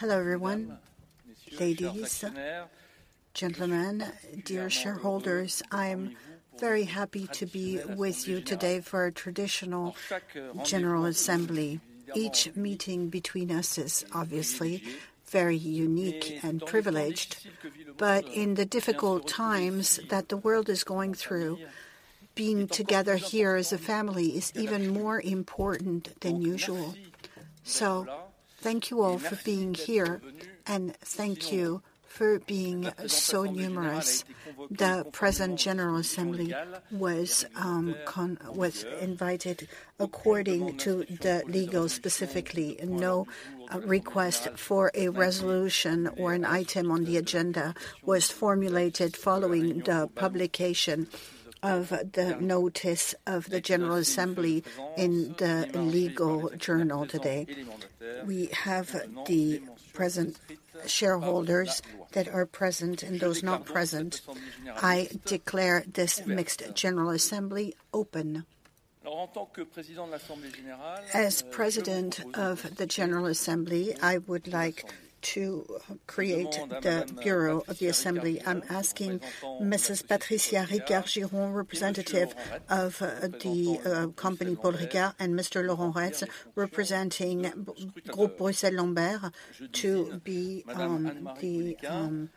Hello, everyone. Ladies, gentlemen, dear shareholders, I am very happy to be with you today for our traditional general assembly. Each meeting between us is obviously very unique and privileged, but in the difficult times that the world is going through, being together here as a family is even more important than usual. So thank you all for being here, and thank you for being so numerous. The present general assembly was convened according to the legal formalities, and no request for a resolution or an item on the agenda was formulated following the publication of the notice of the general assembly in the Legal Journal today. We have the present shareholders that are present and those not present. I declare this mixed general assembly open. As president of the general assembly, I would like to create the bureau of the assembly. I'm asking Mrs. Patricia Ricard Giron, representative of the company, Paul Ricard, and Mr. Laurent Retsch, representing Groupe Bruxelles Lambert, to be the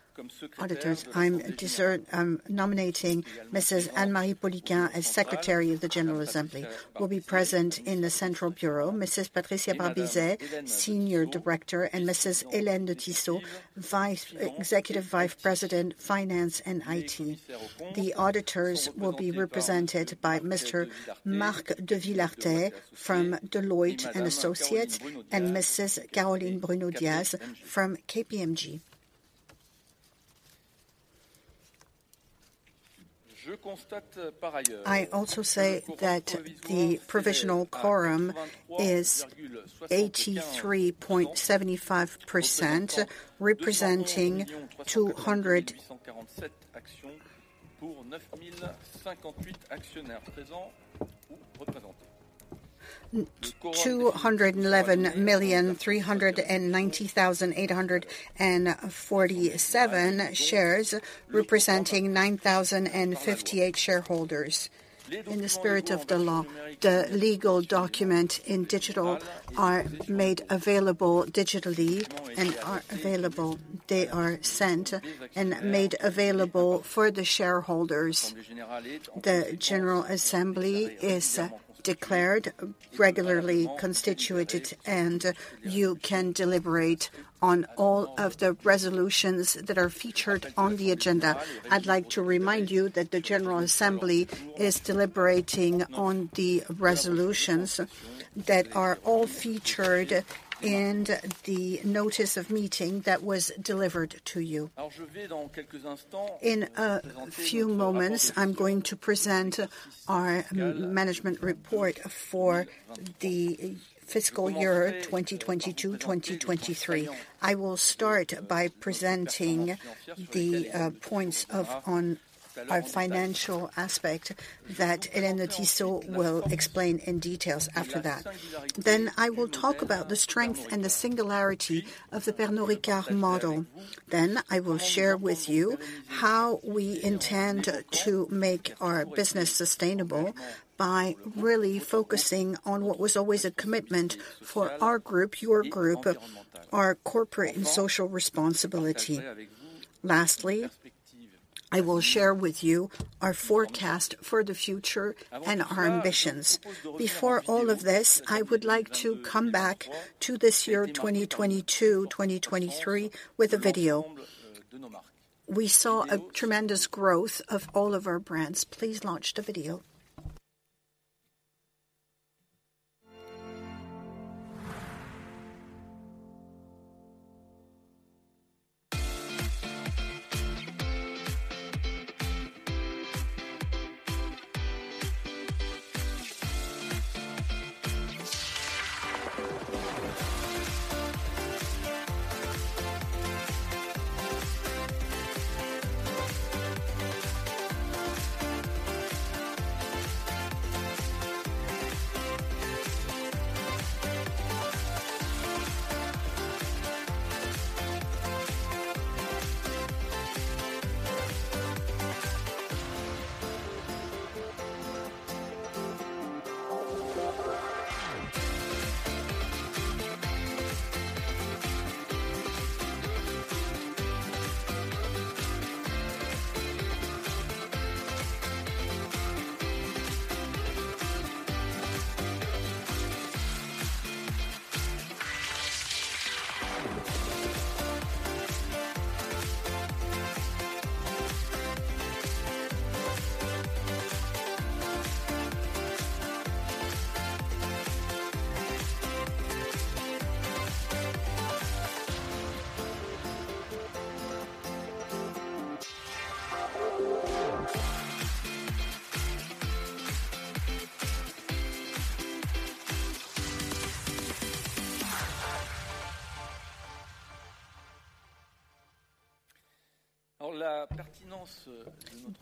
Auditors. I'm designating Mrs. Anne-Marie Poliquin, as secretary of the general assembly, will be present in the central bureau. Mrs. Patricia Barbizet, senior director, and Mrs. Hélène de Tissot, executive vice president, Finance and IT. The auditors will be represented by Mr. Marc de Villartay from Deloitte & Associés, and Mrs. Caroline Bruno-Diaz from KPMG. I also say that the provisional quorum is 83.75%, representing 211,390,847 shares, representing 9,058 shareholders. In the spirit of the law, the legal document in digital are made available digitally and are available. They are sent and made available for the shareholders. The general assembly is declared regularly constituted, and you can deliberate on all of the resolutions that are featured on the agenda. I'd like to remind you that the general assembly is deliberating on the resolutions that are all featured in the notice of meeting that was delivered to you. In a few moments, I'm going to present our management report for the fiscal year 2022-2023. I will start by presenting the points on our financial aspect that Hélène de Tissot will explain in detail after that. Then I will talk about the strength and the singularity of the Pernod Ricard model. Then I will share with you how we intend to make our business sustainable by really focusing on what was always a commitment for our group, your group, of our corporate and social responsibility. Lastly, I will share with you our forecast for the future and our ambitions. Before all of this, I would like to come back to this year, 2022, 2023, with a video. We saw a tremendous growth of all of our brands. Please launch the video.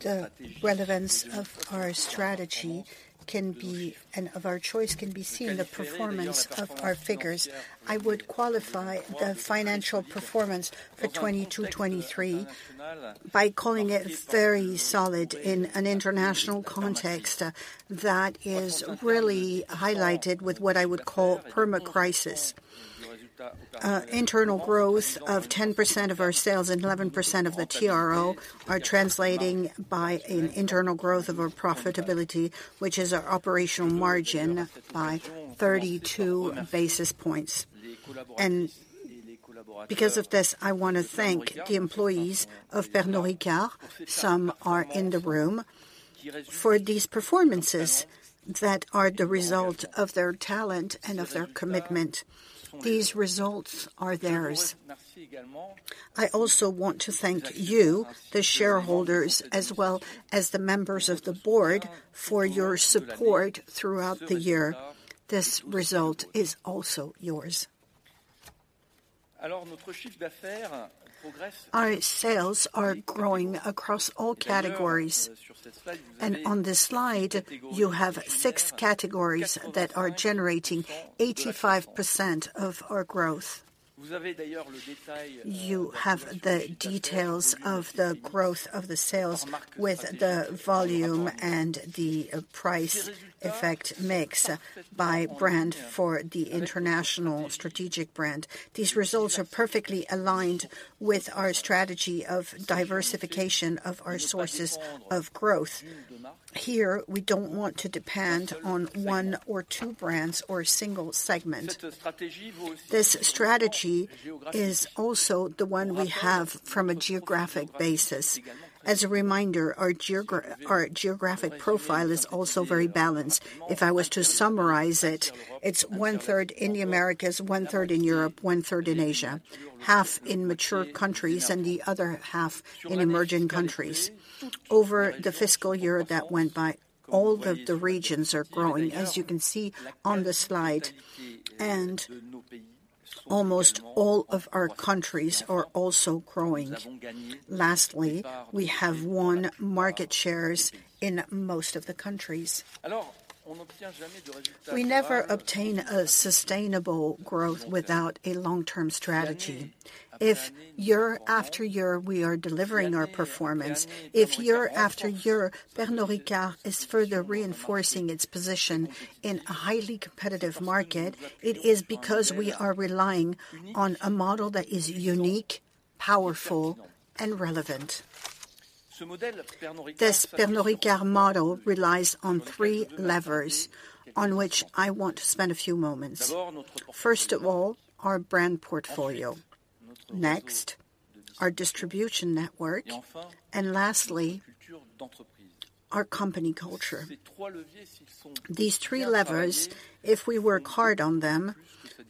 The relevance of our strategy can be, and of our choice, can be seen in the performance of our figures. I would qualify the financial performance for 2022, 2023 by calling it very solid in an international context, that is really highlighted with what I would call permacrisis. Internal growth of 10% of our sales and 11% of the PRO are translating by an internal growth of our profitability, which is our operational margin, by 32 basis points. Because of this, I wanna thank the employees of Pernod Ricard, some are in the room, for these performances that are the result of their talent and of their commitment. These results are theirs. I also want to thank you, the shareholders, as well as the members of the board, for your support throughout the year. This result is also yours. Our sales are growing across all categories, and on this slide, you have six categories that are generating 85% of our growth. You have the details of the growth of the sales with the volume and the price effect mix by brand for the international strategic brand. These results are perfectly aligned with our strategy of diversification of our sources of growth. Here, we don't want to depend on one or two brands or a single segment. This strategy is also the one we have from a geographic basis. As a reminder, our geographic profile is also very balanced. If I was to summarize it, it's one-third in the Americas, one-third in Europe, one-third in Asia, half in mature countries and the other half in emerging countries. Over the fiscal year that went by, all of the regions are growing, as you can see on the slide, and almost all of our countries are also growing. Lastly, we have won market shares in most of the countries. We never obtain a sustainable growth without a long-term strategy. If year after year, we are delivering our performance, if year after year, Pernod Ricard is further reinforcing its position in a highly competitive market, it is because we are relying on a model that is unique, powerful, and relevant. This Pernod Ricard model relies on 3 levers, on which I want to spend a few moments. First of all, our brand portfolio. Next, our distribution network, and lastly, our company culture. These 3 levers, if we work hard on them,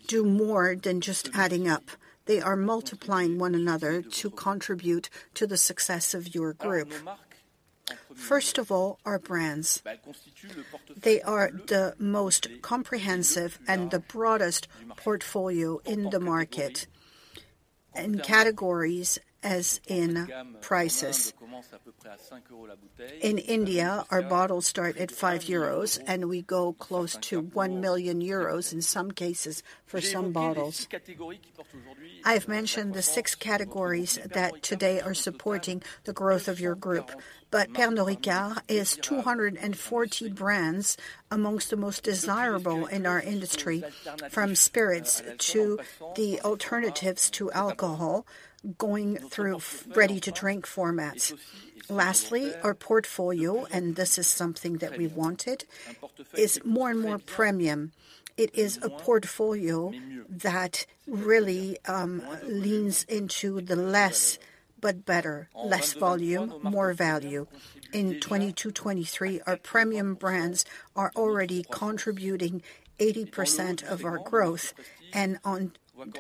do more than just adding up. They are multiplying one another to contribute to the success of your group. First of all, our brands. They are the most comprehensive and the broadest portfolio in the market, in categories as in prices. In India, our bottles start at 5 euros, and we go close to 1 million euros in some cases for some bottles. I've mentioned the 6 categories that today are supporting the growth of your group, but Pernod Ricard is 240 brands amongst the most desirable in our industry, from spirits to the alternatives to alcohol, going through ready-to-drink formats. Lastly, our portfolio, and this is something that we wanted, is more and more premium. It is a portfolio that really leans into the less but better, less volume, more value. In 2022-2023, our premium brands are already contributing 80% of our growth, and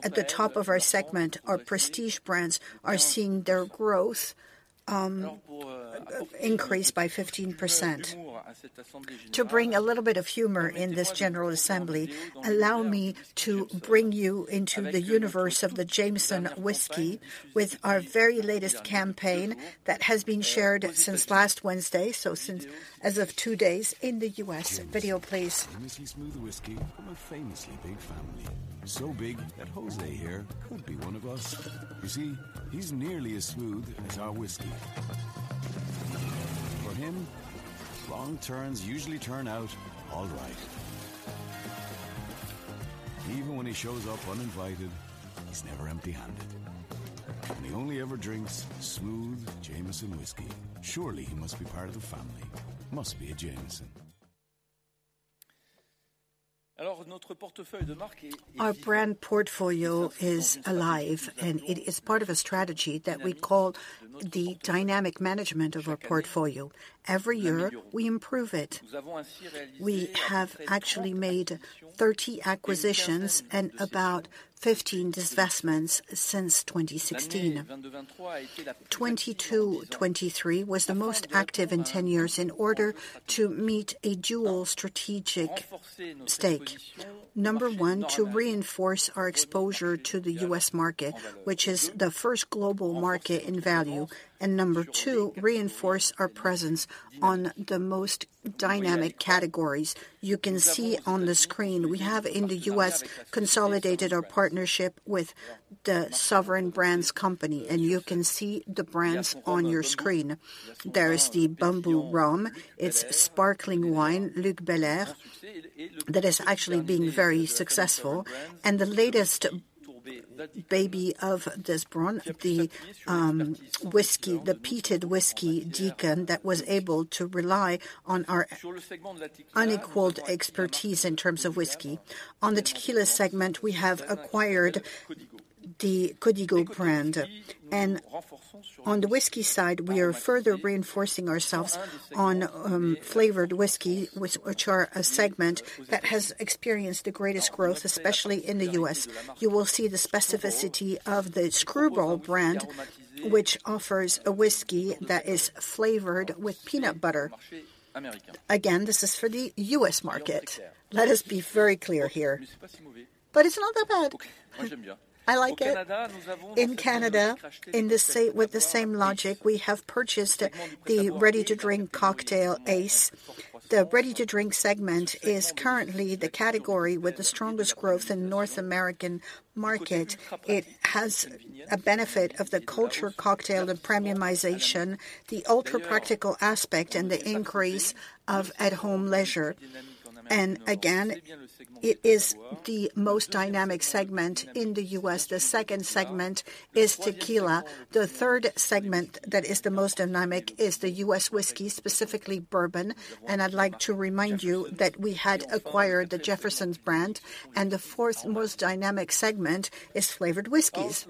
at the top of our segment, our prestige brands are seeing their growth increase by 15%. To bring a little bit of humor in this general assembly, allow me to bring you into the universe of the Jameson whiskey with our very latest campaign that has been shared since last Wednesday, so since as of two days in the US. Video, please. Jameson, the smooth whiskey, from a famously big family, so big that Jose here could be one of us. You see, he's nearly as smooth as our whiskey. For him, wrong turns usually turn out all right. Even when he shows up uninvited, he's never empty-handed, and he only ever drinks smooth Jameson whiskey. Surely, he must be part of the family. Must be a Jameson. Alors, notre portefeuille de marque est, our brand portfolio is alive, and it is part of a strategy that we call the dynamic management of our portfolio. Every year, we improve it. We have actually made 30 acquisitions and about 15 divestments since 2016. 2022, 2023 was the most active in 10 years in order to meet a dual strategic stake. Number one, to reinforce our exposure to the U.S. market, which is the first global market in value, and number two, reinforce our presence on the most dynamic categories. You can see on the screen, we have, in the U.S., consolidated our partnership with the Sovereign Brands company, and you can see the brands on your screen. There is the Bumbu Rum, its sparkling wine, Luc Belaire, that is actually being very successful, and the latest baby of Sovereign, the whiskey, the peated whiskey, The Deacon, that was able to rely on our unequaled expertise in terms of whiskey. On the tequila segment, we have acquired the Codigo brand, and on the whiskey side, we are further reinforcing ourselves on, flavored whiskey, which, which are a segment that has experienced the greatest growth, especially in the U.S. You will see the specificity of the Skrewball brand, which offers a whiskey that is flavored with peanut butter. Again, this is for the U.S. market. Let us be very clear here. But it's not that bad. I like it. In Canada, with the same logic, we have purchased the ready-to-drink cocktail, Ace. The ready-to-drink segment is currently the category with the strongest growth in the North American market. It has a benefit of the cocktail culture and premiumization, the ultra-practical aspect, and the increase of at-home leisure. Again, it is the most dynamic segment in the US. The second segment is tequila. The third segment that is the most dynamic is the US whiskey, specifically bourbon. I'd like to remind you that we had acquired the Jefferson's brand, and the fourth most dynamic segment is flavored whiskeys.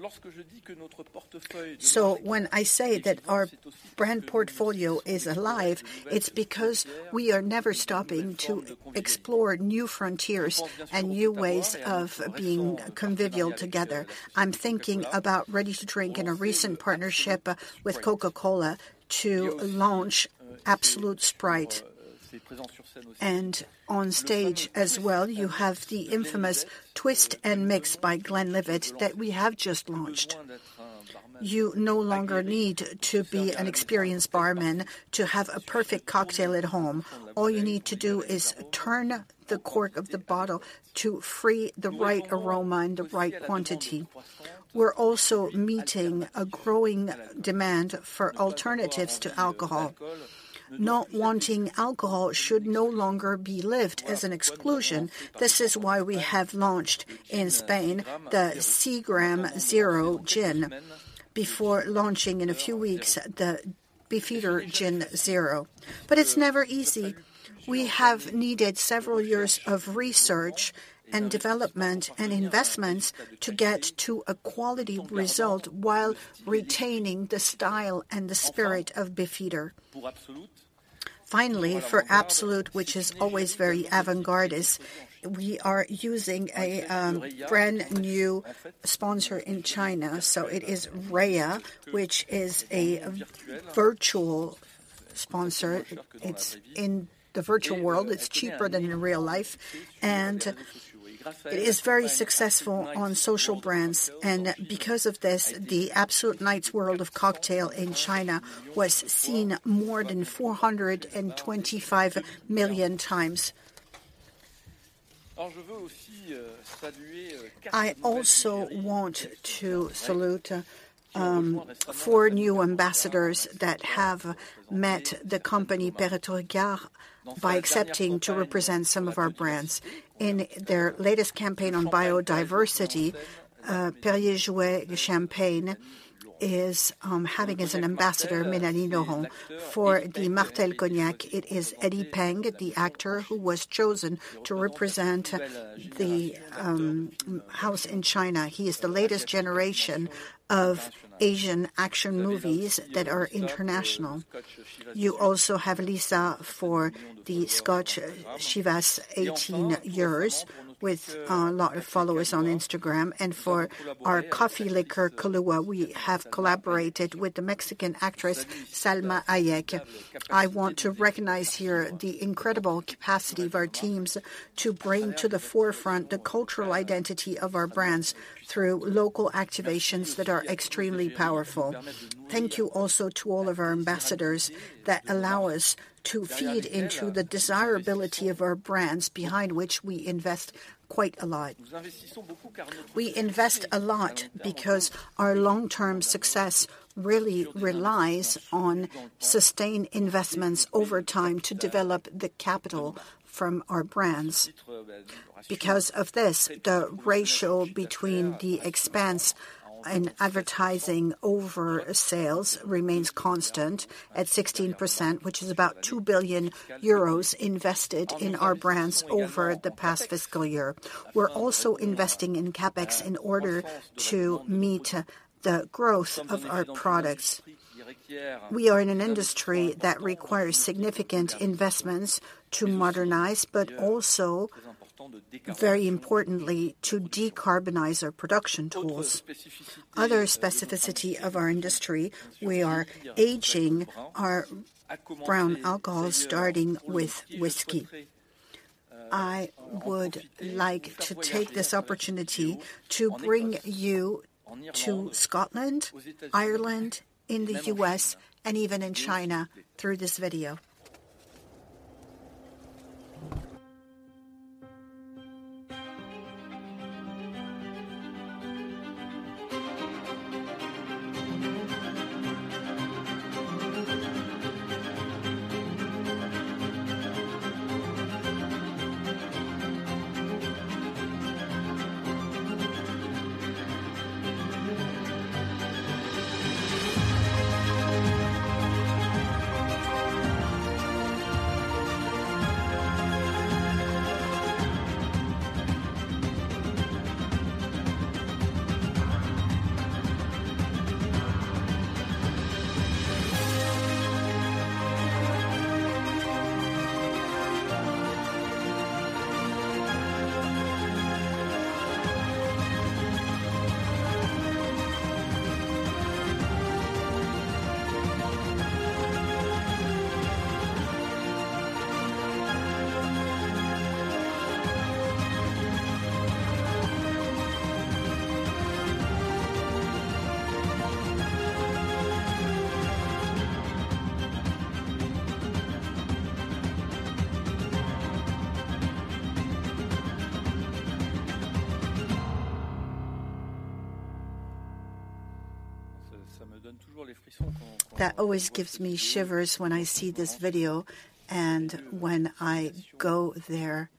So when I say that our brand portfolio is alive, it's because we are never stopping to explore new frontiers and new ways of being convivial together. I'm thinking about ready-to-drink in a recent partnership with Coca-Cola to launch Absolut Sprite. On stage as well, you have the infamous Twist & Mix by Glenlivet that we have just launched. You no longer need to be an experienced barman to have a perfect cocktail at home. All you need to do is turn the cork of the bottle to free the right aroma in the right quantity. We're also meeting a growing demand for alternatives to alcohol. Not wanting alcohol should no longer be lived as an exclusion. This is why we have launched in Spain, the Seagram's Zero Gin, before launching in a few weeks, the Beefeater Gin Zero. But it's never easy. We have needed several years of research and development and investments to get to a quality result while retaining the style and the spirit of Beefeater. Finally, for Absolut, which is always very avant-garde, we are using a brand-new sponsor in China, so it is Raya, which is a virtual sponsor. It's in the virtual world. It's cheaper than in real life, and it is very successful on social brands, and because of this, the Absolut Nights world of cocktail in China was seen more than 425 million times. I also want to salute four new ambassadors that have met the company, Pernod Ricard, by accepting to represent some of our brands. In their latest campaign on biodiversity, Perrier-Jouët Champagne is having as an ambassador, Mélanie Laurent. For the Martell Cognac, it is Eddie Peng, the actor who was chosen to represent the house in China. He is the latest generation of Asian action movies that are international. You also have Lisa for the Scotch Chivas 18 Years, with a lot of followers on Instagram, and for our coffee liqueur, Kahlúa, we have collaborated with the Mexican actress, Salma Hayek. I want to recognize here the incredible capacity of our teams to bring to the forefront the cultural identity of our brands through local activations that are extremely powerful. Thank you also to all of our ambassadors that allow us to feed into the desirability of our brands, behind which we invest quite a lot. We invest a lot because our long-term success really relies on sustained investments over time to develop the capital from our brands. Because of this, the ratio between the expense and advertising over sales remains constant at 16%, which is about 2 billion euros invested in our brands over the past fiscal year. We're also investing in CapEx in order to meet the growth of our products. We are in an industry that requires significant investments to modernize, but also, very importantly, to decarbonize our production tools. Other specificity of our industry, we are aging our brown alcohol, starting with whiskey. I would like to take this opportunity to bring you to Scotland, Ireland, in the US, and even in China through this video. That always gives me shivers when I see this video and when I go there.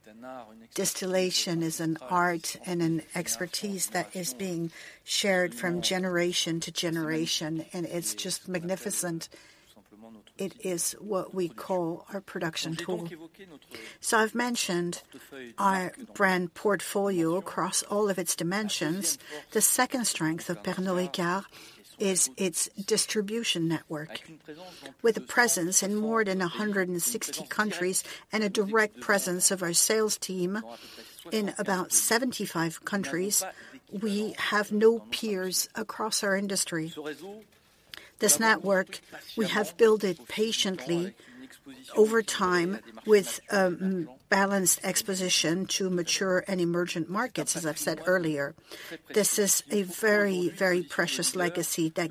Distillation is an art and an expertise that is being shared from generation to generation, and it's just magnificent. It is what we call our production tool. So I've mentioned our brand portfolio across all of its dimensions. The second strength of Pernod Ricard is its distribution network. With a presence in more than 160 countries, and a direct presence of our sales team in about 75 countries, we have no peers across our industry. This network, we have built it patiently over time, with balanced exposure to mature and emerging markets, as I've said earlier. This is a very, very precious legacy that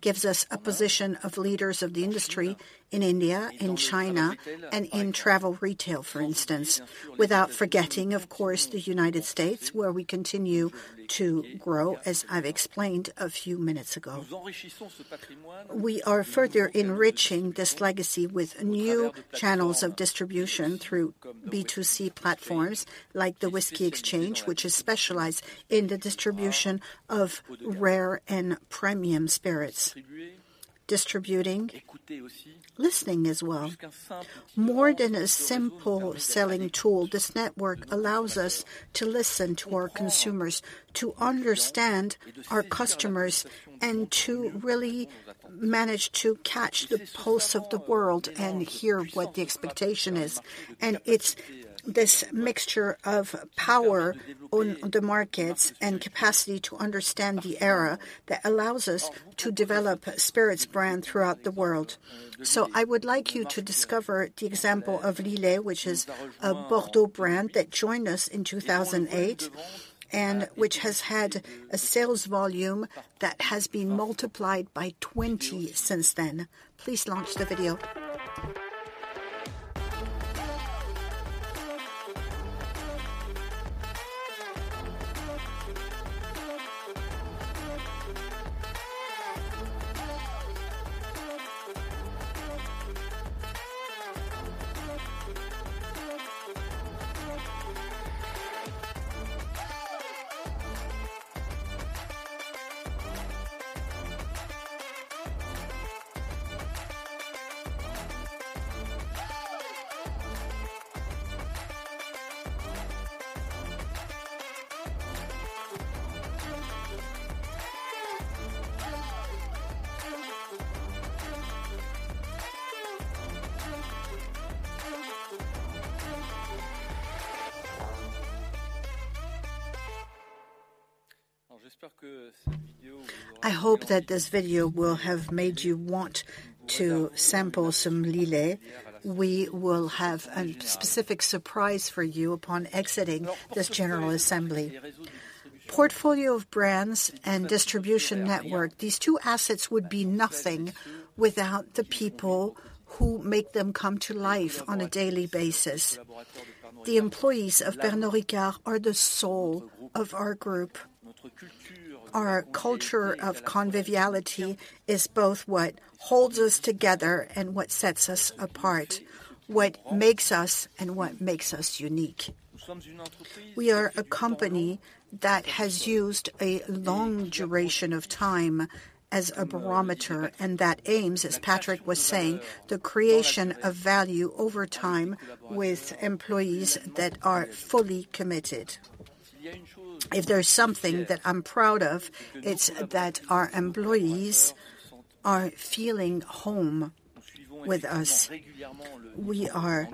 gives us a position of leaders of the industry in India and China, and in travel retail, for instance, without forgetting, of course, the United States, where we continue to grow, as I've explained a few minutes ago. We are further enriching this legacy with new channels of distribution through B2C platforms, like The Whisky Exchange, which is specialized in the distribution of rare and premium spirits. Distributing, listening as well. More than a simple selling tool, this network allows us to listen to our consumers, to understand our customers, and to really manage to catch the pulse of the world and hear what the expectation is. It's this mixture of power on the markets and capacity to understand the era that allows us to develop spirits brand throughout the world. I would like you to discover the example of Lillet, which is a Bordeaux brand that joined us in 2008, and which has had a sales volume that has been multiplied by 20 since then. Please launch the video. I hope that this video will have made you want to sample some Lillet. We will have a specific surprise for you upon exiting this general assembly. Portfolio of brands and distribution network, these two assets would be nothing without the people who make them come to life on a daily basis. The employees of Pernod Ricard are the soul of our group. Our culture of conviviality is both what holds us together and what sets us apart, what makes us, and what makes us unique. We are a company that has used a long duration of time as a barometer, and that aims, as Patrick was saying, the creation of value over time with employees that are fully committed. If there's something that I'm proud of, it's that our employees are feeling home with us. We are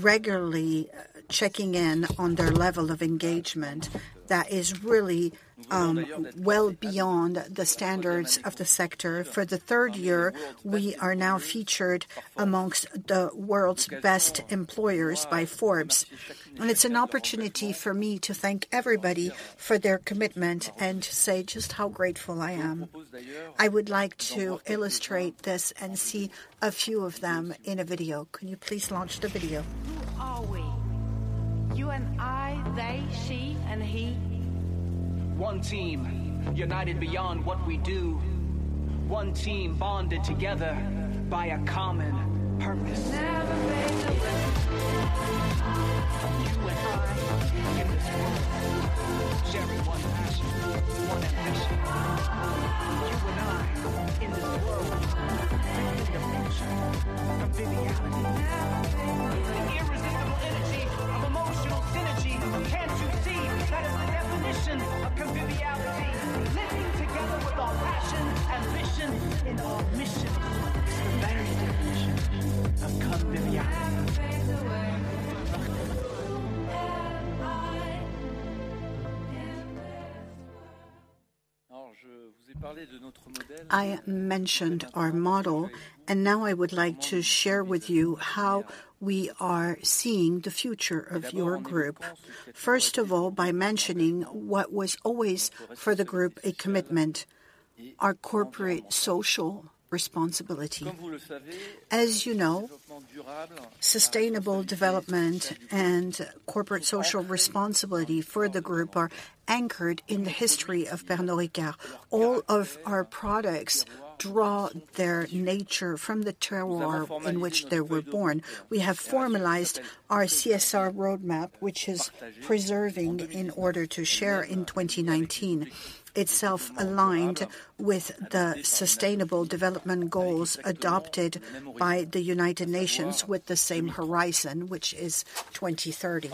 regularly checking in on their level of engagement. That is really, well beyond the standards of the sector. For the third year, we are now featured among the world's best employers by Forbes, and it's an opportunity for me to thank everybody for their commitment and to say just how grateful I am. I would like to illustrate this and see a few of them in a video. Can you please launch the video? Who are we? You and I, they, she, and he. One team, united beyond what we do. One team, bonded together by a common purpose. You and I in this world, sharing one passion, one ambition. You and I in this world. The definition, conviviality. The irresistible energy of emotional synergy. Can't you see? That is the definition of conviviality. Living together with our passion and vision in our mission. The very definition of conviviality. You and I, in this world. I mentioned our model, and now I would like to share with you how we are seeing the future of your group. First of all, by mentioning what was always, for the group, a commitment, our corporate social responsibility. As you know, sustainable development and corporate social responsibility for the group are anchored in the history of Pernod Ricard. All of our products draw their nature from the terroir in which they were born. We have formalized our CSR roadmap, which is preserving in order to share in 2019, itself aligned with the sustainable development goals adopted by the United Nations with the same horizon, which is 2030.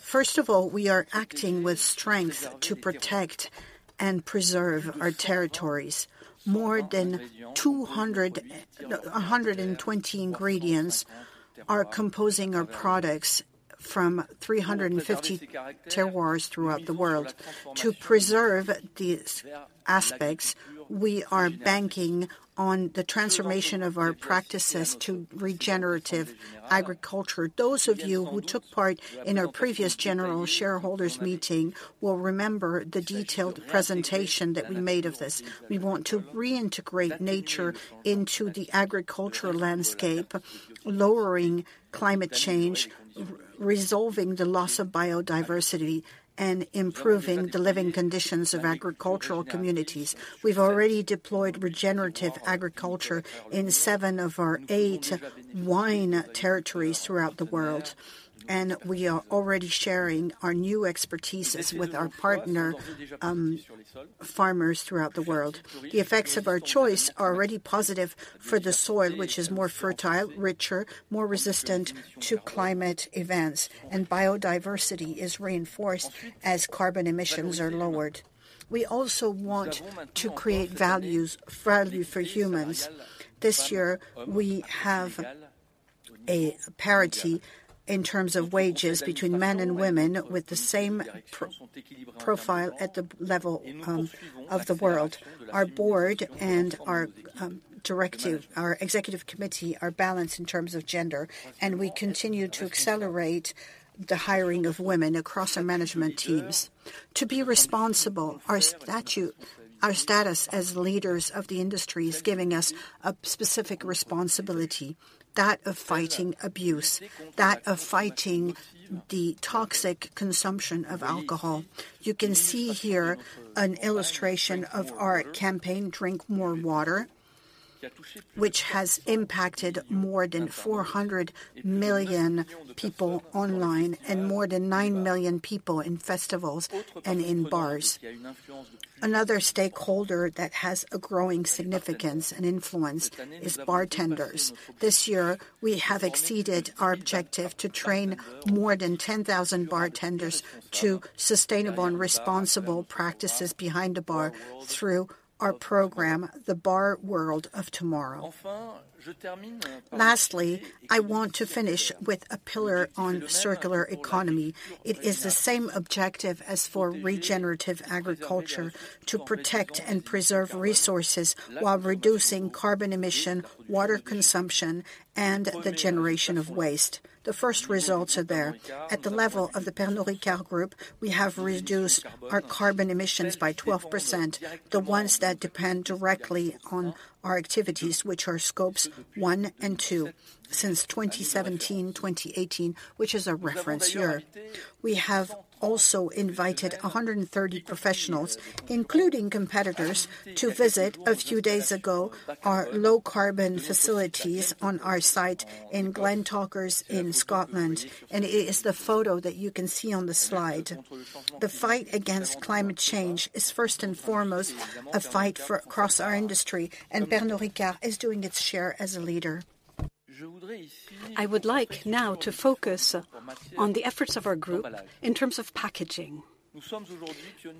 First of all, we are acting with strength to protect and preserve our territories. More than 120 ingredients are composing our products from 350 terroirs throughout the world. To preserve these aspects, we are banking on the transformation of our practices to regenerative agriculture. Those of you who took part in our previous general shareholders meeting will remember the detailed presentation that we made of this. We want to reintegrate nature into the agricultural landscape, lowering climate change, resolving the loss of biodiversity, and improving the living conditions of agricultural communities. We've already deployed regenerative agriculture in seven of our eight wine territories throughout the world, and we are already sharing our new expertise with our partner, farmers throughout the world. The effects of our choice are already positive for the soil, which is more fertile, richer, more resistant to climate events, and biodiversity is reinforced as carbon emissions are lowered. We also want to create values, value for humans. This year, we have a parity in terms of wages between men and women with the same profile at the level of the world. Our board and our directive, our executive committee, are balanced in terms of gender, and we continue to accelerate the hiring of women across our management teams. To be responsible, our status as leaders of the industry is giving us a specific responsibility, that of fighting abuse, that of fighting the toxic consumption of alcohol. You can see here an illustration of our campaign, Drink More Water, which has impacted more than 400 million people online and more than 9 million people in festivals and in bars. Another stakeholder that has a growing significance and influence is bartenders. This year, we have exceeded our objective to train more than 10,000 bartenders to sustainable and responsible practices behind the bar through our program, The Bar World of Tomorrow. Lastly, I want to finish with a pillar on circular economy. It is the same objective as for regenerative agriculture: to protect and preserve resources while reducing carbon emission, water consumption, and the generation of waste. The first results are there. At the level of the Pernod Ricard group, we have reduced our carbon emissions by 12%, the ones that depend directly on our activities, which are scopes 1 and 2, since 2017, 2018, which is our reference year. We have also invited 130 professionals, including competitors, to visit, a few days ago, our low-carbon facilities on our site in Glentauchers in Scotland, and it is the photo that you can see on the slide. The fight against climate change is first and foremost a fight for across our industry, and Pernod Ricard is doing its share as a leader. I would like now to focus on the efforts of our group in terms of packaging.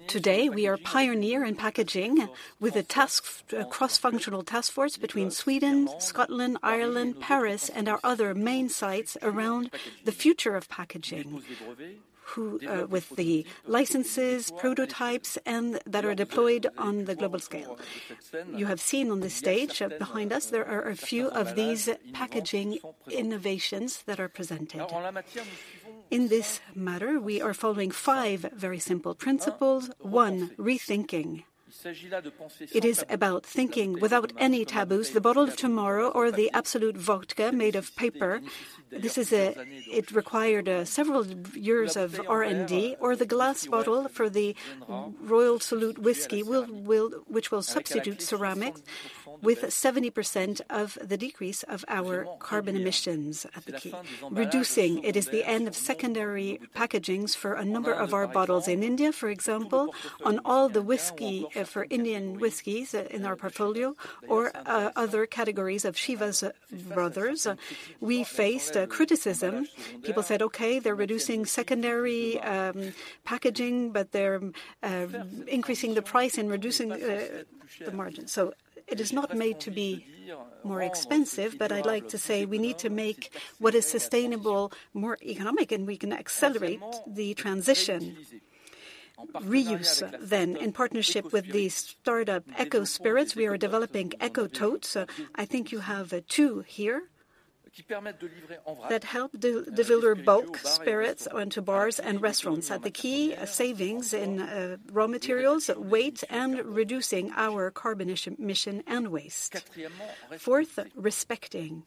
Today, we are pioneer in packaging with a cross-functional task force between Sweden, Scotland, Ireland, Paris, and our other main sites around the future of packaging, who with the licenses, prototypes, and that are deployed on the global scale. You have seen on this stage behind us, there are a few of these packaging innovations that are presented. In this matter, we are following five very simple principles. One, rethinking. It is about thinking without any taboos. The bottle of tomorrow or the Absolut Vodka made of paper, this is a it required several years of R&D, or the glass bottle for the Royal Salute Whisky will, which will substitute ceramic with 70% of the decrease of our carbon emissions à la clé. Reducing, it is the end of secondary packaging for a number of our bottles. In India, for example, on all the whisky, for Indian whiskies in our portfolio or, other categories of Chivas Brothers, we faced, criticism. People said, "Okay, they're reducing secondary, packaging, but they're, increasing the price and reducing, the margin." So it is not made to be more expensive, but I'd like to say we need to make what is sustainable more economic, and we can accelerate the transition. Reuse, then, in partnership with the start-up ecoSPIRITS, we are developing ecoTOTES. I think you have, two here, that help deliver bulk spirits onto bars and restaurants. At the key, savings in, raw materials, weight, and reducing our carbon emissions and waste. Fourth, respecting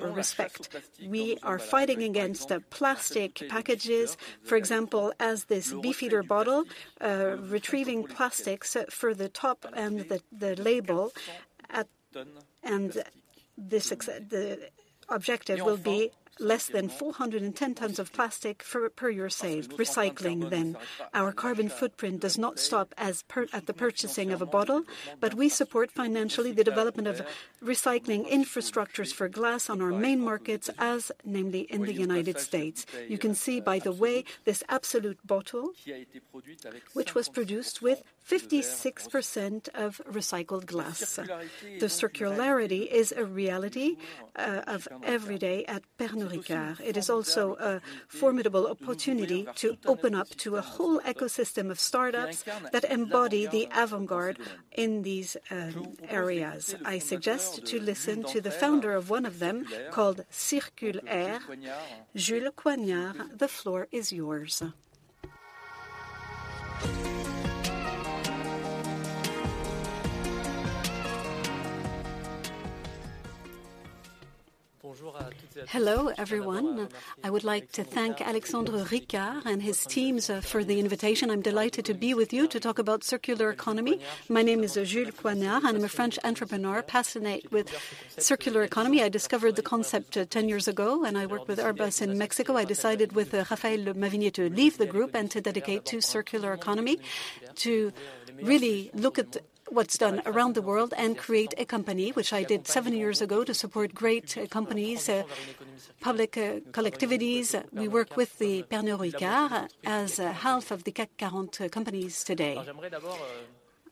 or respect. We are fighting against the plastic packages, for example, as this Beefeater bottle, retrieving plastics for the top and the label at and the objective will be less than 410 tonnes of plastic per year saved. Recycling, then. Our carbon footprint does not stop at the purchasing of a bottle, but we support financially the development of recycling infrastructures for glass on our main markets, as namely in the United States. You can see, by the way, this Absolut bottle, which was produced with 56% of recycled glass. The circularity is a reality of every day at Pernod Ricard. It is also a formidable opportunity to open up to a whole ecosystem of start-ups that embody the avant-garde in these areas. I suggest to listen to the founder of one of them, called Circul'R, Jules Coignard. The floor is yours. Hello, everyone. I would like to thank Alexandre Ricard and his teams for the invitation. I'm delighted to be with you to talk about circular economy. My name is Jules Coignard, and I'm a French entrepreneur, passionate with circular economy. I discovered the concept 10 years ago, when I worked with Airbus in Mexico. I decided, with Raphaël Masvigner, to leave the group and to dedicate to circular economy, to really look at what's done around the world and create a company, which I did seven years ago, to support great companies, public collectivities. We work with the Pernod Ricard as half of the CAC 40 companies today.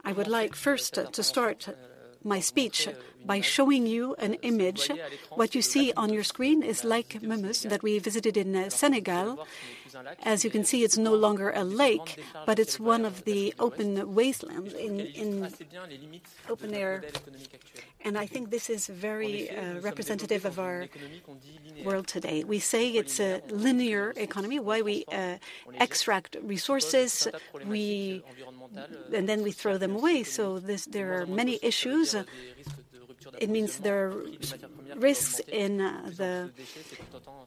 I would like first to start my speech by showing you an image. What you see on your screen is Lake Retba, that we visited in Senegal. As you can see, it's no longer a lake, but it's one of the open wastelands in open air, and I think this is very representative of our world today. We say it's a linear economy, while we extract resources, and then we throw them away. So this, there are many issues. It means there are risks in the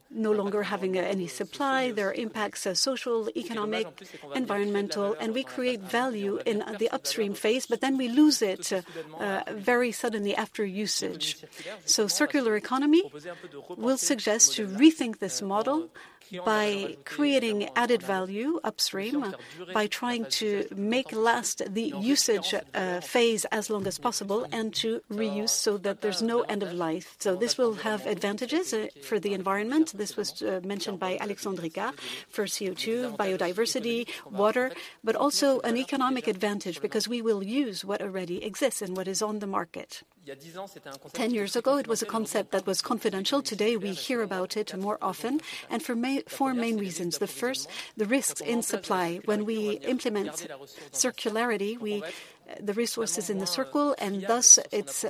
no longer having any supply. There are impacts, social, economic, environmental, and we create value in the upstream phase, but then we lose it very suddenly after usage. So circular economy will suggest to rethink this model by creating added value upstream, by trying to make last the usage phase as long as possible, and to reuse so that there's no end of life. So this will have advantages for the environment. This was mentioned by Alexandre Ricard for CO2, biodiversity, water, but also an economic advantage, because we will use what already exists and what is on the market. Ten years ago, it was a concept that was confidential. Today, we hear about it more often, and for four main reasons. The first, the risks in supply. When we implement circularity, the resource is in the circle, and thus, it's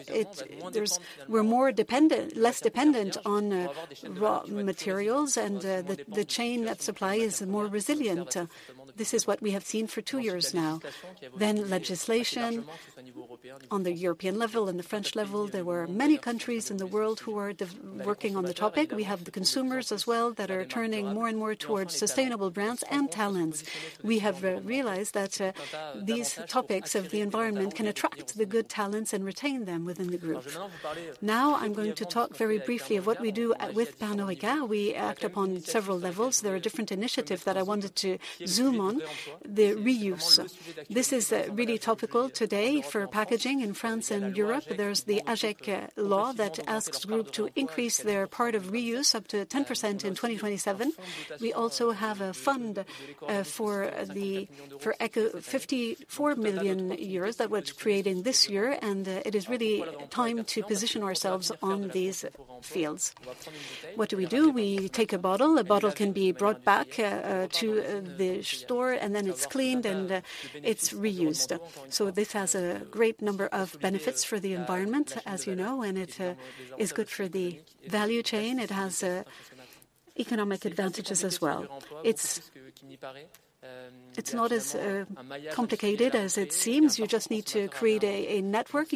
more dependent less dependent on raw materials, and the chain, that supply, is more resilient. This is what we have seen for two years now. Then, legislation on the European level and the French level. There were many countries in the world who are working on the topic. We have the consumers as well, that are turning more and more towards sustainable brands and talents. We have realized that these topics of the environment can attract the good talents and retain them within the groups. Now, I'm going to talk very briefly of what we do at with Pernod Ricard. We act upon several levels. There are different initiatives that I wanted to zoom on, the reuse. This is really topical today for packaging in France and Europe. There's the AGEC law that asks groups to increase their part of reuse up to 10% in 2027. We also have a fund for the, for eco, 54 million euros that was created this year, and it is really time to position ourselves on these fields. What do we do? We take a bottle. A bottle can be brought back to the store, and then it's cleaned and it's reused. So this has a great number of benefits for the environment, as you know, and it is good for the value chain. It has economic advantages as well. It's not as complicated as it seems. You just need to create a network.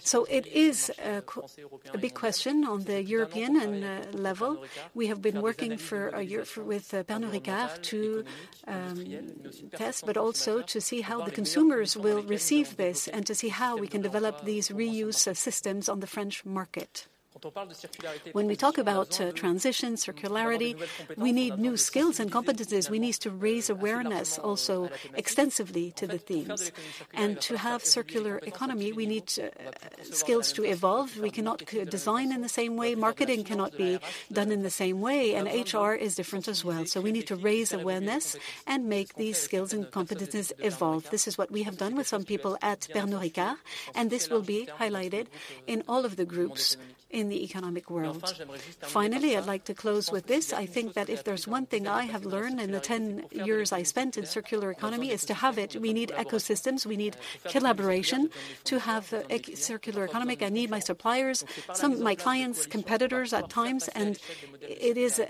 So it is a big question on the European and level. We have been working for a year with Pernod Ricard to test, but also to see how the consumers will receive this, and to see how we can develop these reuse systems on the French market. When we talk about transition, circularity, we need new skills and competencies. We need to raise awareness also extensively to the themes. And to have circular economy, we need skills to evolve. We cannot design in the same way, marketing cannot be done in the same way, and HR is different as well. So we need to raise awareness and make these skills and competencies evolve. This is what we have done with some people at Pernod Ricard, and this will be highlighted in all of the groups in the economic world. Finally, I'd like to close with this: I think that if there's one thing I have learned in the 10 years I spent in circular economy, is to have it, we need ecosystems, we need collaboration. To have a circular economy, I need my suppliers, some my clients, competitors at times, and it is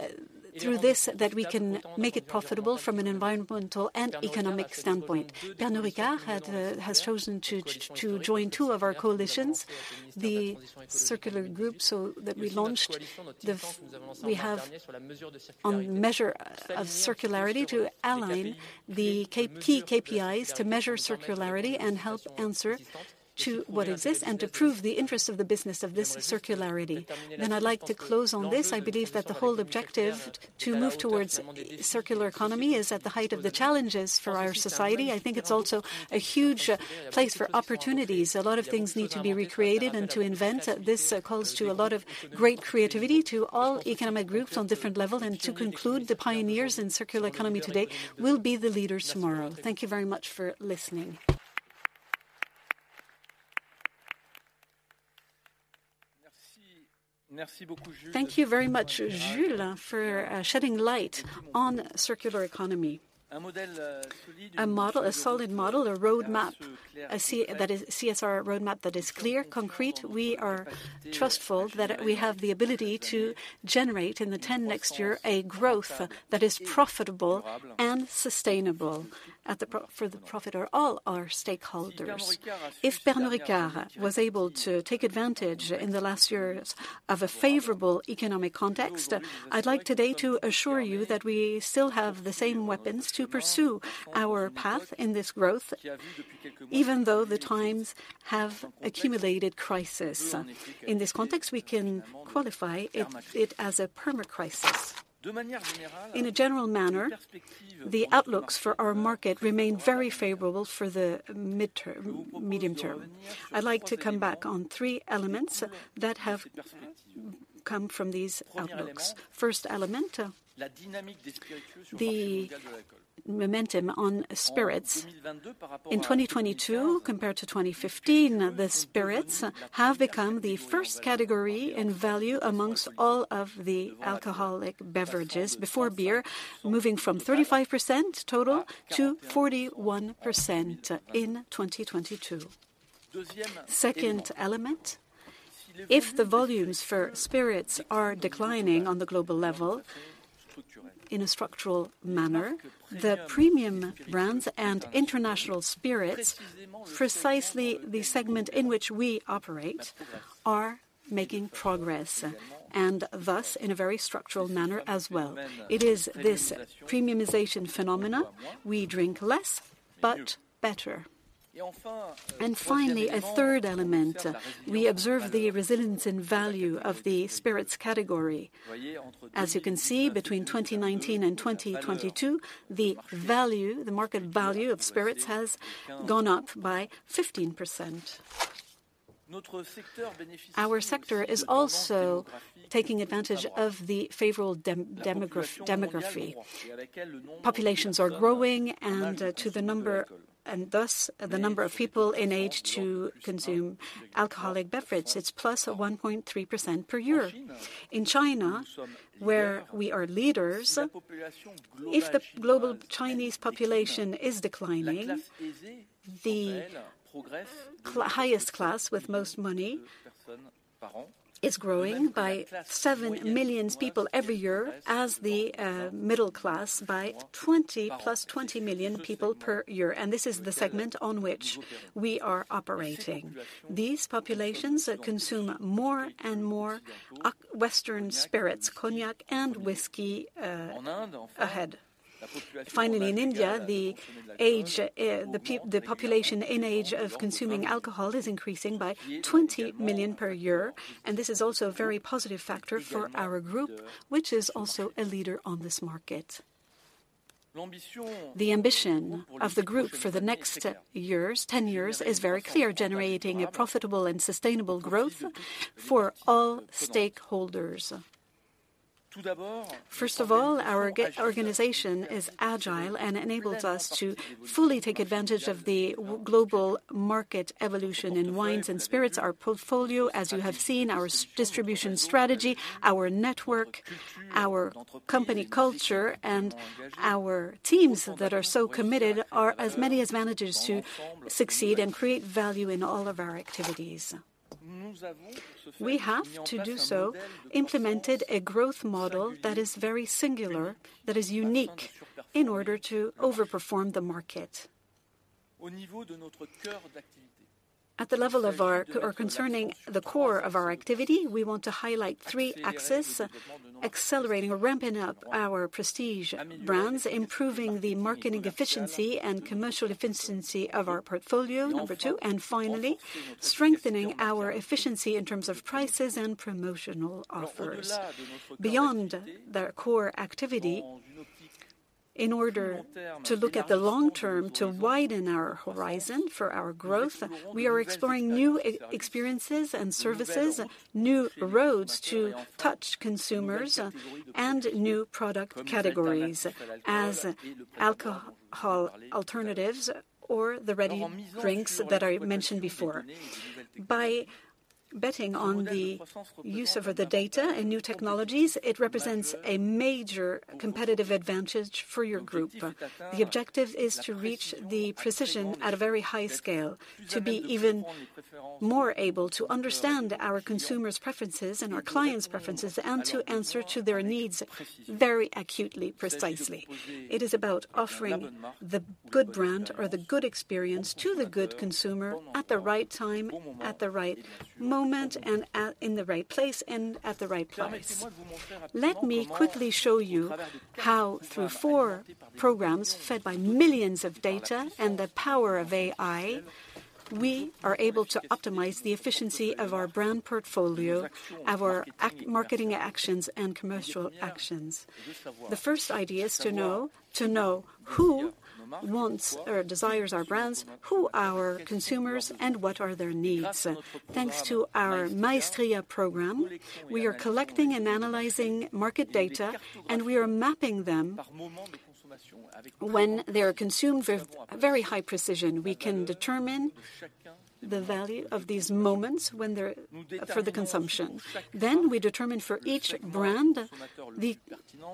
through this that we can make it profitable from an environmental and economic standpoint. Pernod Ricard has chosen to join two of our coalitions, the Club Circul'R so that we launched the, we have a measure of circularity to align the key KPIs, to measure circularity, and help answer to what exists, and to prove the interest of the business of this circularity. Then I'd like to close on this, I believe that the whole objective to move towards circular economy is at the height of the challenges for our society. I think it's also a huge place for opportunities. A lot of things need to be recreated and to invent. This calls to a lot of great creativity to all economic groups on different level. To conclude, the pioneers in circular economy today will be the leaders tomorrow. Thank you very much for listening. Thank you very much, Jules, for shedding light on circular economy. A model, a solid model, a roadmap. That is CSR roadmap that is clear, concrete. We are trustful that we have the ability to generate, in the next 10 years, a growth that is profitable and sustainable for the profit of all our stakeholders. If Pernod Ricard was able to take advantage in the last years of a favorable economic context, I'd like today to assure you that we still have the same weapons to pursue our path in this growth, even though the times have accumulated crisis. In this context, we can qualify it as a permacrisis. In a general manner, the outlooks for our market remain very favorable for the midterm, medium term. I'd like to come back on three elements that have come from these outlooks. First element, the momentum on spirits. In 2022, compared to 2015, the spirits have become the Category I in value among all of the alcoholic beverages, before beer, moving from 35% total to 41% in 2022. Second element, if the volumes for spirits are declining on the global level in a structural manner, the premium brands and international spirits, precisely the segment in which we operate, are making progress, and thus, in a very structural manner as well. It is this premiumization phenomenon, we drink less but better. And finally, a third element, we observe the resilience and value of the spirits category. As you can see, between 2019 and 2022, the value, the market value of spirits has gone up by 15%. Our sector is also taking advantage of the favorable demography. Populations are growing, and, to the number, and thus, the number of people in age to consume alcoholic beverages, it's +1.3% per year. In China, where we are leaders, if the global Chinese population is declining, the highest class with most money is growing by 7 million people every year, as the, middle class, by twenty, +20 million people per year, and this is the segment on which we are operating. These populations, consume more and more Western spirits, cognac and whiskey, ahead. Finally, in India, the age, the population in age of consuming alcohol is increasing by 20 million per year, and this is also a very positive factor for our group, which is also a leader on this market. The ambition of the group for the next 10 years is very clear: generating a profitable and sustainable growth for all stakeholders. First of all, our organization is agile and enables us to fully take advantage of the global market evolution in wines and spirits. Our portfolio, as you have seen, our distribution strategy, our network, our company culture, and our teams that are so committed, are as many advantages to succeed and create value in all of our activities. We have, to do so, implemented a growth model that is very singular, that is unique, in order to overperform the market. At the level of our or concerning the core of our activity, we want to highlight three axes: accelerating or ramping up our prestige brands; improving the marketing efficiency and commercial efficiency of our portfolio, number two; and finally, strengthening our efficiency in terms of prices and promotional offers. Beyond the core activity, in order to look at the long term, to widen our horizon for our growth, we are exploring new e-experiences and services, new roads to touch consumers, and new product categories, as alcohol alternatives or the ready drinks that I mentioned before. By betting on the use of the data and new technologies, it represents a major competitive advantage for your group. The objective is to reach the precision at a very high scale, to be even more able to understand our consumers' preferences and our clients' preferences, and to answer to their needs very acutely, precisely. It is about offering the good brand or the good experience to the good consumer, at the right time, at the right moment, and in the right place, and at the right price. Let me quickly show you how, through four programs fed by millions of data and the power of AI, we are able to optimize the efficiency of our brand portfolio, our marketing shares, and commercial shares. The first idea is to know, to know who wants or desires our brands, who are our consumers, and what are their needs? Thanks to our Maestria program, we are collecting and analyzing market data, and we are mapping them when they are consumed with very high precision. We can determine the value of these moments when they're for the consumption. Then, we determine for each brand, the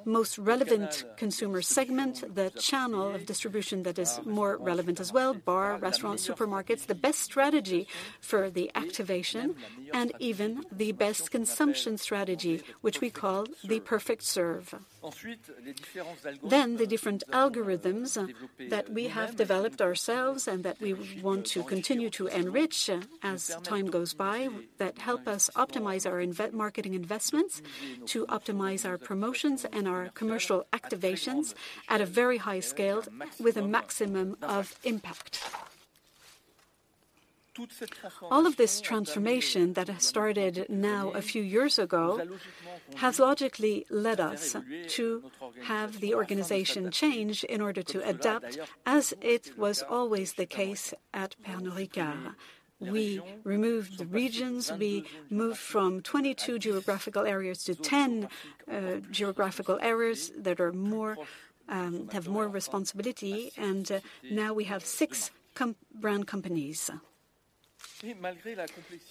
most relevant consumer segment, the channel of distribution that is more relevant as well, bar, restaurant, supermarkets, the best strategy for the activation, and even the best consumption strategy, which we call the perfect serve. Then, the different algorithms that we have developed ourselves and that we want to continue to enrich as time goes by that help us optimize our marketing investments, to optimize our promotions and our commercial activations at a very high scale with a maximum of impact. All of this transformation that has started now a few years ago has logically led us to have the organization change in order to adapt, as it was always the case at Pernod Ricard. We removed the regions. We moved from 22 geographical areas to 10 geographical areas that are more, have more responsibility, and now we have six brand companies.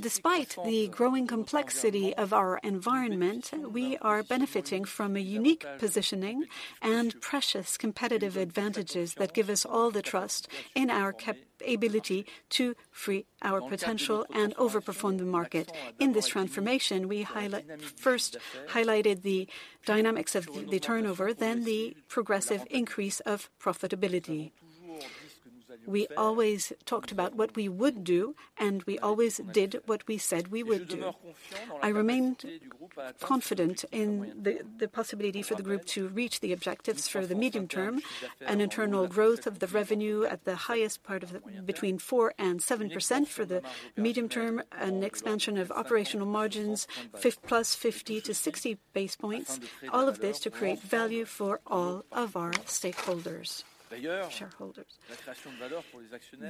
Despite the growing complexity of our environment, we are benefiting from a unique positioning and precious competitive advantages that give us all the trust in our capability to free our potential and overperform the market. In this transformation, we highlight first highlighted the dynamics of the turnover, then the progressive increase of profitability. We always talked about what we would do, and we always did what we said we would do. I remain confident in the possibility for the group to reach the objectives for the medium term, and internal growth of the revenue at the highest part of the 4%-7% for the medium term, an expansion of operational margins, 50-60 base points. All of this to create value for all of our stakeholders, shareholders.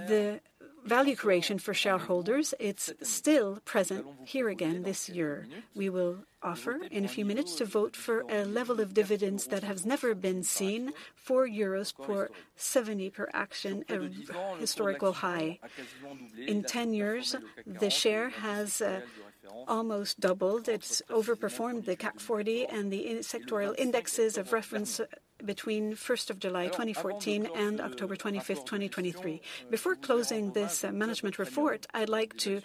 The value creation for shareholders, it's still present here again this year. We will offer, in a few minutes, to vote for a level of dividends that has never been seen, 4 euros per share, a historical high. In ten years, the share has almost doubled. It's overperformed the CAC 40 and the industry-sectorial indexes of reference between 1 July 2014, and 25 October 2023. Before closing this management report, I'd like to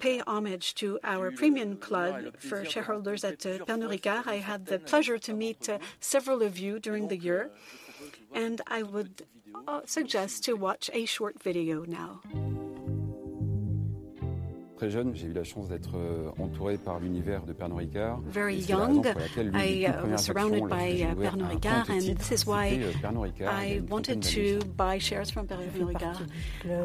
pay homage to our Premium Club for shareholders at Pernod Ricard. I had the pleasure to meet several of you during the year, and I would suggest to watch a short video now. Very young, I was surrounded by Pernod Ricard, and this is why I wanted to buy shares from Pernod Ricard.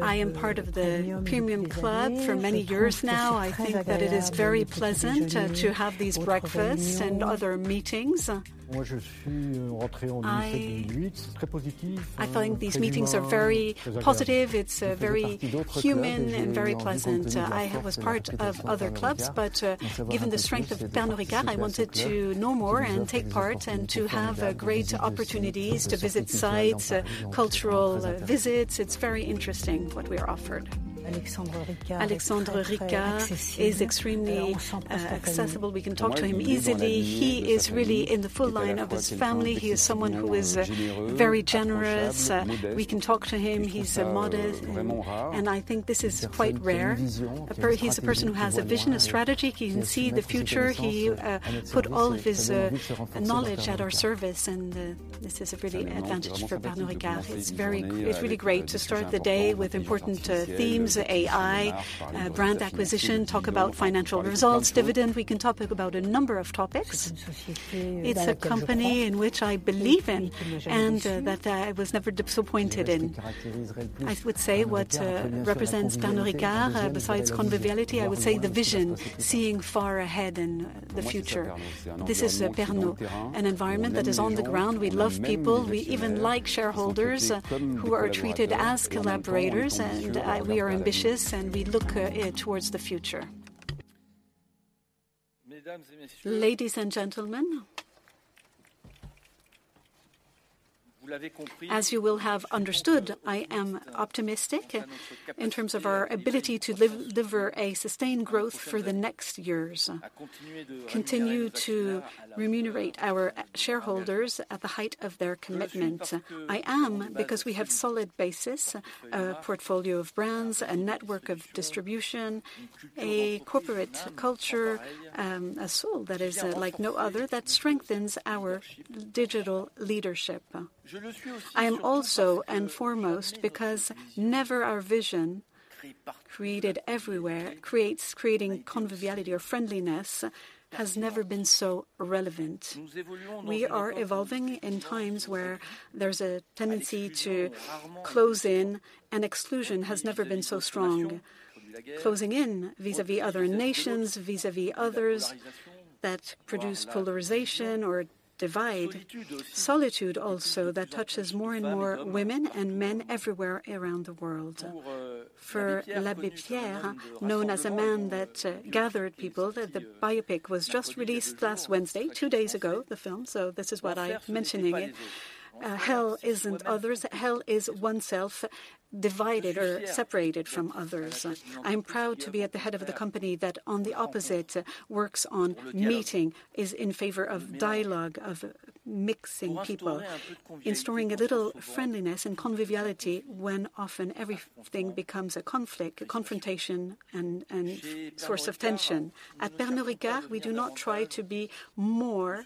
I am part of the Premium Club for many years now. I think that it is very pleasant to have these breakfasts and other meetings. I find these meetings are very positive. It's very human and very pleasant. I was part of other clubs, but given the strength of Pernod Ricard, I wanted to know more and take part, and to have great opportunities to visit sites, cultural visits. It's very interesting what we are offered. Alexandre Ricard is extremely accessible. We can talk to him easily. He is really in the full line of his family. He is someone who is very generous. We can talk to him, he's modest, and I think this is quite rare. He is a person who has a vision, a strategy. He can see the future. He put all of his knowledge at our service, and this is a really advantage for Pernod Ricard. It's really great to start the day with important themes, AI, brand acquisition, talk about financial results, dividend. We can talk about a number of topics. It's a company in which I believe in, and that I was never disappointed in. I would say what represents Pernod Ricard, besides conviviality, I would say the vision, seeing far ahead in the future. This is Pernod, an environment that is on the ground. We love people. We even like shareholders, who are treated as collaborators, and we are ambitious, and we look towards the future. Ladies and gentlemen, as you will have understood, I am optimistic in terms of our ability to deliver a sustained growth for the next years. Continue to remunerate our shareholders at the height of their commitment. I am, because we have solid basis, a portfolio of brands, a network of distribution, a corporate culture, a soul that is like no other, that strengthens our digital leadership. I am also, and foremost, because never our vision, created everywhere, creating conviviality or friendliness, has never been so relevant. We are evolving in times where there's a tendency to close in, and exclusion has never been so strong. Closing in vis-à-vis other nations, vis-à-vis others, that produce polarization or divide. Solitude also, that touches more and more women and men everywhere around the world. For Abbé Pierre, known as a man that gathered people, that the biopic was just released last Wednesday, two days ago, the film, so this is what I'm mentioning it. Hell isn't others, hell is oneself divided or separated from others. I'm proud to be at the head of a company that, on the opposite, works on meeting, is in favor of dialogue, of mixing people, in storing a little friendliness and conviviality when often everything becomes a conflict, a confrontation, and source of tension. At Pernod Ricard, we do not try to be more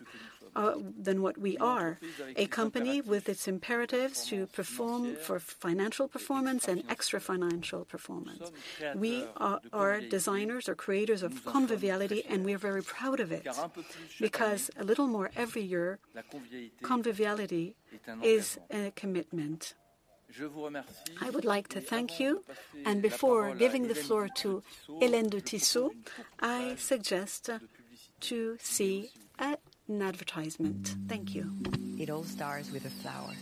than what we are, a company with its imperatives to perform for financial performance and extra financial performance. We are designers or creators of conviviality, and we are very proud of it, because a little more every year, conviviality is a commitment. I would like to thank you, and before giving the floor to Hélène de Tissot, I suggest to see an advertisement. Thank you. It all starts with a flower.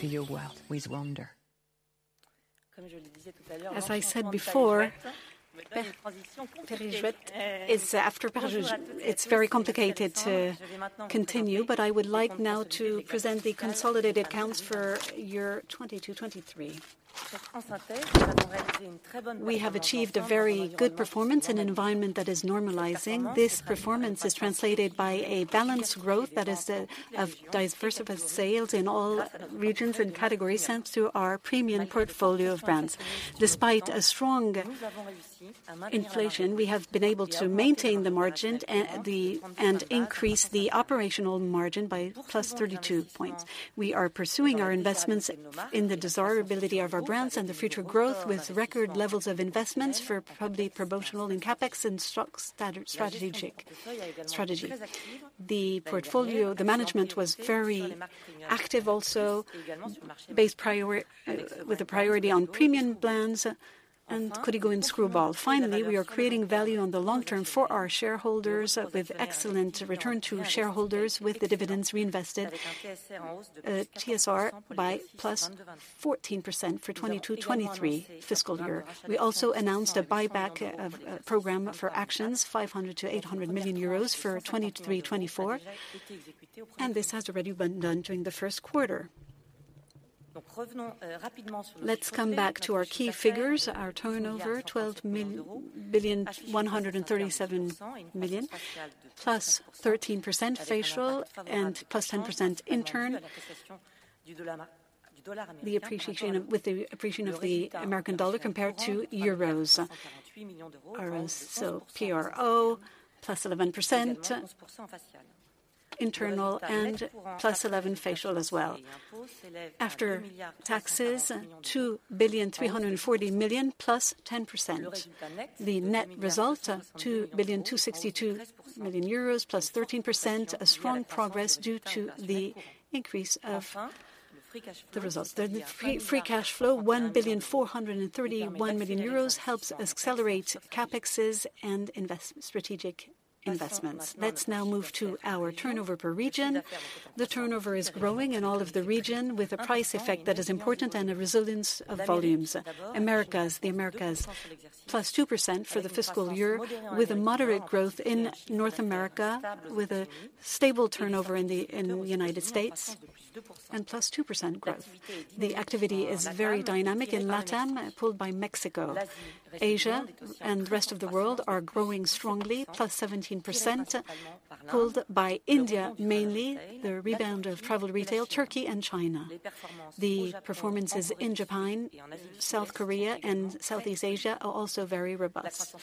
Fill your world with wonder. As I said before, Pernod Ricard is after Pernod. It's very complicated to continue, but I would like now to present the consolidated accounts for year 2022-2023. We have achieved a very good performance in an environment that is normalizing. This performance is translated by a balanced growth that is of diversified sales in all regions and categories, thanks to our premium portfolio of brands. Despite a strong inflation, we have been able to maintain the margin and increase the operational margin by +32 points. We are pursuing our investments in the desirability of our brands and the future growth, with record levels of investments for A&P and CapEx and strategic stocks. The portfolio management was very active also, base primarily, with a priority on premium brands and Codigo and Skrewball. Finally, we are creating value on the long term for our shareholders, with excellent return to shareholders, with the dividends reinvested, TSR +14% for 2022-2023 fiscal year. We also announced a buyback program for actions, 500 million-800 million euros for 2023-2024, and this has already been done during the first quarter. Let's come back to our key figures. Our turnover, 12.137 billion, +13% reported and +10% organic. With the appreciation of the American dollar compared to the euro, as so PRO +11% organic and +11% reported as well. After taxes, 2.340 billion +10%. The net result, 2.262 billion, +13%, a strong progress due to the increase of the results. The free cash flow, 1,431 million euros, helps accelerate CapExes and strategic investments. Let's now move to our turnover per region. The turnover is growing in all of the region, with a price effect that is important and a resilience of volumes. Americas, the Americas, +2% for the fiscal year, with a moderate growth in North America, with a stable turnover in the, in the United States and +2% growth. The activity is very dynamic in LatAm, pulled by Mexico. Asia and the rest of the world are growing strongly, +17%, pulled by India, mainly the rebound of travel retail, Turkey and China. The performances in Japan, South Korea and Southeast Asia are also very robust.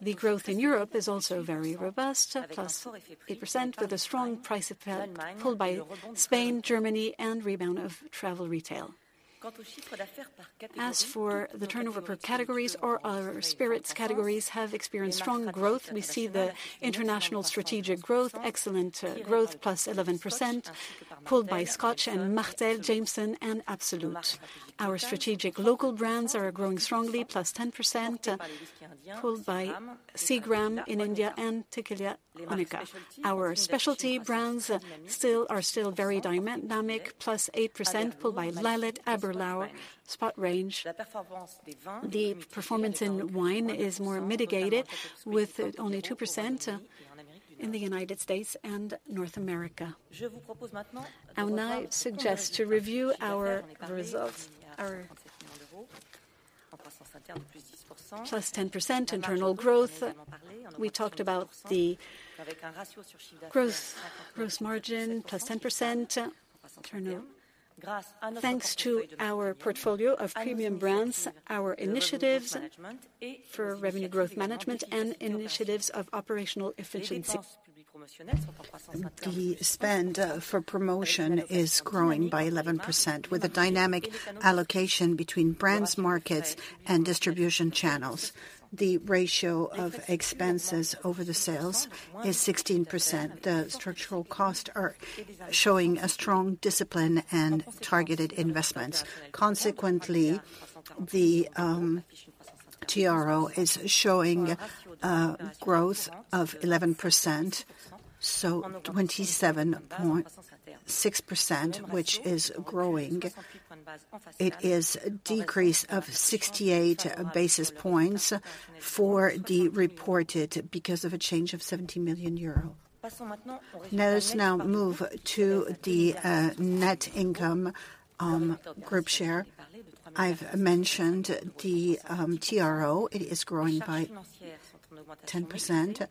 The growth in Europe is also very robust, +8%, with a strong price effect, pulled by Spain, Germany and rebound of travel retail. As for the turnover per categories, our spirits categories have experienced strong growth. We see the international strategic growth, excellent growth, +11%, pulled by Scotch and Martell, Jameson and Absolut. Our strategic local brands are growing strongly, +10%, pulled by Seagram's in India and Tequila Olmeca. Our specialty brands are still very dynamic, +8%, pulled by Lillet, Aberlour, Spot Whiskeys. The performance in wine is more mitigated, with only 2%, in the United States and North America. I would now suggest to review our results. Our +10% internal growth. We talked about the growth, growth margin, +10% turnover. Thanks to our portfolio of premium brands, our initiatives for revenue growth management and initiatives of operational efficiency. The spend for promotion is growing by 11%, with a dynamic allocation between brands, markets and distribution channels. The ratio of expenses over the sales is 16%. The structural costs are showing a strong discipline and targeted investments. Consequently, the PRO is showing growth of 11%, so 27.6%, which is growing. It is a decrease of 68 basis points for the reported, because of a change of 70 million euro. Let us now move to the net income group share. I've mentioned the PRO. It is growing by 10%.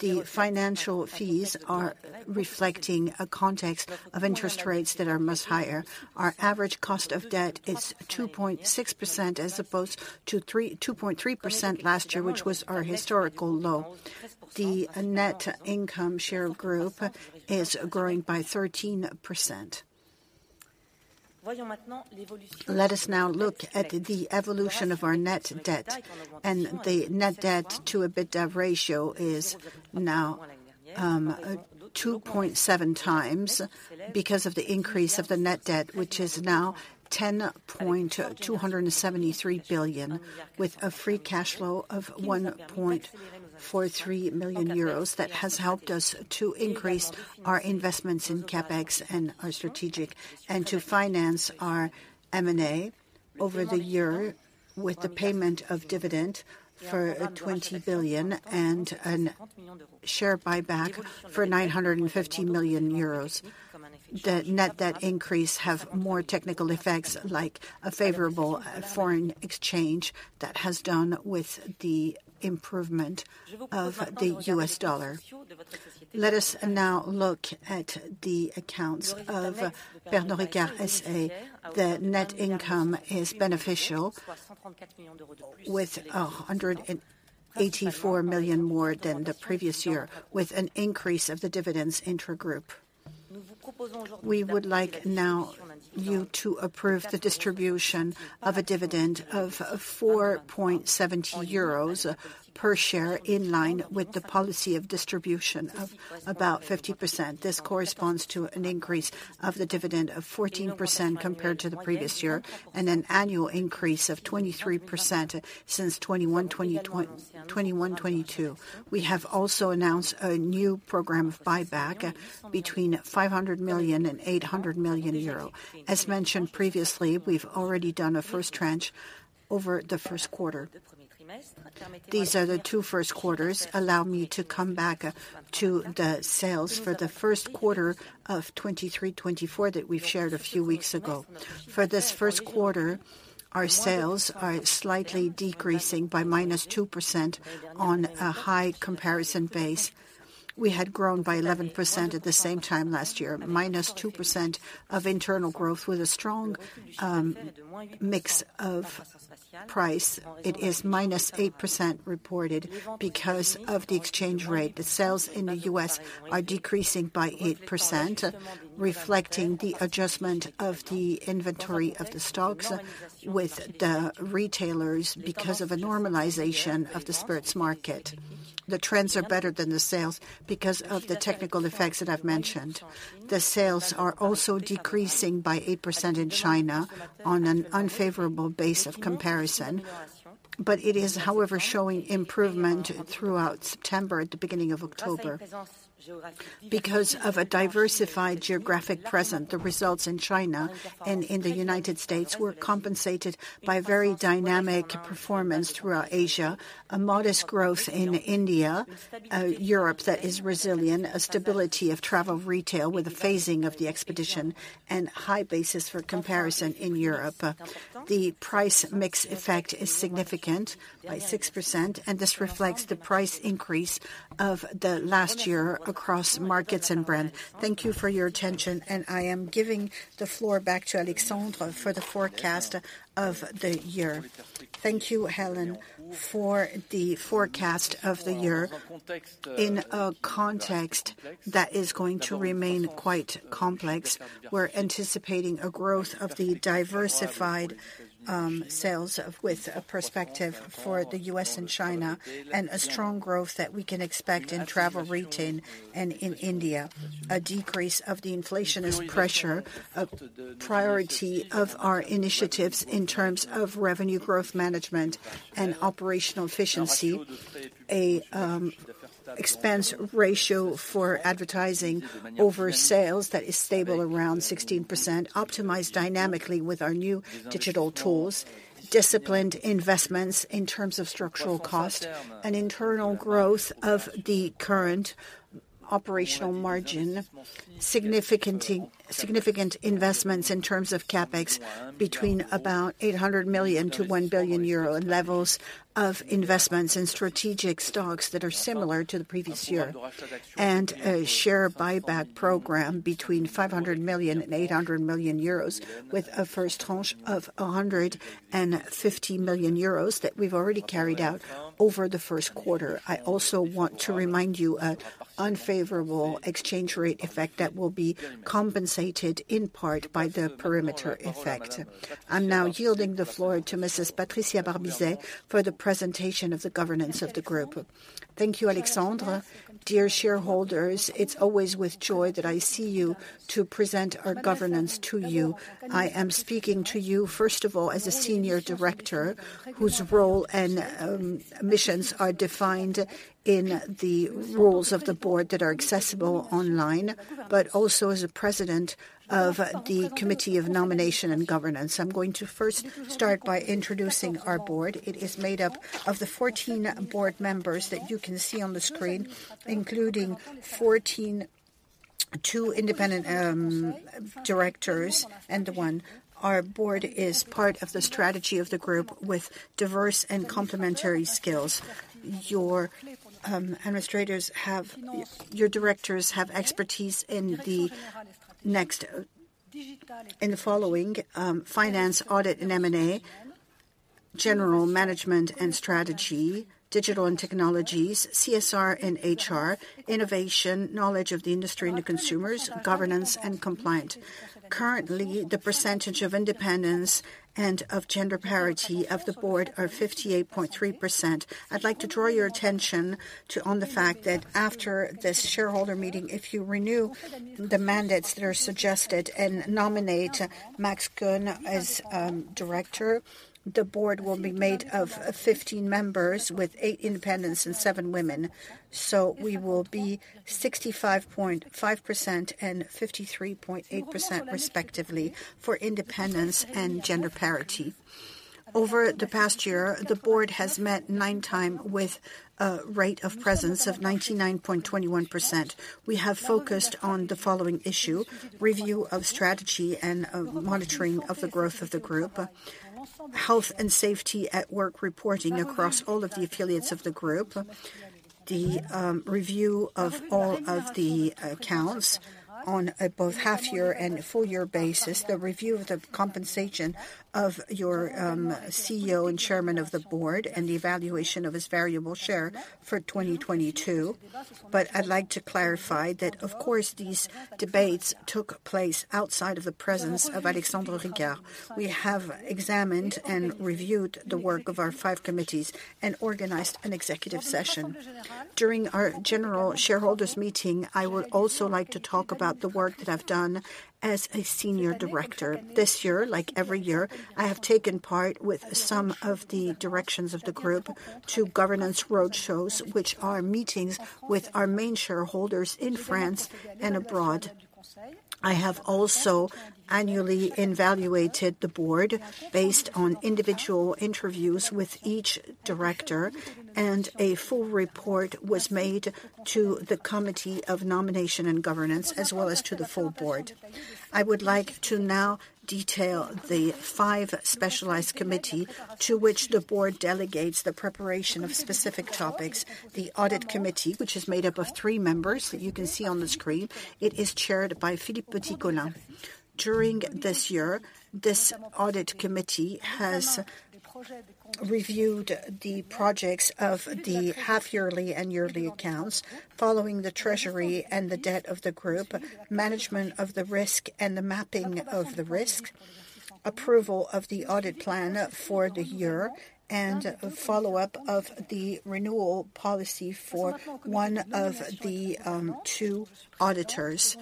The financial fees are reflecting a context of interest rates that are much higher. Our average cost of debt is 2.6%, as opposed to 2.3% last year, which was our historical low. The net income share group is growing by 13%. Let us now look at the evolution of our net debt, and the net debt to EBITDA ratio is now 2.7 times, because of the increase of the net debt, which is now 10.273 billion, with a free cash flow of 1.43 million euros. That has helped us to increase our investments in CapEx and our strategic, and to finance our M&A over the year, with the payment of dividend for 20 billion and a share buyback for 950 million euros. The net debt increase have more technical effects, like a favorable foreign exchange that has done with the improvement of the US dollar. Let us now look at the accounts of Pernod Ricard SA. The net income is beneficial, with 184 million more than the previous year, with an increase of the dividends intragroup. We would like now you to approve the distribution of a dividend of 4.70 euros per share, in line with the policy of distribution of about 50%. This corresponds to an increase of the dividend of 14% compared to the previous year, and an annual increase of 23% since 2021, 2022. We have also announced a new program of buyback between 500 million and 800 million euro. As mentioned previously, we've already done a first tranche over the first quarter. These are the two first quarters. Allow me to come back to the sales for the first quarter of 2023, 2024 that we've shared a few weeks ago. For this first quarter, our sales are slightly decreasing by -2% on a high comparison base. We had grown by 11% at the same time last year. -2% of internal growth with a strong mix of price. It is -8% reported because of the exchange rate. The sales in the U.S. are decreasing by 8%, reflecting the adjustment of the inventory of the stocks with the retailers because of a normalization of the spirits market. The trends are better than the sales because of the technical effects that I've mentioned. The sales are also decreasing by 8% in China on an unfavorable base of comparison, but it is, however, showing improvement throughout September and the beginning of October. Because of a diversified geographic presence, the results in China and in the United States were compensated by a very dynamic performance throughout Asia, a modest growth in India, Europe that is resilient, a stability of travel retail with a phasing of the shipments, and high basis for comparison in Europe. The price mix effect is significant by 6%, and this reflects the price increase of the last year across markets and brand. Thank you for your attention, and I am giving the floor back to Alexandre for the forecast of the year. Thank you, Hélène, for the forecast of the year. In a context that is going to remain quite complex, we're anticipating a growth of the diversified sales with a perspective for the US and China, and a strong growth that we can expect in travel retail and in India. A decrease of the inflationary pressure, a priority of our initiatives in terms of revenue growth management and operational efficiency. A expense ratio for advertising over sales that is stable around 16%, optimized dynamically with our new digital tools. Disciplined investments in terms of structural cost and internal growth of the current operational margin. Significant investments in terms of CapEx between about 800 million and 1 billion euro, and levels of investments in strategic stocks that are similar to the previous year. And a share buyback program between 500 million and 800 million euros, with a first tranche of 150 million euros that we've already carried out over the first quarter. I also want to remind you, an unfavorable exchange rate effect that will be compensated in part by the scope effect. I'm now yielding the floor to Mrs. Patricia Barbizet for the presentation of the governance of the group. Thank you, Alexandre. Dear shareholders, it's always with joy that I see you to present our governance to you. I am speaking to you, first of all, as a senior director, whose role and, missions are defined in the roles of the board that are accessible online, but also as a president of the Committee of Nomination and Governance. I'm going to first start by introducing our board. It is made up of the 14 board members that you can see on the screen, including 14, two independent, directors and one. Our board is part of the strategy of the group with diverse and complementary skills. Your administrators have your directors have expertise in the next, in the following: finance, audit, and M&A. General management and strategy. Digital and technologies. CSR and HR. Innovation, knowledge of the industry and the consumers. Governance and compliance. Currently, the percentage of independence and of gender parity of the board are 58.3%. I'd like to draw your attention to the fact that after this shareholder meeting, if you renew the mandates that are suggested and nominate Max Koeune as director, the board will be made of 15 members, with eight independents and seven women. So we will be 65.5% and 53.8% respectively for independence and gender parity. Over the past year, the board has met nine times with a rate of presence of 99.21%. We have focused on the following issue: review of strategy and of monitoring of the growth of the group, health and safety at work reporting across all of the affiliates of the group, the review of all of the accounts on a both half year and full year basis, the review of the compensation of your CEO and chairman of the board, and the evaluation of his variable share for 2022. But I'd like to clarify that, of course, these debates took place outside of the presence of Alexandre Ricard. We have examined and reviewed the work of our five committees and organized an executive session. During our general shareholders meeting, I would also like to talk about the work that I've done as a senior director. This year, like every year, I have taken part with some of the directors of the group to governance roadshows, which are meetings with our main shareholders in France and abroad. I have also annually evaluated the board based on individual interviews with each director, and a full report was made to the Committee of Nomination and Governance, as well as to the full board. I would like to now detail the five specialized committee to which the board delegates the preparation of specific topics. The Audit Committee, which is made up of three members that you can see on the screen, it is chaired by Philippe Petitcolin. During this year, this Audit Committee has reviewed the projects of the half yearly and yearly accounts following the treasury and the debt of the group, management of the risk and the mapping of the risk, approval of the audit plan for the year, and a follow-up of the renewal policy for one of the two auditors.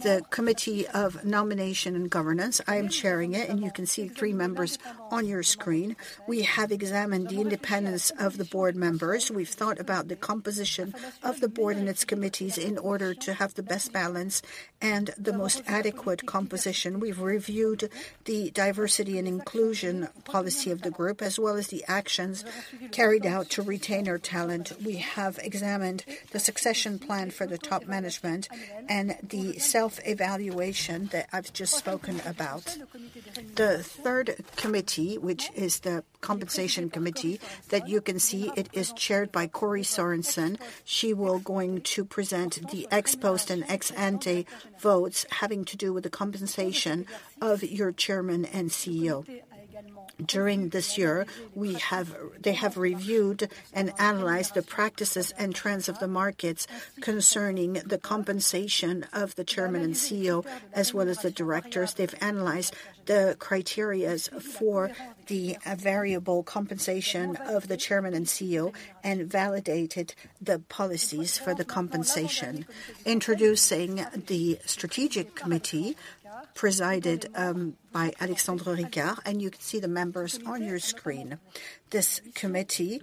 The Committee of Nomination and Governance, I am chairing it, and you can see three members on your screen. We have examined the independence of the board members. We've thought about the composition of the board and its committees in order to have the best balance and the most adequate composition. We've reviewed the diversity and inclusion policy of the group, as well as the actions carried out to retain our talent. We have examined the succession plan for the top management and the self-evaluation that I've just spoken about. The third committee, which is the Compensation Committee, that you can see, it is chaired by Kory Sorenson. She will going to present the ex-post and ex-ante votes having to do with the compensation of your Chairman and CEO. During this year, we have they have reviewed and analyzed the practices and trends of the markets concerning the compensation of the Chairman and CEO, as well as the Directors. They've analyzed the criterias for the variable compensation of the Chairman and CEO and validated the policies for the compensation. Introducing the Strategic Committee, presided by Alexandre Ricard, and you can see the members on your screen. This committee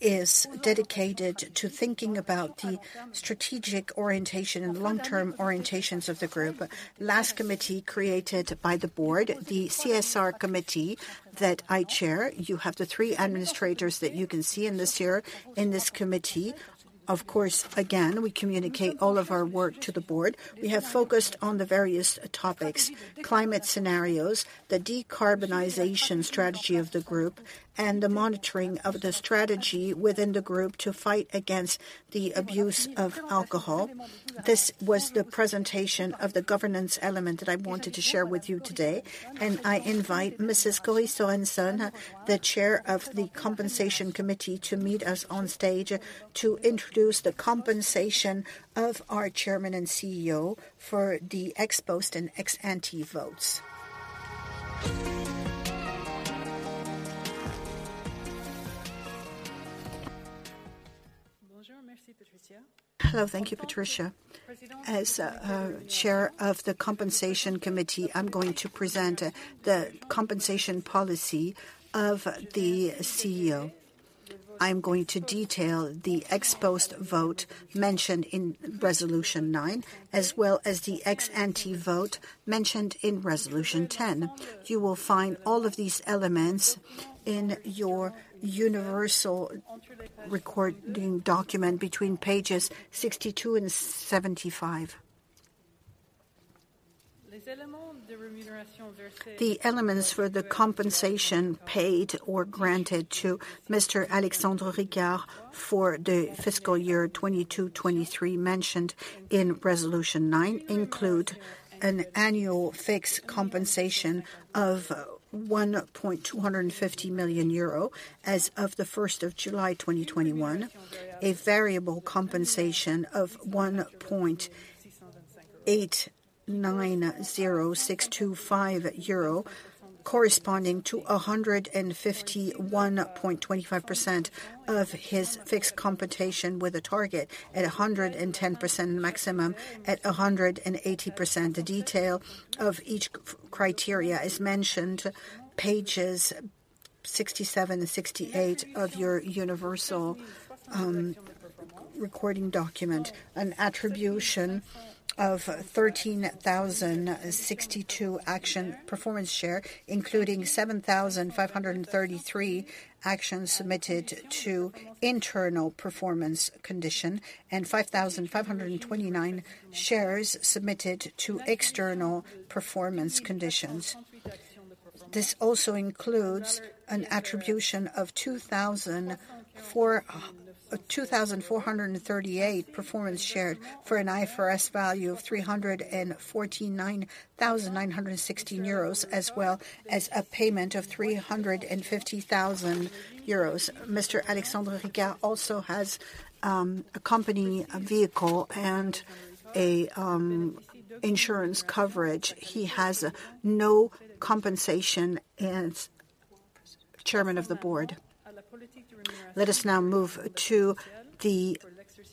is dedicated to thinking about the strategic orientation and the long-term orientations of the group. Last committee created by the board, the CSR Committee, that I chair. You have the three administrators that you can see in this here, in this committee. Of course, again, we communicate all of our work to the board. We have focused on the various topics: climate scenarios, the decarbonization strategy of the group, and the monitoring of the strategy within the group to fight against the abuse of alcohol. This was the presentation of the governance element that I wanted to share with you today, and I invite Ms. Kory Sorenson, the Chair of the Compensation Committee, to meet us on stage to introduce the compensation of our chairman and CEO for the ex-post and ex-ante votes. Hello. Thank you, Patricia. As chair of the Compensation Committee, I'm going to present the compensation policy of the CEO. I'm going to detail the ex-post vote mentioned in Resolution 9, as well as the ex-ante vote mentioned in Resolution 10. You will find all of these elements in your Universal Registration Document between pages 62 and 75. The elements for the compensation paid or granted to Mr. Alexandre Ricard for the fiscal year 2022-2023, mentioned in Resolution 9, include an annual fixed compensation of 1.25 million euro as of the 1 July 2021, a variable compensation of 1.890625 million euro, corresponding to 151.25% of his fixed compensation, with a target at 110% maximum, at 180%. The detail of each criteria is mentioned, pages be 67 and 68 of your Universal Registration Document, an attribution of 13,062 performance shares, including 7,533 actions submitted to internal performance condition, and 5,529 shares submitted to external performance conditions. This also includes an attribution of 2,438 performance shares for an IFRS value of 349,916 euros, as well as a payment of 350,000 euros. Mr. Alexandre Ricard also has a company vehicle and a insurance coverage. He has no compensation as chairman of the board. Let us now move to the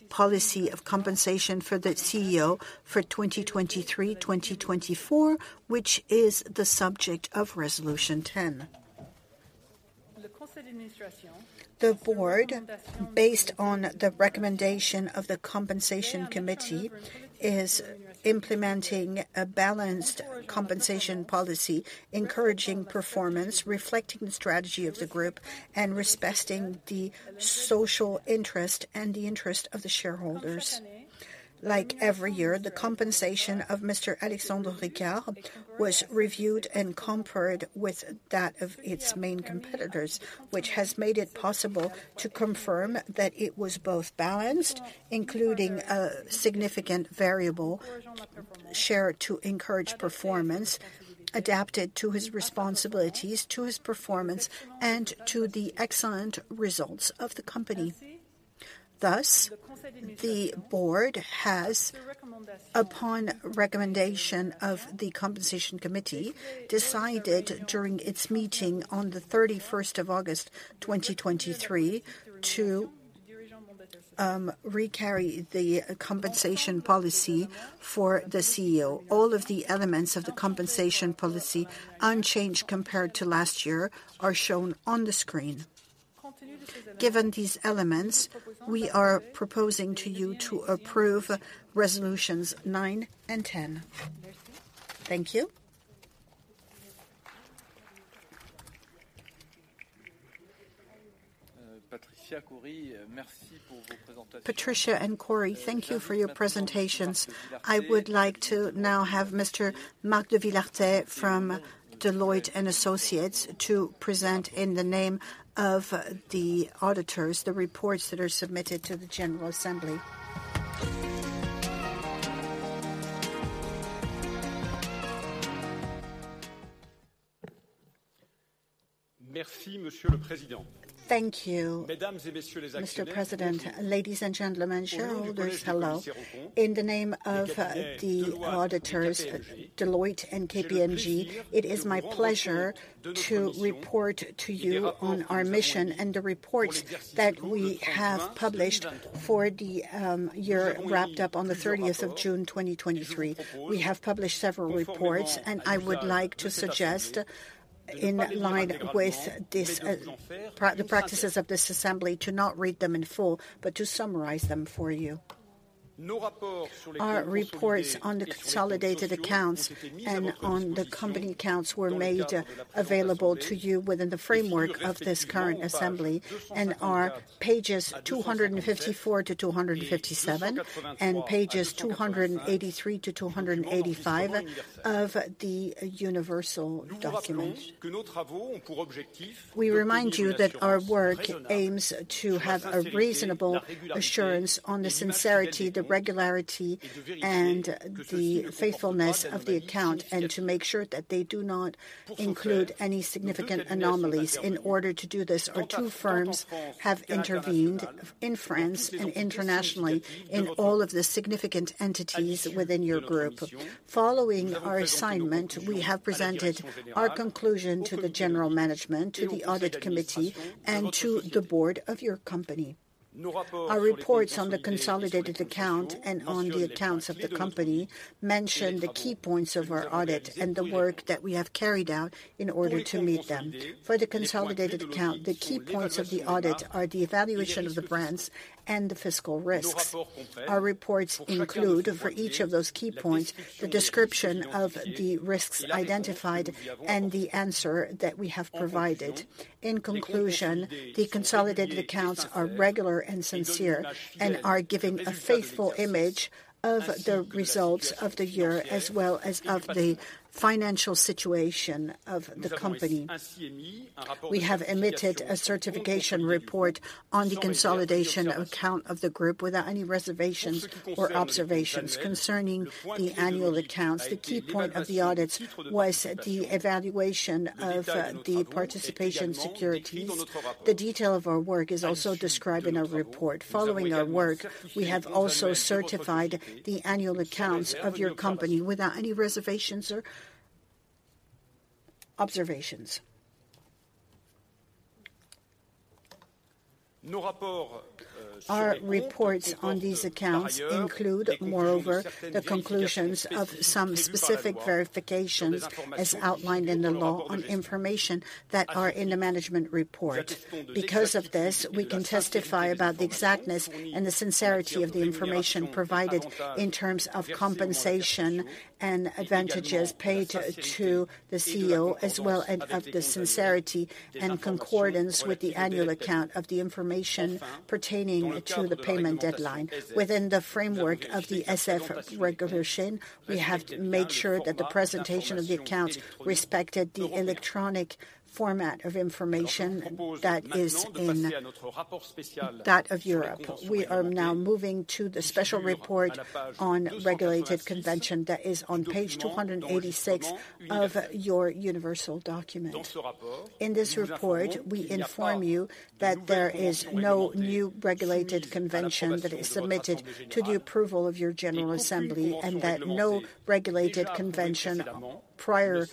policy of compensation for the CEO for 2023/2024, which is the subject of Resolution 10. The board, based on the recommendation of the Compensation Committee, is implementing a balanced compensation policy, encouraging performance, reflecting the strategy of the group, and respecting the social interest and the interest of the shareholders. Like every year, the compensation of Mr. Alexandre Ricard was reviewed and compared with that of its main competitors, which has made it possible to confirm that it was both balanced, including a significant variable share to encourage performance, adapted to his responsibilities, to his performance, and to the excellent results of the company. Thus, the board has, upon recommendation of the Compensation Committee, decided during its meeting on the 31 August 2023, to carry the compensation policy for the CEO. All of the elements of the compensation policy, unchanged compared to last year, are shown on the screen. Given these elements, we are proposing to you to approve Resolutions 9 and 10. Thank you. Patricia and Kory, thank you for your presentations. I would like to now have Mr. Marc de Villartay from Deloitte & Associés to present in the name of the auditors, the reports that are submitted to the General Assembly. Thank you, Mr. President. Ladies and gentlemen, shareholders, hello. In the name of the auditors, Deloitte and KPMG, it is my pleasure to report to you on our mission and the reports that we have published for the year wrapped up on the 30 June 2023. We have published several reports, and I would like to suggest, in line with this, the practices of this assembly, to not read them in full, but to summarize them for you. Our reports on the consolidated accounts and on the company accounts were made available to you within the framework of this current assembly, and are pages 254-257, and pages 283-285 of the Universal Document. We remind you that our work aims to have a reasonable assurance on the sincerity, the regularity, and the faithfulness of the account, and to make sure that they do not include any significant anomalies. In order to do this, our two firms have intervened in France and internationally in all of the significant entities within your group. Following our assignment, we have presented our conclusion to the general management, to the audit committee, and to the board of your company. Our reports on the consolidated account and on the accounts of the company mention the key points of our audit and the work that we have carried out in order to meet them. For the consolidated account, the key points of the audit are the evaluation of the brands and the fiscal risks. Our reports include, for each of those key points, the description of the risks identified and the answer that we have provided. In conclusion, the consolidated accounts are regular and sincere, and are giving a faithful image of the results of the year, as well as of the financial situation of the company. We have emitted a certification report on the consolidation account of the group without any reservations or observations. Concerning the annual accounts, the key point of the audit was the evaluation of the equity investments. The detail of our work is also described in our report. Following our work, we have also certified the annual accounts of your company without any reservations or observations. Our reports on these accounts include, moreover, the conclusions of some specific verifications as outlined in the law on information that are in the management report. Because of this, we can testify about the exactness and the sincerity of the information provided in terms of compensation and advantages paid to the CEO, as well as of the sincerity and concordance with the annual account of the information pertaining to the payment deadline. Within the framework of the ESEF regulation, we have made sure that the presentation of the accounts respected the electronic format of information that is in that of Europe. We are now moving to the special report on related-party agreements that is on page 286 of your Universal Document. In this report, we inform you that there is no new related-party agreements that is submitted to the approval of your general assembly, and that no related-party agreements prior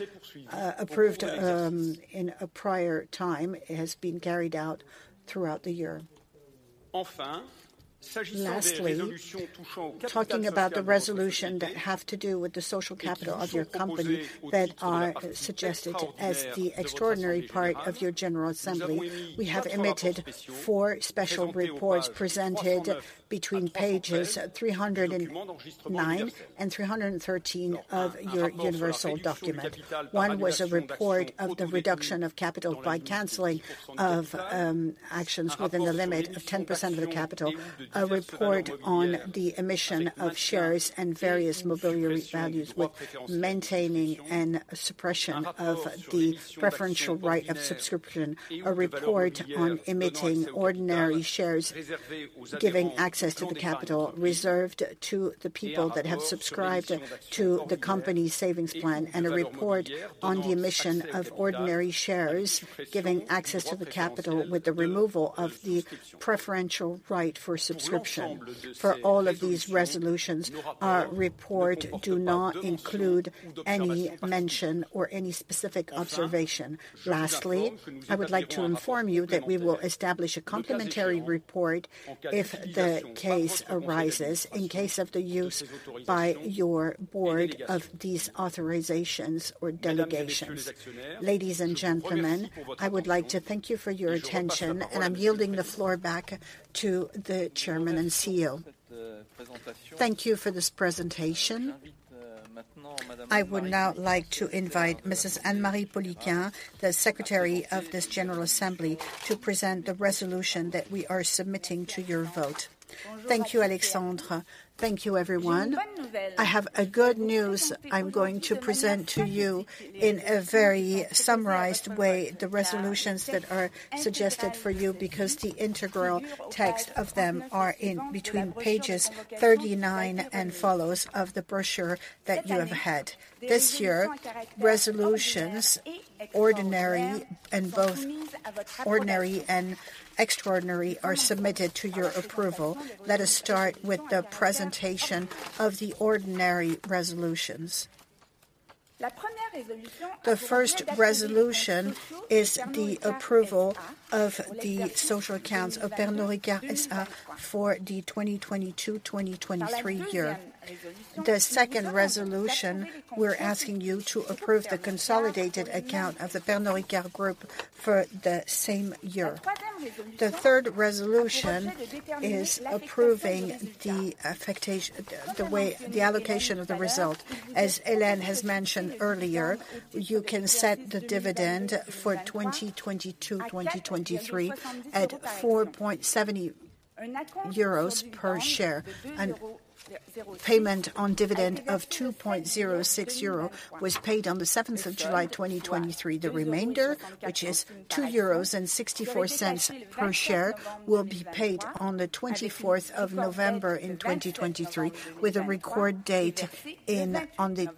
approved, in a prior time has been carried out throughout the year. Lastly, talking about the resolution that have to do with the share capital of your company, that are suggested as the extraordinary part of your general assembly, we have emitted four special reports presented between pages 309 and 313 of your Universal Document. One was a report of the reduction of capital by canceling of, actions within the limit of 10% of the capital. A report on the emission of shares and various transferable securities, with maintaining and suppression of the preferential right of subscription. A report on emitting ordinary shares, giving access to the capital reserved to the people that have subscribed to the company's savings plan. A report on the emission of ordinary shares, giving access to the capital with the removal of the preferential right for subscription. For all of these resolutions, our report do not include any mention or any specific observation. Lastly, I would like to inform you that we will establish a complementary report if the case arises, in case of the use by your board of these authorizations or delegations. Ladies and gentlemen, I would like to thank you for your attention, and I'm yielding the floor back to the Chairman and CEO. Thank you for this presentation. I would now like to invite Mrs. Anne-Marie Poliquin, the secretary of this general assembly, to present the resolution that we are submitting to your vote. Thank you, Alexandre. Thank you, everyone. I have a good news. I'm going to present to you, in a very summarized way, the resolutions that are suggested for you, because the integral text of them are in between pages 39 and follows of the brochure that you have had. This year, resolutions, ordinary and both ordinary and extraordinary, are submitted to your approval. Let us start with the presentation of the ordinary resolutions. The Resolution 1 is the approval of the statutory accounts of Pernod Ricard SA for the 2022/2023 year. The Resolution 2, we're asking you to approve the consolidated account of the Pernod Ricard Group for the same year. The Resolution 3 is approving the affectation the way, the allocation of the result. As Hélène has mentioned earlier, you can set the dividend for 2022/2023 at 4.7 euros per share, and payment of dividend of 2.06 euro was paid on the 7 July 2023. The remainder, which is 2.64 euros per share, will be paid on the 24 November 2023, with a record date on the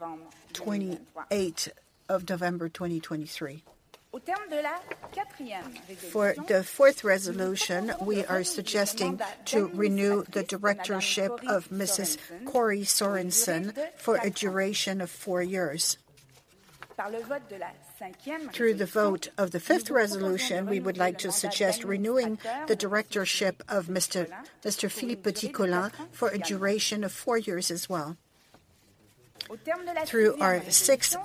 28 November 2023. For the Resolution 4, we are suggesting to renew the directorship of Mrs. Kory Sorenson for a duration of four years. Through the vote of the Resolution 5, we would like to suggest renewing the directorship of Mr., Mr. Philippe Petitcolin for a duration of four years as well. Through our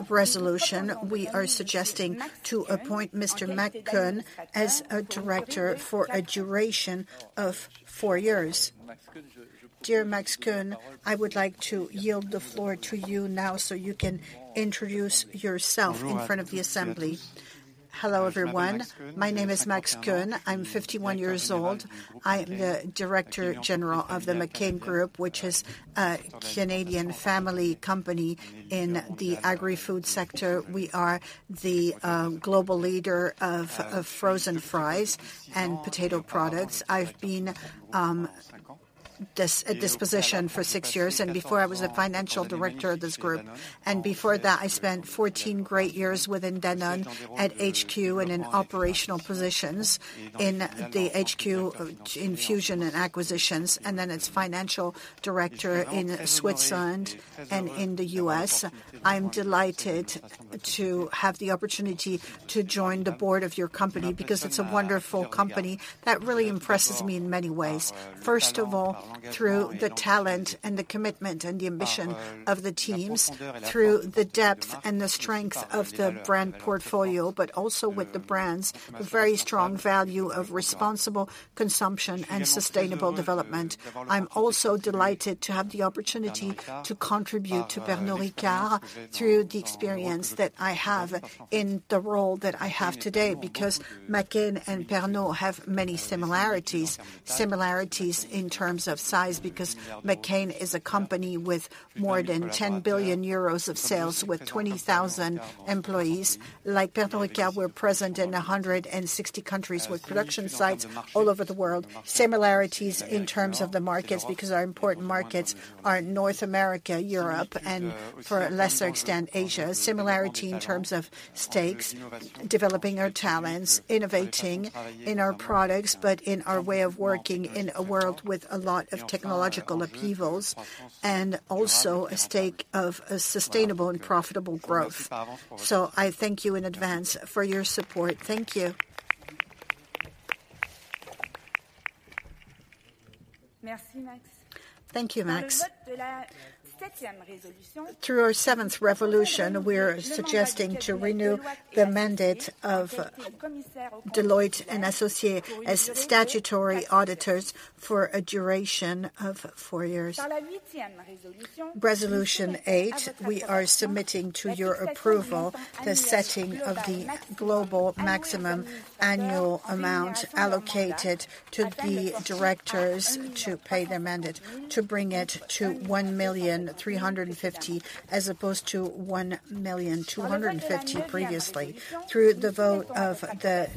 Resolution 6, we are suggesting to appoint Mr. Max Koeune as a director for a duration of four years. Dear Max Koeune, I would like to yield the floor to you now, so you can introduce yourself in front of the assembly. Hello, everyone. My name is Max Koeune. I'm 51 years old. I'm the director general of the McCain Group, which is a Canadian family company in the agri-food sector. We are the global leader of frozen fries and potato products. I've been at this position for 6 years, and before I was a financial director of this group. Before that, I spent 14 great years within Danone at HQ and in operational positions in the HQ of M&A, and then as financial director in Switzerland and in the U.S. I'm delighted to have the opportunity to join the board of your company, because it's a wonderful company that really impresses me in many ways. First of all, through the talent and the commitment and the ambition of the teams, through the depth and the strength of the brand portfolio, but also with the brands, the very strong value of responsible consumption and sustainable development. I'm also delighted to have the opportunity to contribute to Pernod Ricard through the experience that I have in the role that I have today, because McCain and Pernod have many similarities. Similarities in terms of size, because McCain is a company with more than 10 billion euros of sales, with 20,000 employees. Like Pernod Ricard, we're present in 160 countries, with production sites all over the world. Similarities in terms of the markets, because our important markets are North America, Europe, and to a lesser extent, Asia. Similarity in terms of stakes, developing our talents, innovating in our products, but in our way of working in a world with a lot of technological upheavals, and also a stake of a sustainable and profitable growth. So I thank you in advance for your support. Thank you. Thank you, Max. Through our Resolution 7, we're suggesting to renew the mandate of Deloitte & Associés as statutory auditors for a duration of four years. Resolution 8, we are submitting to your approval the setting of the global maximum annual amount allocated to the directors to pay their mandate, to bring it to 1.35 million, as opposed to 1.25 million previously. Through the vote of the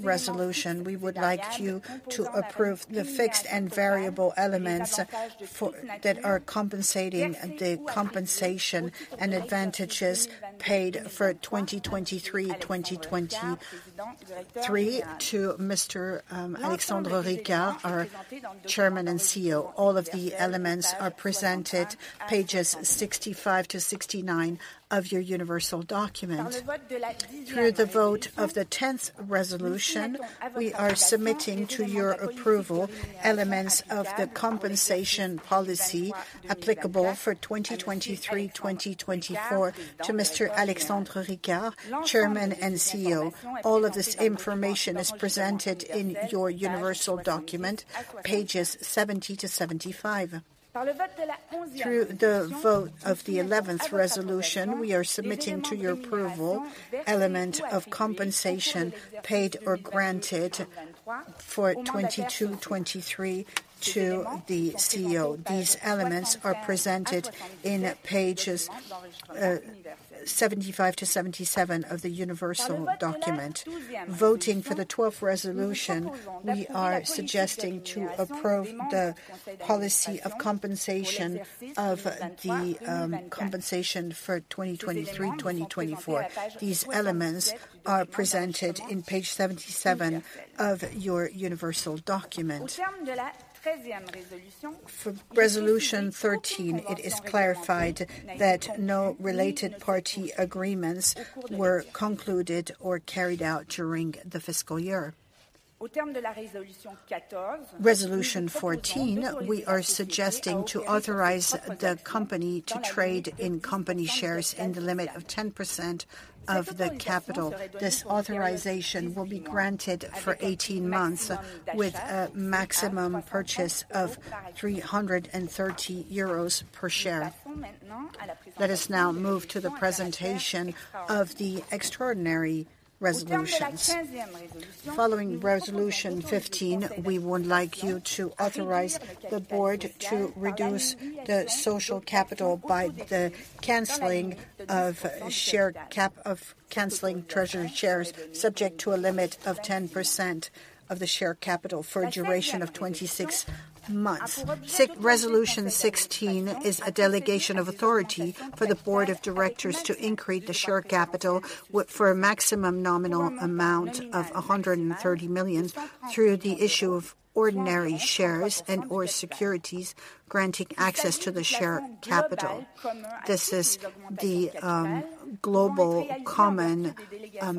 Resolution 9, we would like you to approve the fixed and variable elements for that are compensating the compensation and advantages paid for 2023 to Mr. Alexandre Ricard, our Chairman and CEO. All of the elements are presented, pages 65 to 69 of your Universal Document. Through the vote of the Resolution 10, we are submitting to your approval elements of the compensation policy applicable for 2023/2024 to Mr. Alexandre Ricard, Chairman and CEO. All of this information is presented in your Universal Document, pages 70 to 75. Through the vote of the Resolution 11, we are submitting to your approval, element of compensation paid or granted for 2022/2023 to the CEO. These elements are presented in pages 75 to 77 of the Universal Document. Voting for the Resolution 12, we are suggesting to approve the policy of compensation of the compensation for 2023/2024. These elements are presented in page 77 of your Universal Document. For Resolution 13, it is clarified that no related party agreements were concluded or carried out during the fiscal year. Resolution 14, we are suggesting to authorize the company to trade in company shares in the limit of 10% of the capital. This authorization will be granted for 18 months, with a maximum purchase of 330 euros per share. Let us now move to the presentation of the extraordinary resolutions. Following Resolution 15, we would like you to authorize the board to reduce the share capital by the canceling of treasury shares, subject to a limit of 10% of the share capital for a duration of 26 months. Resolution 16 is a delegation of authority for the board of directors to increase the share capital with, for a maximum nominal amount of 130 million, through the issue of ordinary shares and/or securities, granting access to the share capital. This is the, global common,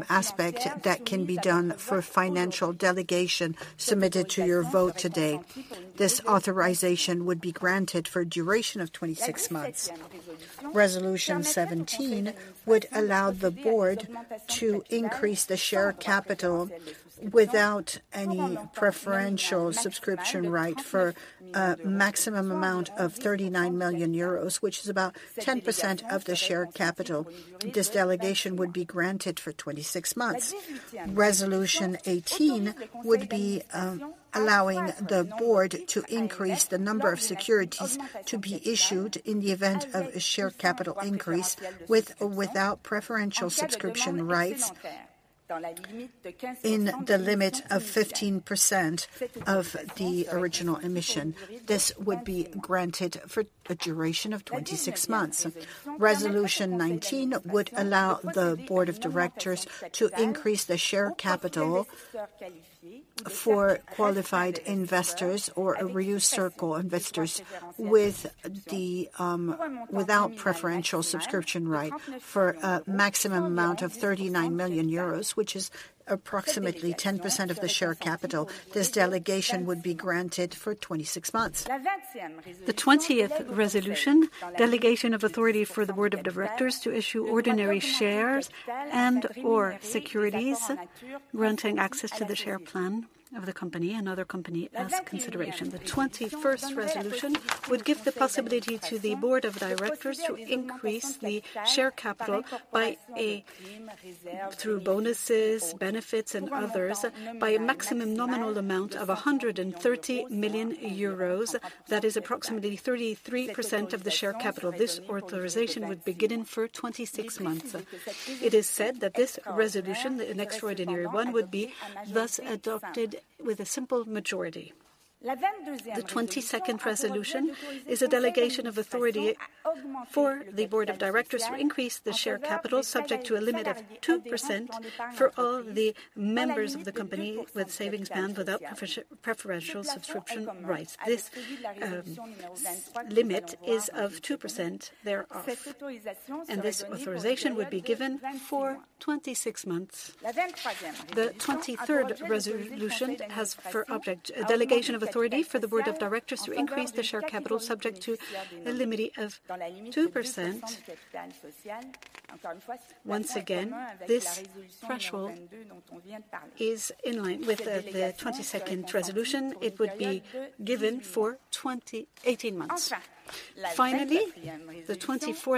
aspect that can be done for financial delegation submitted to your vote today. This authorization would be granted for a duration of 26 months. Resolution 17 would allow the board to increase the share capital without any preferential subscription right, for a maximum amount of 39 million euros, which is about 10% of the share capital. This delegation would be granted for 26 months. Resolution 18 would be, allowing the board to increase the number of securities to be issued in the event of a share capital increase, with or without preferential subscription rights in the limit of 15% of the original emission. This would be granted for a duration of 26 months. Resolution 19 would allow the board of directors to increase the share capital for qualified investors or a restricted circle investors with the, without preferential subscription right for a, maximum amount of 39 million euros, which is approximately 10% of the share capital. This delegation would be granted for 26 months. The Resolution 20, delegation of authority for the board of directors to issue ordinary shares and/or securities, granting access to the share plan of the company and other company as consideration. The Resolution 21 would give the possibility to the board of directors to increase the share capital by a, through bonuses, benefits, and others, by a maximum nominal amount of 130 million euros. That is approximately 33% of the share capital. This authorization would be given for 26 months. It is said that this resolution, an extraordinary one, would be thus adopted with a simple majority. The Resolution 22 is a delegation of authority for the board of directors to increase the share capital, subject to a limit of 2% for all the members of the company with savings plan without preferential subscription rights. This limit is of 2% thereof, and this authorization would be given for 26 months. The Resolution 23 has for object a delegation of authority for the board of directors to increase the share capital, subject to a limit of 2%. Once again, this threshold is in line with the Resolution 22. It would be given for 18 months. Finally, the Resolution 24,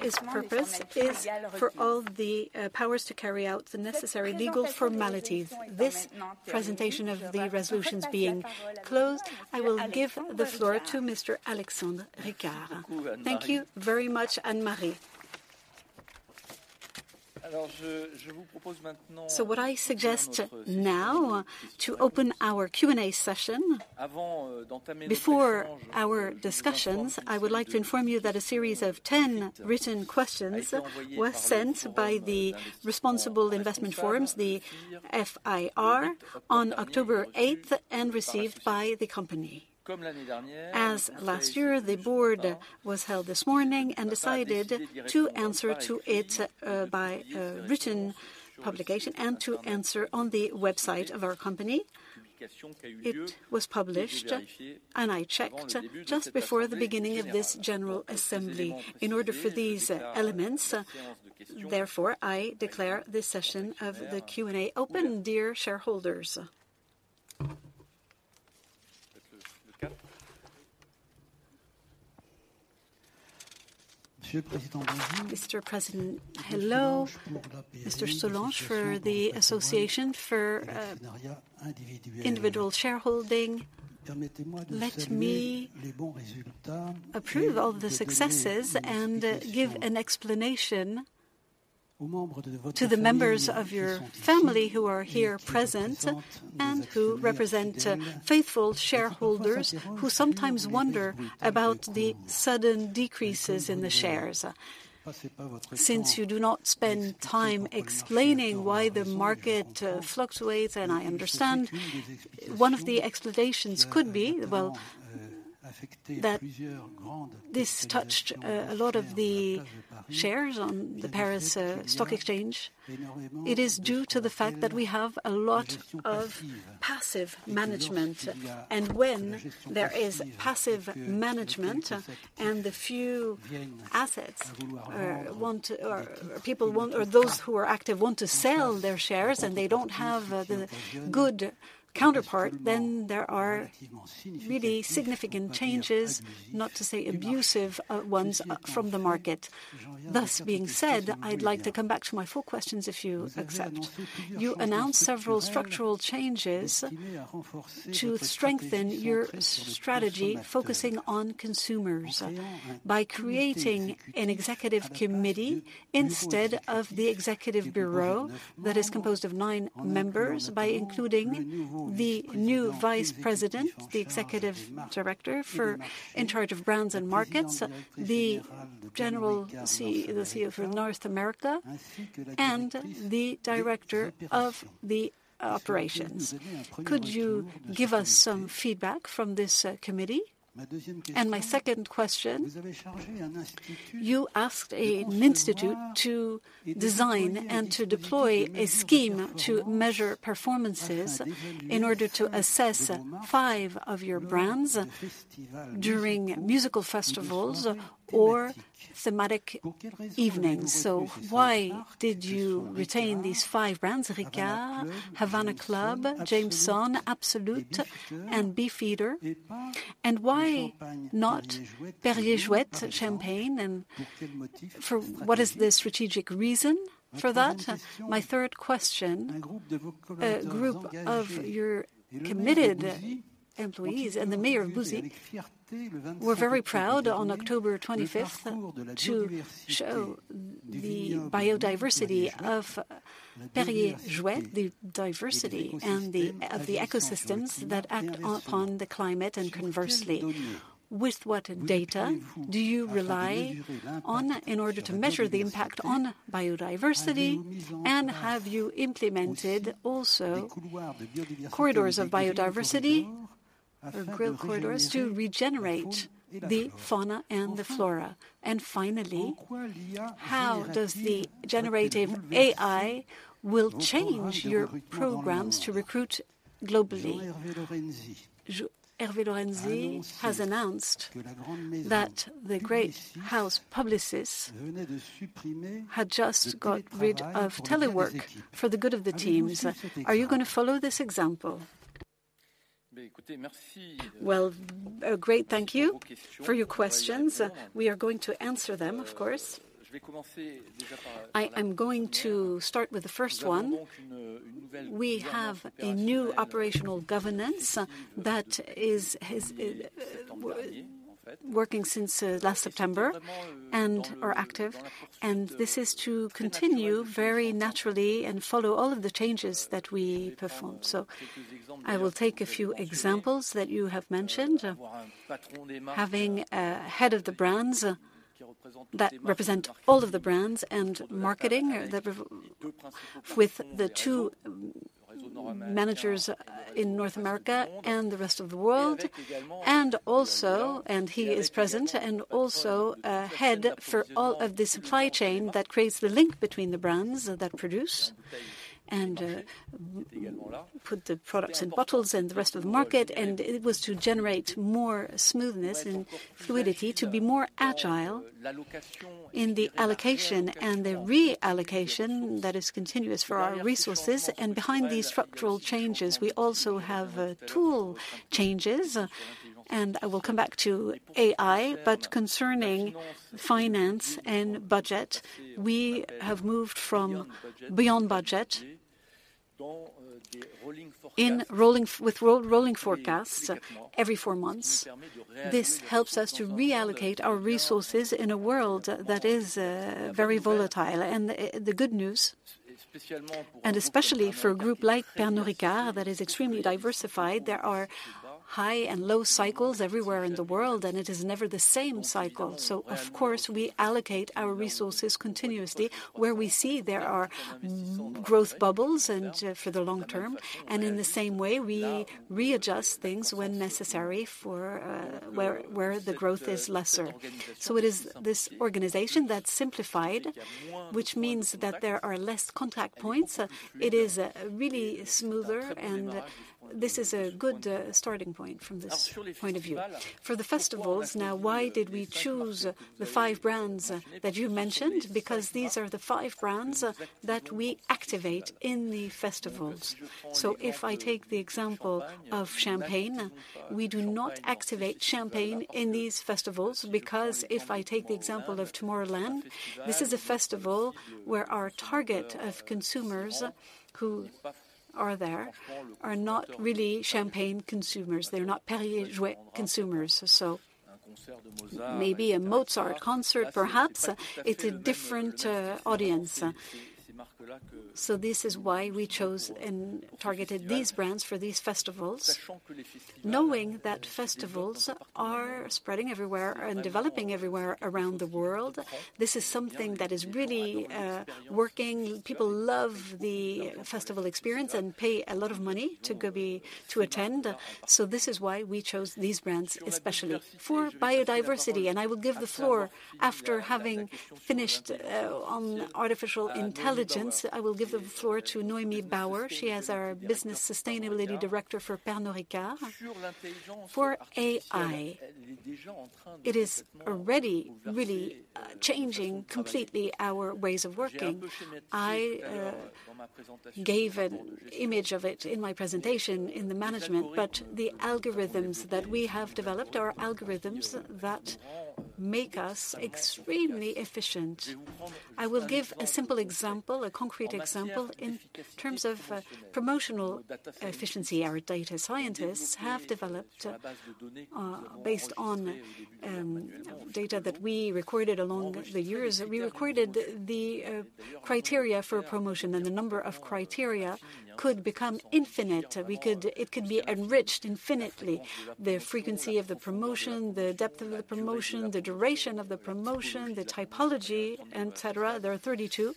its purpose is for all the powers to carry out the necessary legal formalities. This presentation of the resolutions being closed, I will give the floor to Mr. Alexandre Ricard. Thank you very much, Anne-Marie. So what I suggest now, to open our Q&A session. Before our discussions, I would like to inform you that a series of 10 written questions was sent by the Responsible Investment Forum, the FIR, on 8 October, and received by the company. As last year, the board was held this morning and decided to answer to it by a written publication and to answer on the website of our company. It was published, and I checked just before the beginning of this general assembly. In order for these elements, therefore, I declare this session of the Q&A open, dear shareholders. Mr. President, hello. Mr. Soulage, for the Association for Individual Shareholding. Let me approve of the successes and give an explanation to the members of your family who are here present, and who represent faithful shareholders, who sometimes wonder about the sudden decreases in the shares. Since you do not spend time explaining why the market fluctuates, and I understand one of the explanations could be, well, that this touched a lot of the shares on the Paris Stock Exchange. It is due to the fact that we have a lot of passive management, and when there is passive management and the few assets want to or people want or those who are active want to sell their shares and they don't have the good counterpart, then there are really significant changes, not to say abusive ones from the market. Thus being said, I'd like to come back to my four questions, if you accept. You announced several structural changes to strengthen your strategy, focusing on consumers by creating an executive committee instead of the executive bureau, that is composed of nine members, by including the new vice president, the executive director for in charge of brands and markets, the CEO for North America, and the director of the operations. Could you give us some feedback from this committee? And my second question, you asked an institute to design and to deploy a scheme to measure performances in order to assess five of your brands during musical festivals or thematic evenings. So why did you retain these five brands, Ricard, Havana Club, Jameson, Absolut, and Beefeater? And why not Perrier-Jouët Champagne, and for what is the strategic reason for that? My third question, a group of your committed employees and the mayor of Bouzy were very proud on 25 October to show the biodiversity of Perrier-Jouët, the diversity and the, of the ecosystems that act on, on the climate and conversely. With what data do you rely on in order to measure the impact on biodiversity? And have you implemented also corridors of biodiversity, or green corridors, to regenerate the fauna and the flora? And finally, how does the generative AI will change your programs to recruit globally? Hervé Lorenzi has announced that the great house Publicis had just got rid of telework for the good of the teams. Are you going to follow this example? Well, great, thank you for your questions. We are going to answer them, of course. I, I'm going to start with the first one. We have a new operational governance that is, has, working since last September, and are active, and this is to continue very naturally and follow all of the changes that we perform. So I will take a few examples that you have mentioned. Having a head of the brands that represent all of the brands and marketing with the two managers in North America and the rest of the world, and also and he is present, and also a head for all of the supply chain that creates the link between the brands that produce and put the products in bottles and the rest of the market. And it was to generate more smoothness and fluidity, to be more agile in the allocation and the reallocation that is continuous for our resources. Behind these structural changes, we also have tool changes, and I will come back to AI. But concerning finance and budget, we have moved from beyond budgeting to rolling forecasts every four months. This helps us to reallocate our resources in a world that is very volatile. The good news, and especially for a group like Pernod Ricard that is extremely diversified, there are high and low cycles everywhere in the world, and it is never the same cycle. So of course, we allocate our resources continuously where we see there are growth bubbles and for the long term. And in the same way, we readjust things when necessary for where the growth is lesser. So it is this organization that's simplified, which means that there are less contact points. It is really smoother, and this is a good starting point from this point of view. For the festivals, now, why did we choose the five brands that you mentioned? Because these are the five brands that we activate in the festivals. So if I take the example of champagne, we do not activate champagne in these festivals because if I take the example of Tomorrowland, this is a festival where our target of consumers who are there are not really champagne consumers. They're not Perrier-Jouët consumers. So maybe a Mozart concert, perhaps, it's a different audience. So this is why we chose and targeted these brands for these festivals. Knowing that festivals are spreading everywhere and developing everywhere around the world, this is something that is really working. People love the festival experience and pay a lot of money to go to attend. So this is why we chose these brands, especially. For biodiversity, and I will give the floor after having finished, on artificial intelligence. I will give the floor to Noémie Bauer. She is our business sustainability director for Pernod Ricard. For AI, it is already really, changing completely our ways of working. I gave an image of it in my presentation in the management, but the algorithms that we have developed are algorithms that make us extremely efficient. I will give a simple example, a concrete example. In terms of, promotional efficiency, our data scientists have developed, based on, data that we recorded along the years. We recorded the, criteria for promotion, and the number of criteria could become infinite. It could be enriched infinitely, the frequency of the promotion, the depth of the promotion, the duration of the promotion, the typology, et cetera. There are 32.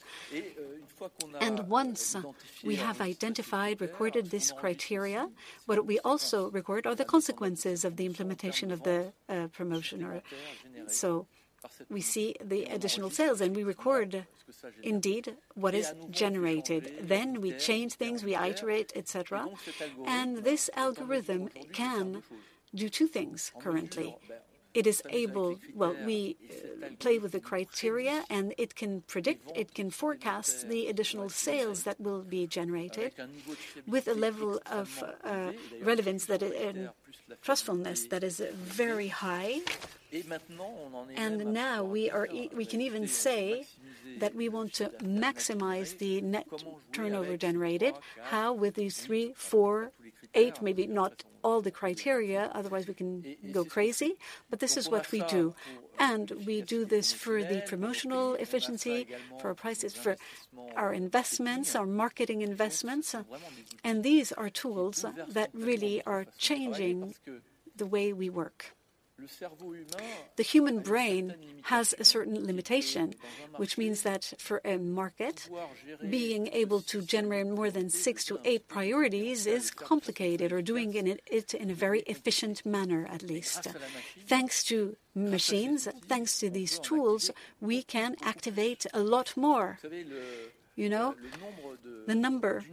And once we have identified, recorded this criteria, what we also record are the consequences of the implementation of the promotion or so we see the additional sales, and we record indeed what is generated. Then we change things, we iterate, et cetera. And this algorithm can do two things currently. It is able. Well, we play with the criteria, and it can predict, it can forecast the additional sales that will be generated with a level of relevance that and trustfulness that is very high. And now we can even say that we want to maximize the net turnover generated. How? With these three, four, eight, maybe not all the criteria, otherwise we can go crazy, but this is what we do. And we do this for the promotional efficiency, for our prices, for our investments, our marketing investments, and these are tools that really are changing the way we work. The human brain has a certain limitation, which means that for a market, being able to generate more than six-eight priorities is complicated, or doing it in a very efficient manner, at least. Thanks to machines, thanks to these tools, we can activate a lot more. You know, the number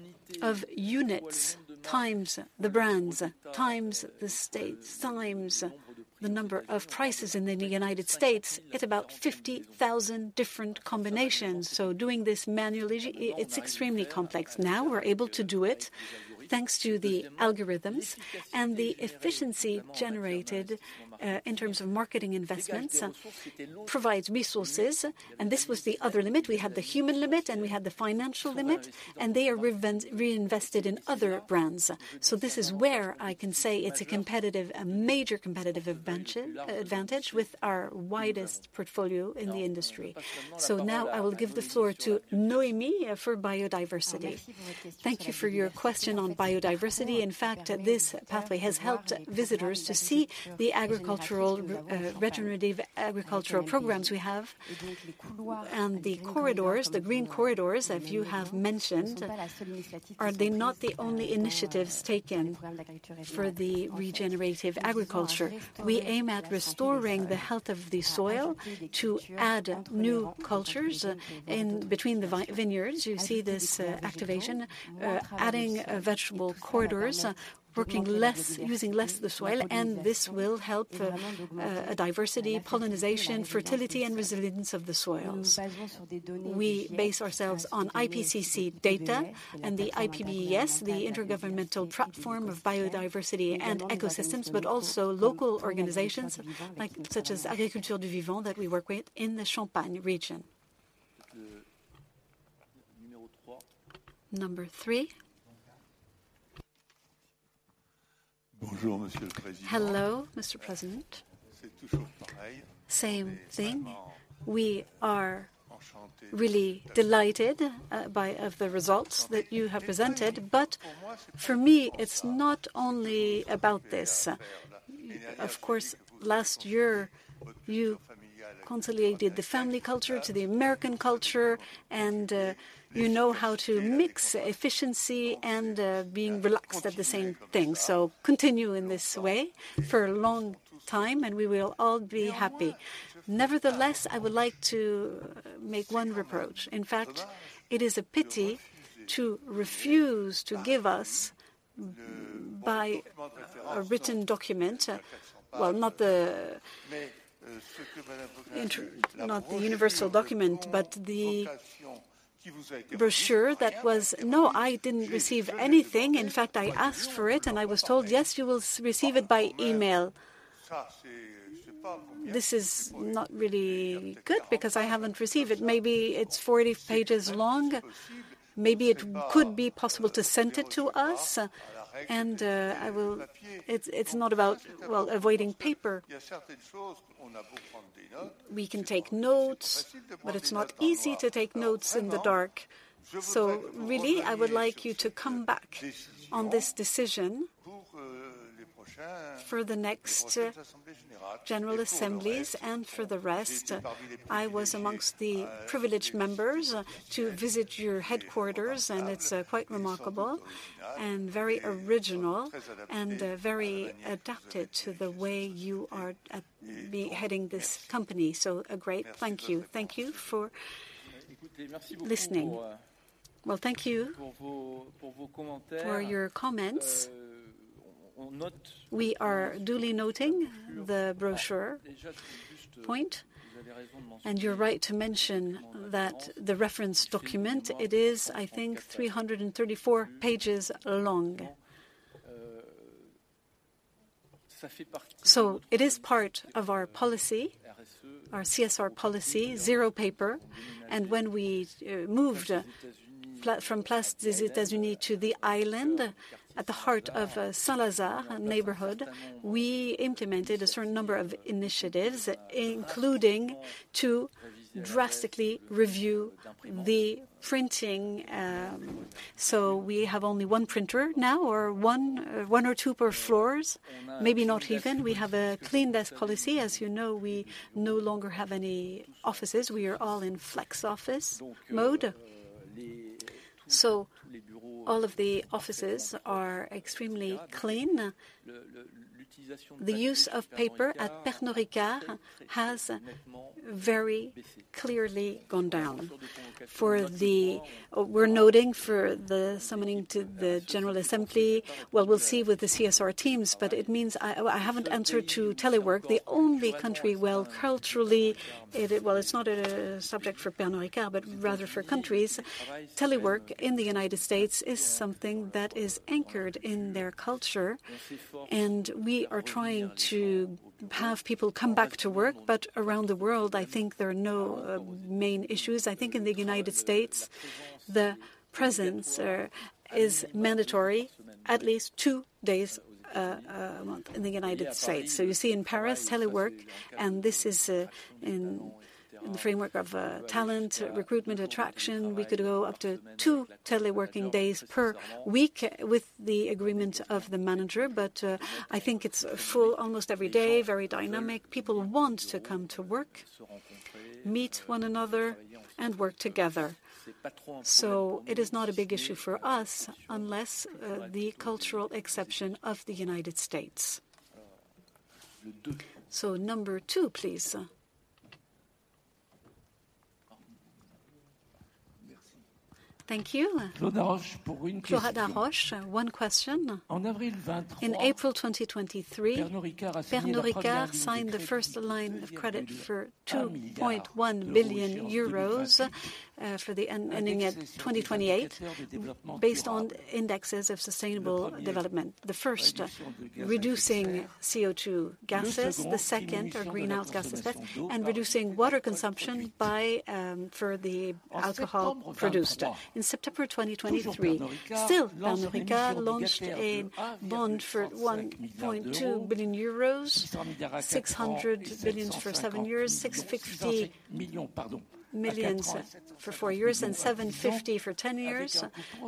of units, times the brands, times the states, times the number of prices in the United States, it's about 50,000 different combinations, so doing this manually, it's extremely complex. Now, we're able to do it thanks to the algorithms, and the efficiency generated in terms of marketing investments, provides resources, and this was the other limit. We had the human limit, and we had the financial limit, and they are reinvest, reinvested in other brands. So this is where I can say it's a competitive, a major competitive advantage, advantage with our widest portfolio in the industry. So now I will give the floor to Noémie for biodiversity. Thank you for your question on biodiversity. In fact, this pathway has helped visitors to see the agricultural regenerative agricultural programs we have. And the corridors, the green corridors, as you have mentioned, are they not the only initiatives taken for the regenerative agriculture? We aim at restoring the health of the soil, to add new cultures in between the vineyards. You see this, activation, adding, vegetable corridors, working less, using less the soil, and this will help, diversity, pollination, fertility, and resilience of the soils. We base ourselves on IPCC data and the IPBES, the Intergovernmental Platform of Biodiversity and Ecosystems, but also local organizations, like, such as Agriculture du Vivant, that we work with in the Champagne region. Number three. Hello, Mr. President. Same thing, we are really delighted by the results that you have presented. But for me, it's not only about this. Of course, last year you consolidated the family culture to the American culture, and, you know how to mix efficiency and, being relaxed at the same thing, so continue in this way for a long time, and we will all be happy. Nevertheless, I would like to make one reproach. In fact, it is a pity to refuse to give us by a written document, well, not the Universal Document, but the brochure that was. No, I didn't receive anything. In fact, I asked for it, and I was told, "Yes, you will receive it by email." This is not really good, because I haven't received it. Maybe it's 40 pages long. Maybe it could be possible to send it to us, and I will. It's not about, well, avoiding paper. We can take notes, but it's not easy to take notes in the dark. So really, I would like you to come back on this decision for the next general assemblies. For the rest, I was amongst the privileged members to visit your headquarters, and it's quite remarkable and very original, and very adapted to the way you are heading this company. So a great thank you. Thank you for listening. Well, thank you for your comments. We are duly noting the brochure point, and you're right to mention that the reference document, it is, I think, 334 pages long. So it is part of our policy, our CSR policy, zero paper, and when we moved from Place des États-Unis to the island at the heart of Saint-Lazare neighborhood, we implemented a certain number of initiatives, including to drastically review the printing. So we have only one printer now, or one or two per floor, maybe not even. We have a clean desk policy. As you know, we no longer have any offices. We are all in flex office mode. So all of the offices are extremely clean. The use of paper at Pernod Ricard has very clearly gone down. For the, we're noting for the summoning to the general assembly, well, we'll see with the CSR teams, but it means I, oh, I haven't answered to telework. The only country where culturally it- well, it's not a subject for Pernod Ricard, but rather for countries, telework in the United States is something that is anchored in their culture, and we are trying to have people come back to work. But around the world, I think there are no main issues. I think in the United States, the presence is mandatory at least two days a month in the United States. So you see in Paris, telework, and this is, in, in the framework of, talent recruitment attraction, we could go up to two teleworking days per week with the agreement of the manager. But, I think it's full almost every day, very dynamic. People want to come to work, meet one another, and work together. So it is not a big issue for us unless, the cultural exception of the United States. So number two, please. Thank you. Claude Haroche, one question. In April 2023, Pernod Ricard signed the first line of credit for 2.1 billion euros, for the ending at 2028, based on indexes of sustainable development. The first, reducing CO2 gases; the second, our greenhouse gas effect, and reducing water consumption by for the alcohol produced. In September 2023, still, Pernod Ricard launched a bond for 1.2 billion euros, 600 million for seven years, 650 million for four years, and 750 million for ten years,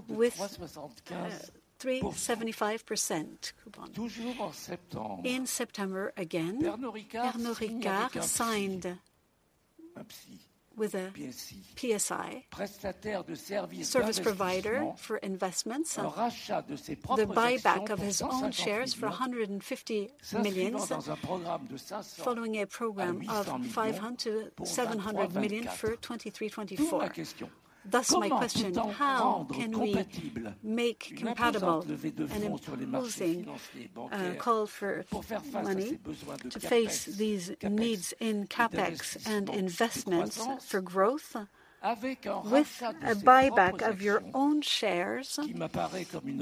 with 3.75% coupon. In September again, Pernod Ricard signed with a PSI, service provider for investments, the buyback of his own shares for 150 million, following a program of 500 million-700 million for 2023-2024. Thus my question, How can we make compatible an imposing call for money to face these needs in CapEx and investments for growth, with a buyback of your own shares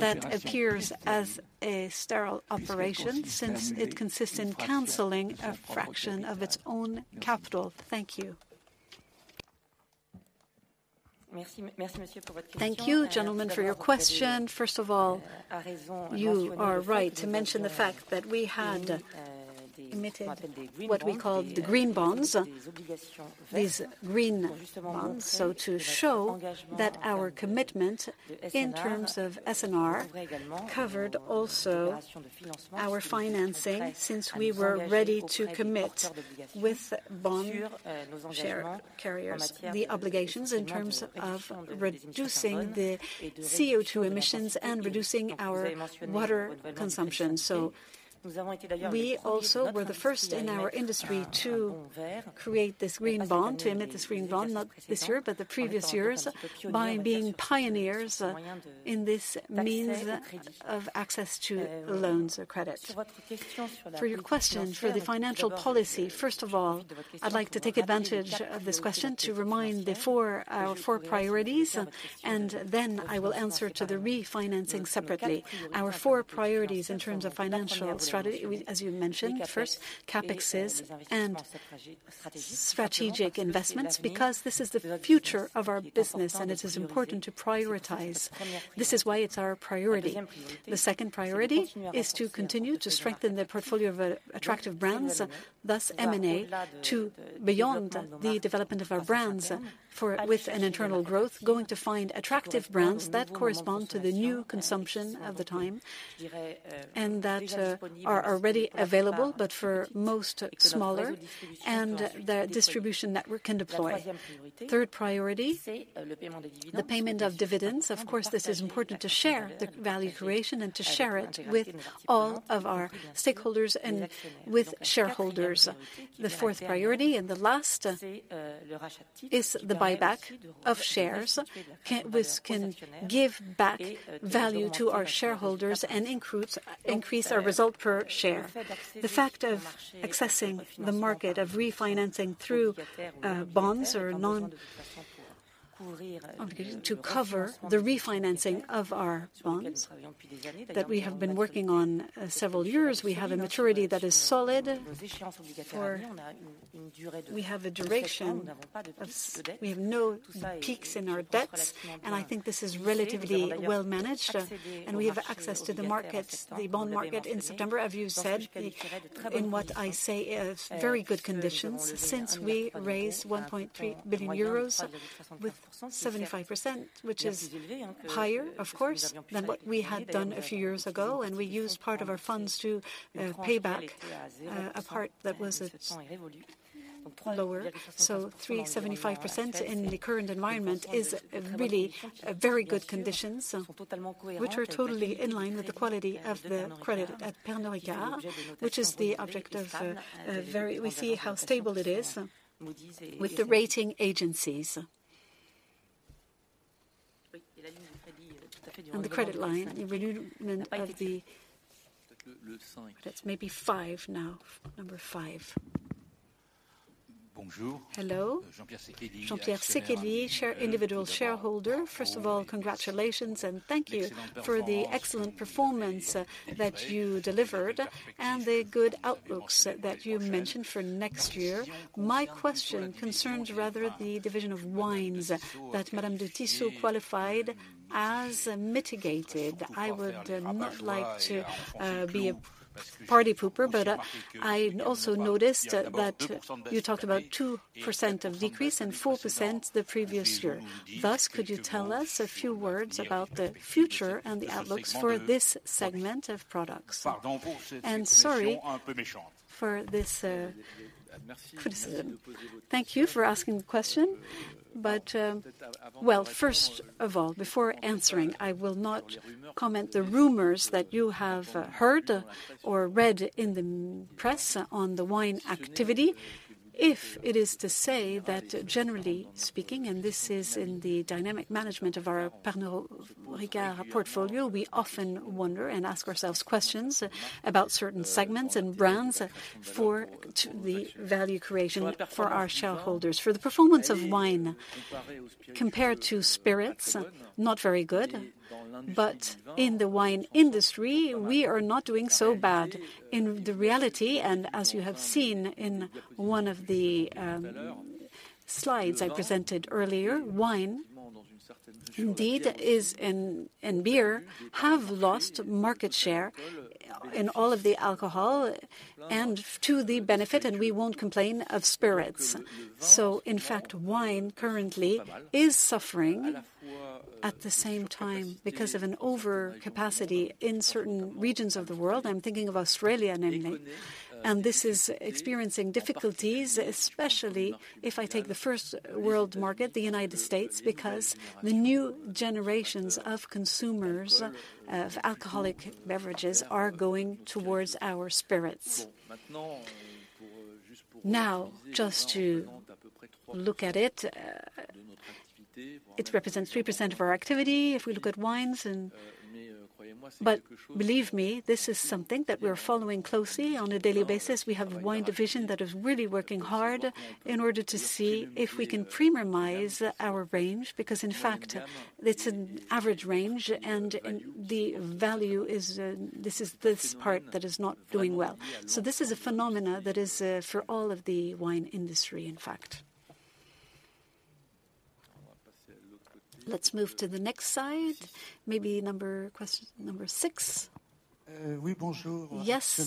that appears as a sterile operation, since it consists in canceling a fraction of its own capital? Thank you. Thank you, gentleman, for your question. First of all, you are right to mention the fact that we had emitted what we call the green bonds, these green bonds. So to show that our commitment in terms of S&R covered also our financing, since we were ready to commit with bond share carriers, the obligations in terms of reducing the CO2 emissions and reducing our water consumption. So we also were the first in our industry to create this green bond, to emit this green bond, not this year, but the previous years, by being pioneers, in this means of access to loans or credits. For your question for the financial policy, first of all, I'd like to take advantage of this question to remind the four, our four priorities, and then I will answer to the refinancing separately. Our four priorities in terms of financial strategy, we, as you mentioned, first, CapEx and strategic investments, because this is the future of our business, and it is important to prioritize. This is why it's our priority. The second priority is to continue to strengthen the portfolio of attractive brands, thus M&A, to beyond the development of our brands with an internal growth, going to find attractive brands that correspond to the new consumption of the time, and that are already available, but for most smaller, and the distribution network can deploy. Third priority, the payment of dividends. Of course, this is important to share the value creation and to share it with all of our stakeholders and with shareholders. The fourth priority, and the last, is the buyback of shares, which can give back value to our shareholders and increase our result per share. The fact of accessing the market, of refinancing through bonds or obligations to cover the refinancing of our bonds, that we have been working on several years. We have a maturity that is solid we have a duration of, we have no peaks in our debts, and I think this is relatively well managed, and we have access to the market, the bond market in September, as you said, in what I say is very good conditions, since we raised 1.3 billion euros with 75%, which is higher, of course, than what we had done a few years ago, and we used part of our funds to pay back a part that was lower. So 3.75% in the current environment is really very good conditions, which are totally in line with the quality of the credit at Pernod Ricard, which is the object of very we see how stable it is with the rating agencies. On the credit line, the redevelopment of the, that's maybe five now, number five. Bonjour. Hello. Jean-Pierre Sekely, shareholder, individual shareholder. First of all, congratulations and thank you for the excellent performance that you delivered, and the good outlooks that you mentioned for next year. My question concerns rather the division of wines that Madame Tissot qualified as mitigated. I would not like to be a party pooper, but I also noticed that you talked about 2% decrease and 4% the previous year. Thus, could you tell us a few words about the future and the outlooks for this segment of products? And sorry for this. Thank you for asking the question. But, well, first of all, before answering, I will not comment the rumors that you have heard or read in the press on the wine activity. If it is to say that, generally speaking, and this is in the dynamic management of our Pernod Ricard portfolio, we often wonder and ask ourselves questions about certain segments and brands for the value creation for our shareholders. For the performance of wine compared to spirits, not very good, but in the wine industry, we are not doing so bad. In reality, and as you have seen in one of the slides I presented earlier, wine indeed is, and beer, have lost market share in all of the alcohol and to the benefit, and we won't complain, of spirits. So in fact, wine currently is suffering at the same time because of an overcapacity in certain regions of the world. I'm thinking of Australia, namely. This is experiencing difficulties, especially if I take the first world market, the United States, because the new generations of consumers of alcoholic beverages are going towards our spirits. Now, just to look at it, it represents 3% of our activity if we look at wines and. But believe me, this is something that we're following closely on a daily basis. We have a wine division that is really working hard in order to see if we can premiumize our range, because, in fact, it's an average range, and, and the value is, this is this part that is not doing well. So this is a phenomenon that is, for all of the wine industry, in fact. Let's move to the next slide. Maybe number, question number six. Yes.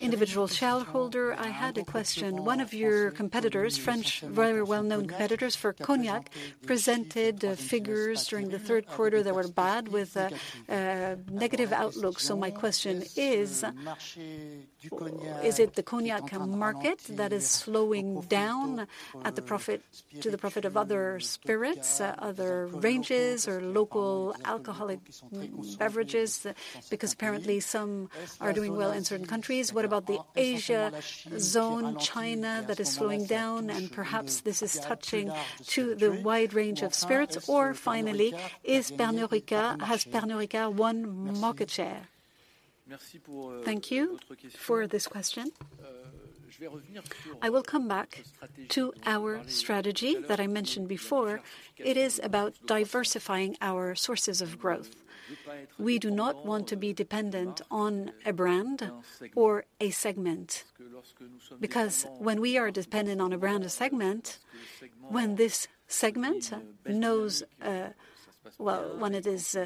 Individual shareholder. I had a question. One of your competitors, French, very well-known competitors for cognac, presented figures during the third quarter that were bad with negative outlook. So my question is: Is it the cognac market that is slowing down at the profit, to the profit of other spirits, other ranges or local alcoholic beverages? Because apparently some are doing well in certain countries. What about the Asia zone, China, that is slowing down, and perhaps this is touching to the wide range of spirits? Or finally, is Pernod Ricard, has Pernod Ricard won market share? Thank you for this question. I will come back to our strategy that I mentioned before. It is about diversifying our sources of growth. We do not want to be dependent on a brand or a segment, because when we are dependent on a brand or segment, when this segment knows well when it is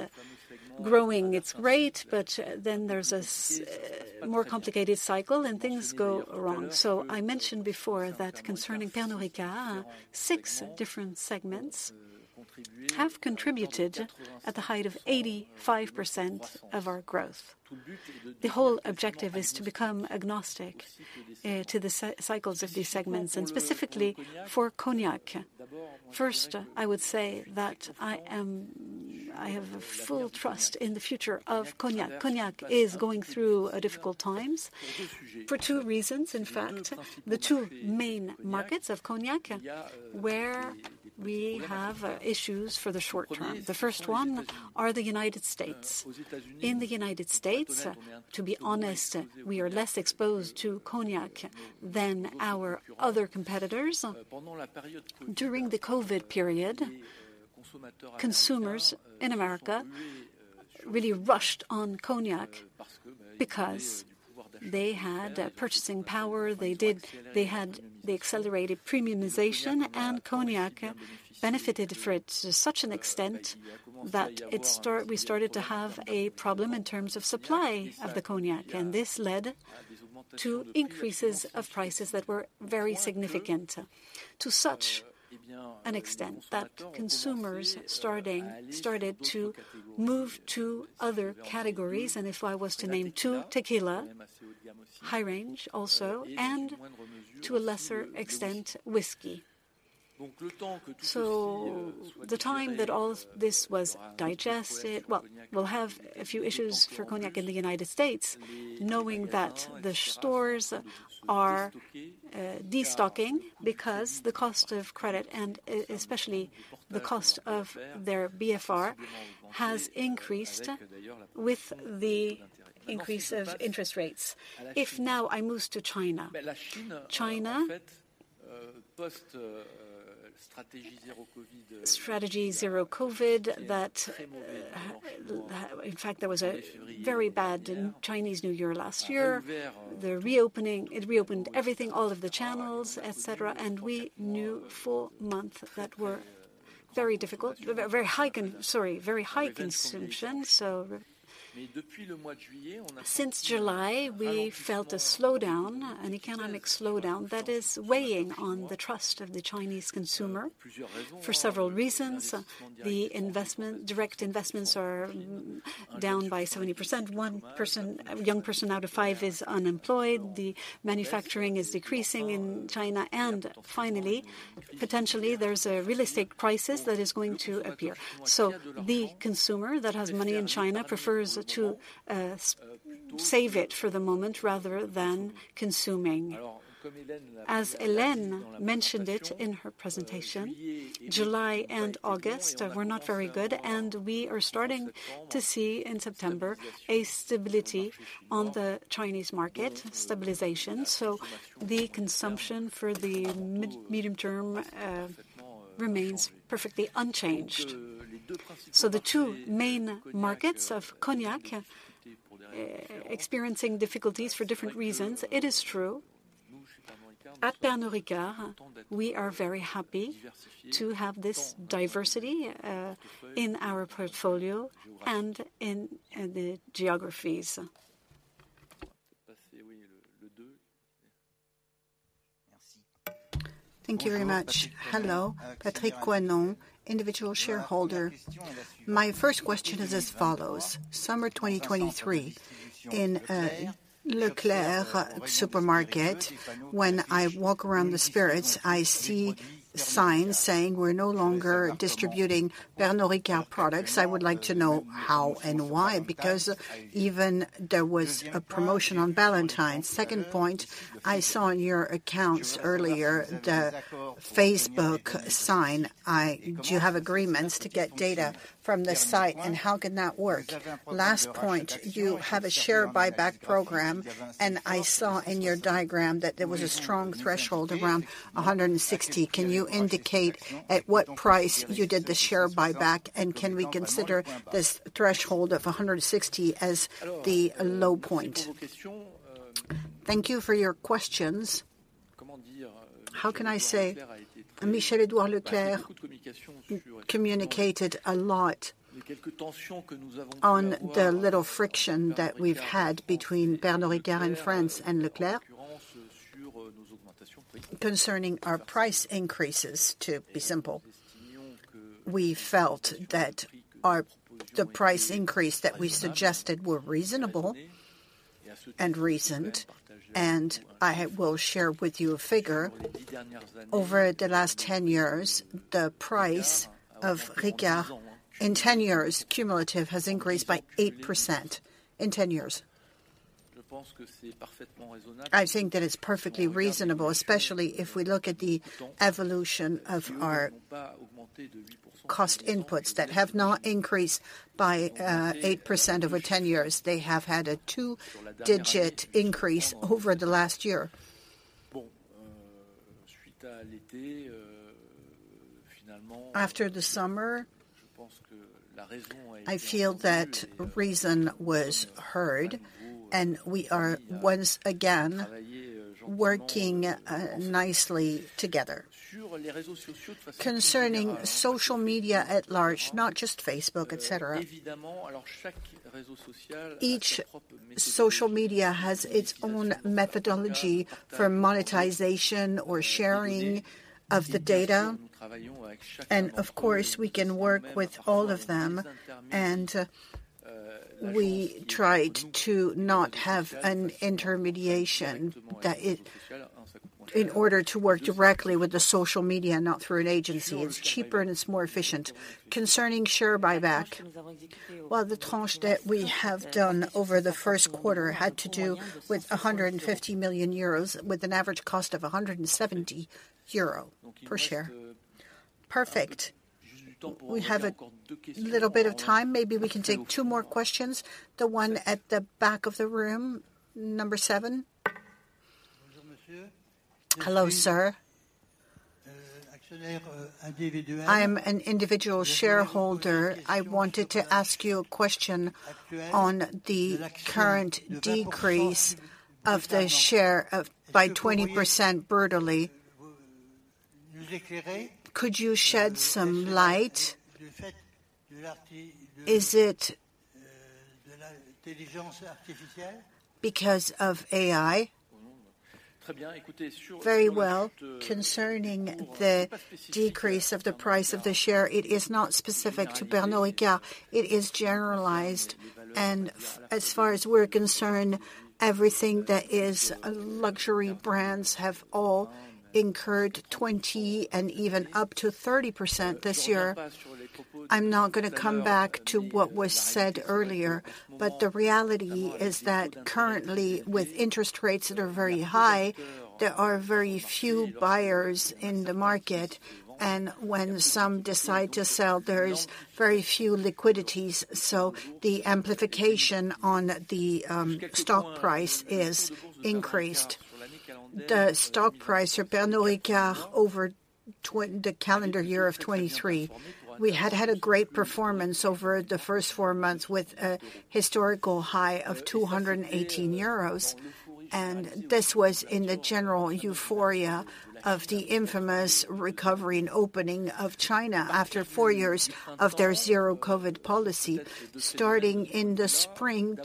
growing, it's great, but then there's a more complicated cycle and things go wrong. So I mentioned before that concerning Pernod Ricard, six different segments have contributed at the height of 85% of our growth. The whole objective is to become agnostic to the cycles of these segments, and specifically for cognac. First, I would say that I have full trust in the future of cognac. Cognac is going through difficult times for two reasons. In fact, the two main markets of cognac, where we have issues for the short term. The first one are the United States. In the United States, to be honest, we are less exposed to cognac than our other competitors. During the COVID period, consumers in America really rushed on cognac because they had purchasing power. They did, they had the accelerated premiumization, and cognac benefited for it to such an extent that we started to have a problem in terms of supply of the cognac, and this led to increases of prices that were very significant. To such an extent that consumers started to move to other categories, and if I was to name two, tequila, high range also, and to a lesser extent, whiskey. So the time that all this was digested, well, we'll have a few issues for Cognac in the United States, knowing that the stores are de-stocking because the cost of credit and especially the cost of their BFR has increased with the increase of interest rates. If now I move to China. China, strategy Zero COVID, that in fact, there was a very bad Chinese New Year last year. The reopening, it reopened everything, all of the channels, et cetera, and we knew four months that were very difficult, very high consumption. So since July, we felt a slowdown, an economic slowdown that is weighing on the trust of the Chinese consumer. For several reasons, the investment, direct investments are down by 70%. One person, a young person out of five is unemployed, the manufacturing is decreasing in China, and finally, potentially, there's a real estate crisis that is going to appear. So the consumer that has money in China prefers to save it for the moment, rather than consuming. As Hélène mentioned it in her presentation, July and August were not very good, and we are starting to see in September a stability on the Chinese market, stabilization, so the consumption for the medium term remains perfectly unchanged. So the two main markets of Cognac experiencing difficulties for different reasons. It is true, at Pernod Ricard, we are very happy to have this diversity in our portfolio and in the geographies. Thank you very much. Hello, Patrick Coenon, individual shareholder. My first question is as follows, Summer 2023, in Leclerc supermarket, when I walk around the spirits, I see signs saying, "We're no longer distributing Pernod Ricard products." I would like to know how and why, because even there was a promotion on Valentine. Second point, I saw in your accounts earlier, the Facebook sign. Do you have agreements to get data from the site, and how can that work? Last point, you have a share buyback program, and I saw in your diagram that there was a strong threshold around 160. Can you indicate at what price you did the share buyback, and can we consider this threshold of 160 as the low point? Thank you for your questions. How can I say? Michel-Edouard Leclerc communicated a lot on the little friction that we've had between Pernod Ricard in France and Leclerc concerning our price increases, to be simple. We felt that the price increase that we suggested were reasonable and reasoned, and I will share with you a figure. Over the last 10 years, the price of Ricard, in 10 years, cumulative, has increased by 8%, in 10 years. I think that it's perfectly reasonable, especially if we look at the evolution of our cost inputs that have not increased by 8% over 10 years. They have had a two-digit increase over the last year. After the summer, I feel that reason was heard, and we are once again working nicely together. Concerning social media at large, not just Facebook, et cetera, each social media has its own methodology for monetization or sharing of the data, and of course, we can work with all of them. And, we tried to not have an intermediation, in order to work directly with the social media, not through an agency. It's cheaper and it's more efficient. Concerning share buyback, well, the tranche that we have done over the first quarter had to do with 150 million euros, with an average cost of 170 euro per share. Perfect. We have a little bit of time. Maybe we can take two more questions. The one at the back of the room, number seven. Hello, sir. I am an individual shareholder. I wanted to ask you a question on the current decrease of the share price 20% brutally. Could you shed some light? Is it because of AI? Very well. Concerning the decrease of the price of the share, it is not specific to Pernod Ricard, it is generalized. As far as we're concerned, everything that is, luxury brands have all incurred 20% and even up to 30% this year. I'm not gonna come back to what was said earlier, but the reality is that currently, with interest rates that are very high, there are very few buyers in the market. When some decide to sell, there's very few liquidities, so the amplification on the stock price is increased. The stock price for Pernod Ricard over the calendar year of 2023, we had had a great performance over the first 4 months, with a historical high of 218 euros, and this was in the general euphoria of the infamous recovery and opening of China after 4 years of their Zero COVID policy. Starting in the spring,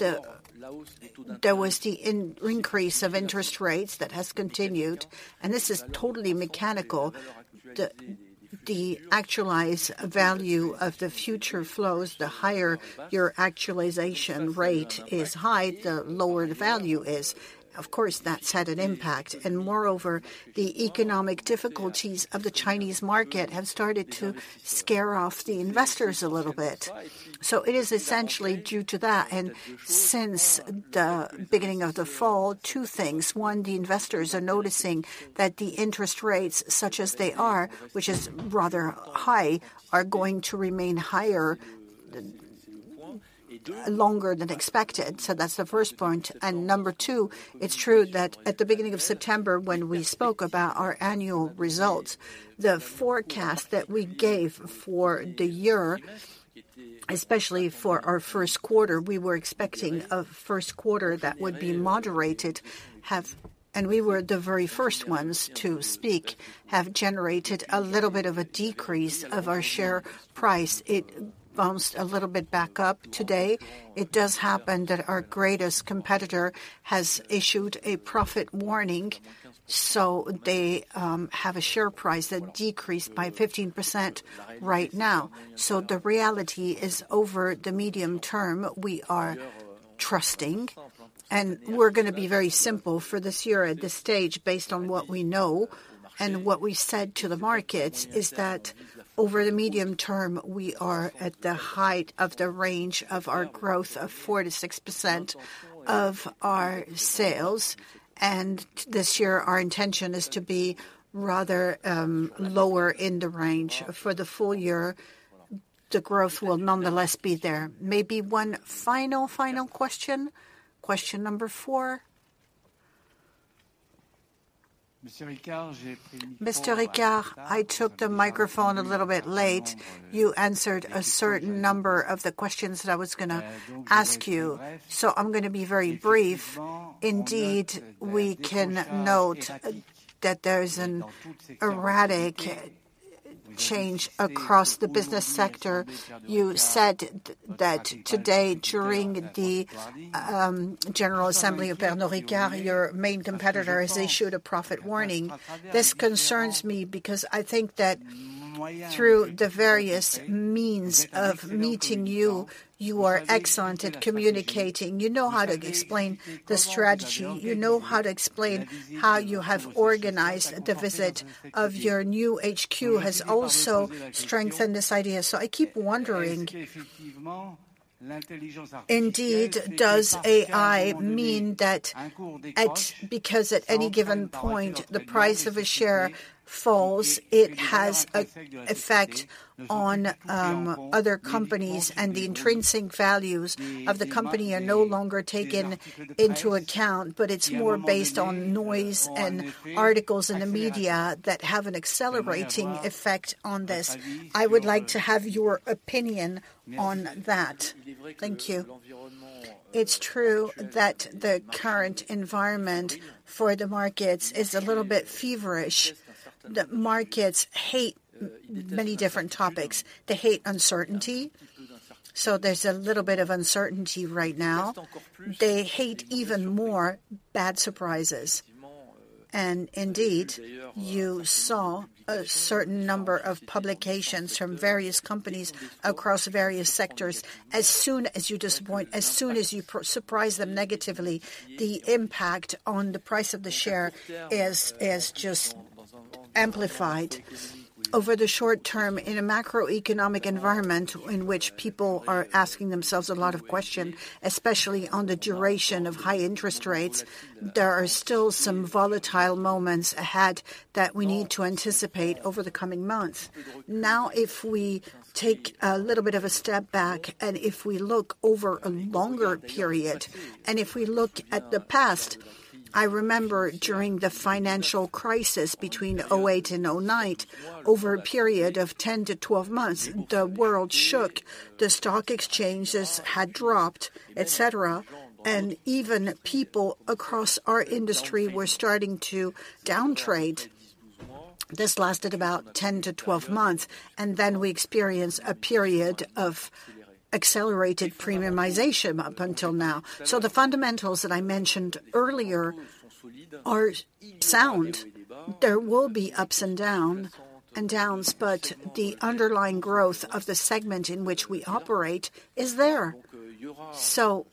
there was the increase of interest rates that has continued, and this is totally mechanical. The actualized value of the future flows, the higher your actualization rate is high, the lower the value is. Of course, that's had an impact, and moreover, the economic difficulties of the Chinese market have started to scare off the investors a little bit. So it is essentially due to that. Since the beginning of the fall, two things: one, the investors are noticing that the interest rates, such as they are, which is rather high, are going to remain higher than, longer than expected. That's the first point. Number two, it's true that at the beginning of September, when we spoke about our annual results, the forecast that we gave for the year, especially for our first quarter, we were expecting a first quarter that would be moderated, and we were the very first ones to speak, have generated a little bit of a decrease of our share price. It bounced a little bit back up today. It does happen that our greatest competitor has issued a profit warning, so they have a share price that decreased by 15% right now. So the reality is, over the medium term, we are trusting, and we're gonna be very simple for this year at this stage, based on what we know and what we said to the markets, is that over the medium term, we are at the height of the range of our growth of 4%-6% of our sales. And this year, our intention is to be rather, lower in the range. For the full year, the growth will nonetheless be there. Maybe one final, final question. Question number four. Mr. Ricard, I took the microphone a little bit late. You answered a certain number of the questions that I was gonna ask you, so I'm gonna be very brief. Indeed, we can note that there's an erratic change across the business sector. You said that today, during the general assembly of Pernod Ricard, your main competitor has issued a profit warning. This concerns me, because I think that through the various means of meeting you, you are excellent at communicating. You know how to explain the strategy, you know how to explain how you have organized the visit of your new HQ, has also strengthened this idea. So I keep wondering, indeed, does AI mean that because at any given point, the price of a share falls, it has a effect on other companies, and the intrinsic values of the company are no longer taken into account, but it's more based on noise and articles in the media that have an accelerating effect on this. I would like to have your opinion on that. Thank you. It's true that the current environment for the markets is a little bit feverish. The markets hate many different topics. They hate uncertainty, so there's a little bit of uncertainty right now. They hate even more bad surprises. And indeed, you saw a certain number of publications from various companies across various sectors. As soon as you disappoint, as soon as you surprise them negatively, the impact on the price of the share is just amplified. Over the short term, in a macroeconomic environment in which people are asking themselves a lot of question, especially on the duration of high interest rates, there are still some volatile moments ahead that we need to anticipate over the coming months. Now, if we take a little bit of a step back, and if we look over a longer period, and if we look at the past, I remember during the financial crisis between 2008 and 2009, over a period of 10-12 months, the world shook, the stock exchanges had dropped, et cetera, and even people across our industry were starting to down trade. This lasted about 10-12 months, and then we experienced a period of accelerated premiumization up until now. So the fundamentals that I mentioned earlier are sound. There will be ups and down, and downs, but the underlying growth of the segment in which we operate is there. So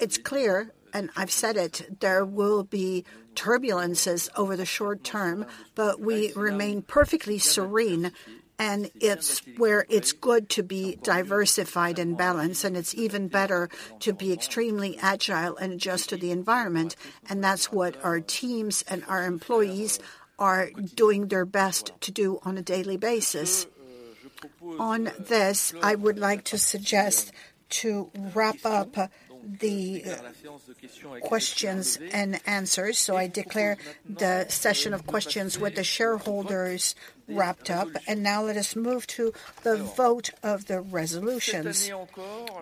it's clear, and I've said it, there will be turbulences over the short term, but we remain perfectly serene, and it's where it's good to be diversified and balanced, and it's even better to be extremely agile and adjust to the environment, and that's what our teams and our employees are doing their best to do on a daily basis. On this, I would like to suggest to wrap up the questions and answers. So I declare the session of questions with the shareholders wrapped up, and now let us move to the vote of the resolutions.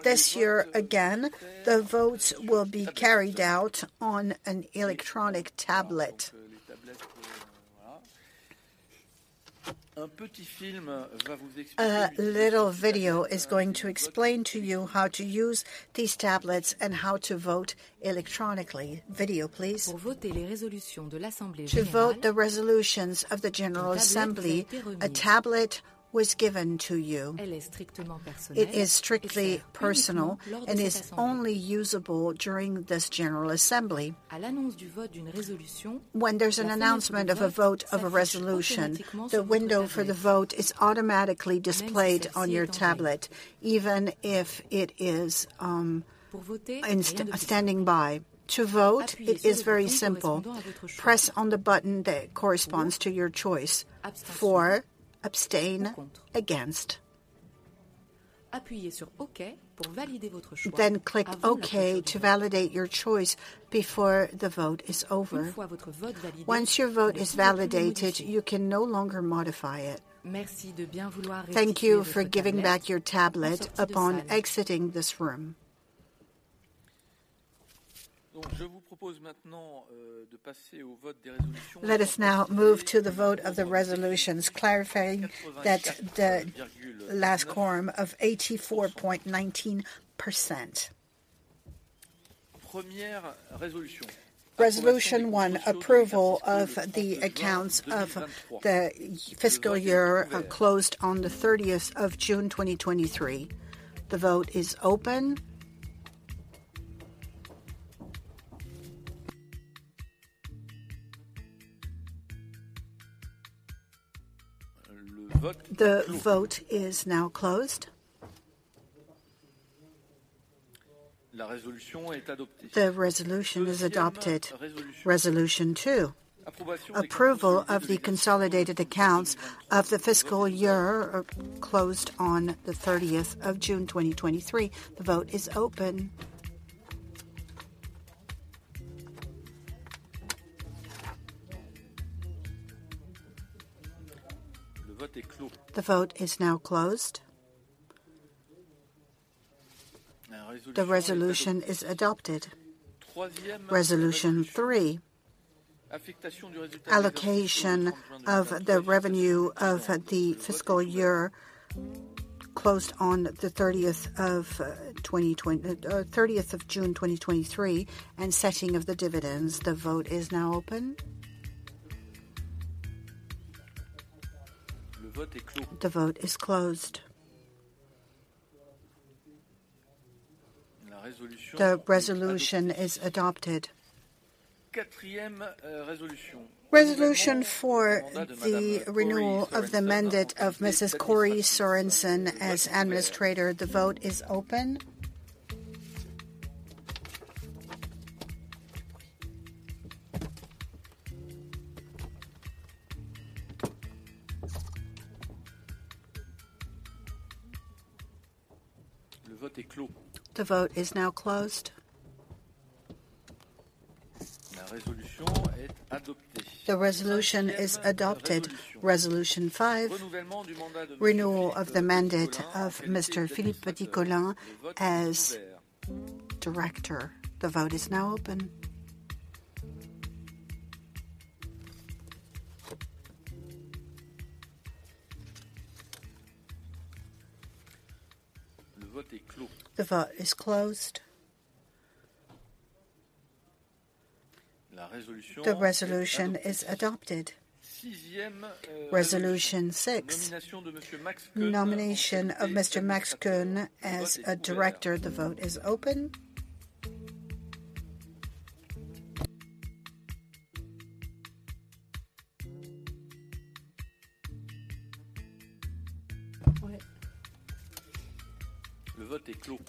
This year, again, the votes will be carried out on an electronic tablet. A little video is going to explain to you how to use these tablets and how to vote electronically. Video, please. To vote the resolutions of the general assembly, a tablet was given to you. It is strictly personal and is only usable during this general assembly. When there's an announcement of a vote of a resolution, the window for the vote is automatically displayed on your tablet, even if it is instantly standing by. To vote, it is very simple, Press on the button that corresponds to your choice. For, abstain, against. Then click Okay to validate your choice before the vote is over. Once your vote is validated, you can no longer modify it. Thank you for giving back your tablet upon exiting this room. Let us now move to the vote of the resolutions, clarifying that the last quorum of 84.19%. Resolution 1, approval of the accounts of the fiscal year closed on the 30 June 2023. The vote is open. The vote is now closed. The resolution is adopted. Resolution 2, approval of the consolidated accounts of the fiscal year closed on the 30 June 2023. The vote is open. The vote is now closed. The resolution is adopted. Resolution 3, allocation of the revenue of the fiscal year closed on the 30 June 2023, and setting of the dividends. The vote is now open. The vote is closed. The resolution is adopted. Resolution four, the renewal of the mandate of Mrs. Kory Sorenson as administrator. The vote is open. The vote is now closed. The resolution is adopted. Resolution 5, renewal of the mandate of Mr. Philippe Petitcolin as director. The vote is now open. The vote is closed. The resolution is adopted. Resolution 6, nomination of Mr. Max Koeune as a director. The vote is open.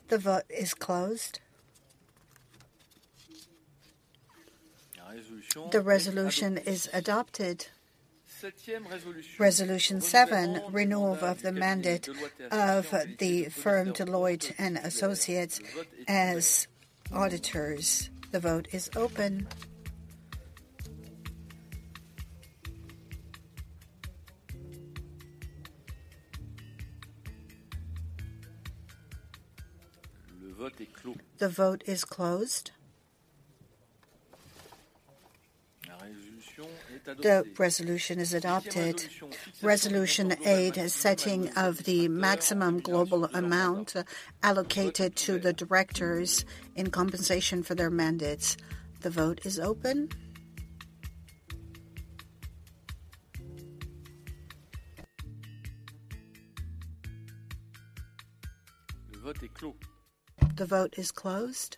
The vote is closed. The resolution is adopted. Resolution 7, renewal of the mandate of the firm Deloitte & Associés as auditors. The vote is open. The vote is closed. The resolution is adopted. Resolution 8, setting of the maximum global amount allocated to the directors in compensation for their mandates. The vote is open. The vote is closed.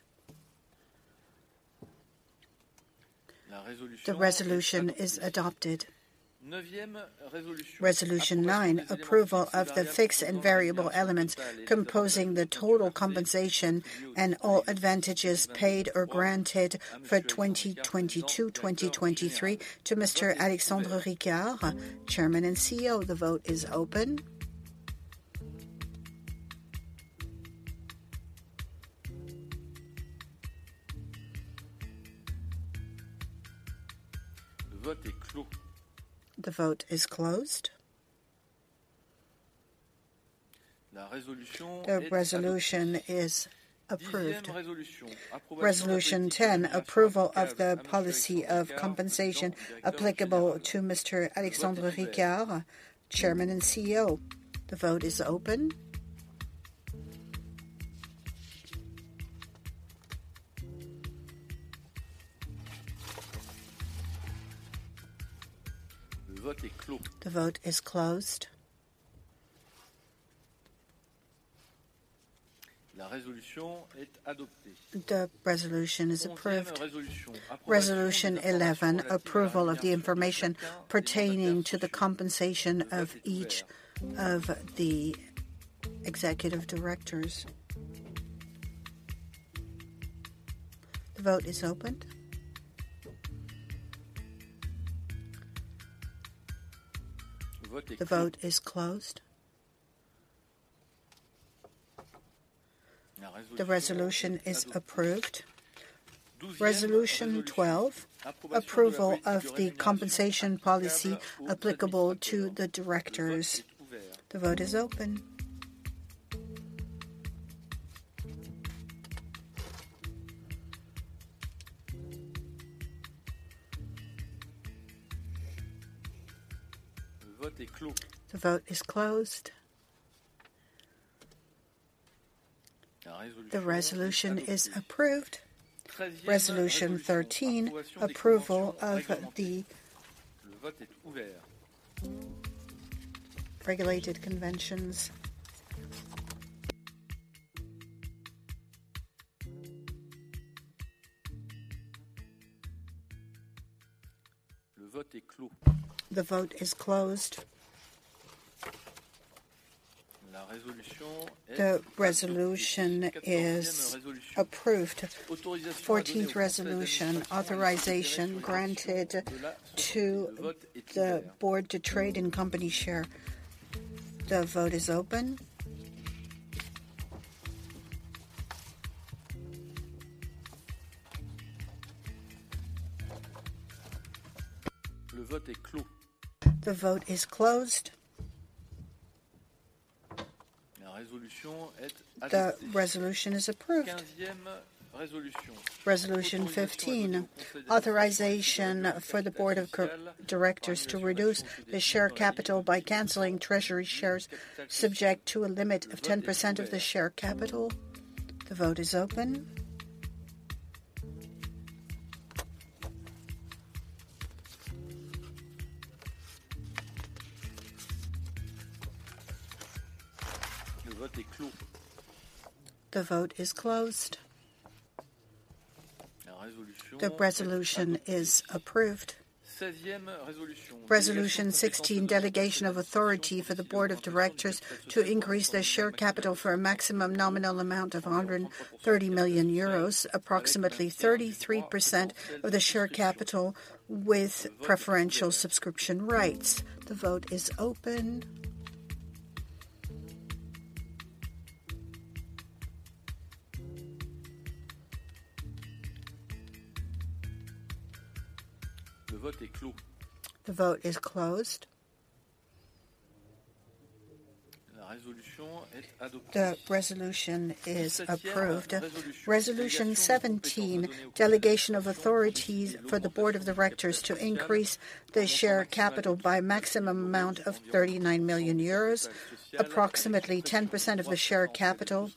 The resolution is adopted. Resolution 9, approval of the fixed and variable elements composing the total compensation and all advantages paid or granted for 2022, 2023 to Mr. Alexandre Ricard, Chairman and CEO. The vote is open. The vote is closed. The resolution is approved. Resolution 10, approval of the policy of compensation applicable to Mr. Alexandre Ricard, Chairman and CEO. The vote is open. The vote is closed. The resolution is approved. Resolution 11, approval of the information pertaining to the compensation of each of the executive directors. The vote is opened. The vote is closed. The resolution is approved. Resolution 12, approval of the compensation policy applicable to the directors. The vote is open. The vote is closed. The resolution is approved. Resolution 13, approval of the related-party agreements. The vote is closed. The resolution is approved. Resolution 14, authorization granted to the board to trade in company shares. The vote is open. The vote is closed. The resolution is approved. Resolution 15, authorization for the board of directors to reduce the share capital by canceling treasury shares subject to a limit of 10% of the share capital. The vote is open. The vote is closed. The resolution is approved. Resolution 16, delegation of authority for the board of directors to increase their share capital for a maximum nominal amount of 130 million euros, approximately 33% of the share capital. The vote is open. The vote is closed. The resolution is approved. Resolution 17, delegation of authority for the board of directors to increase the share capital by a maximum amount of 39 million euros, approximately 10% of the share capital,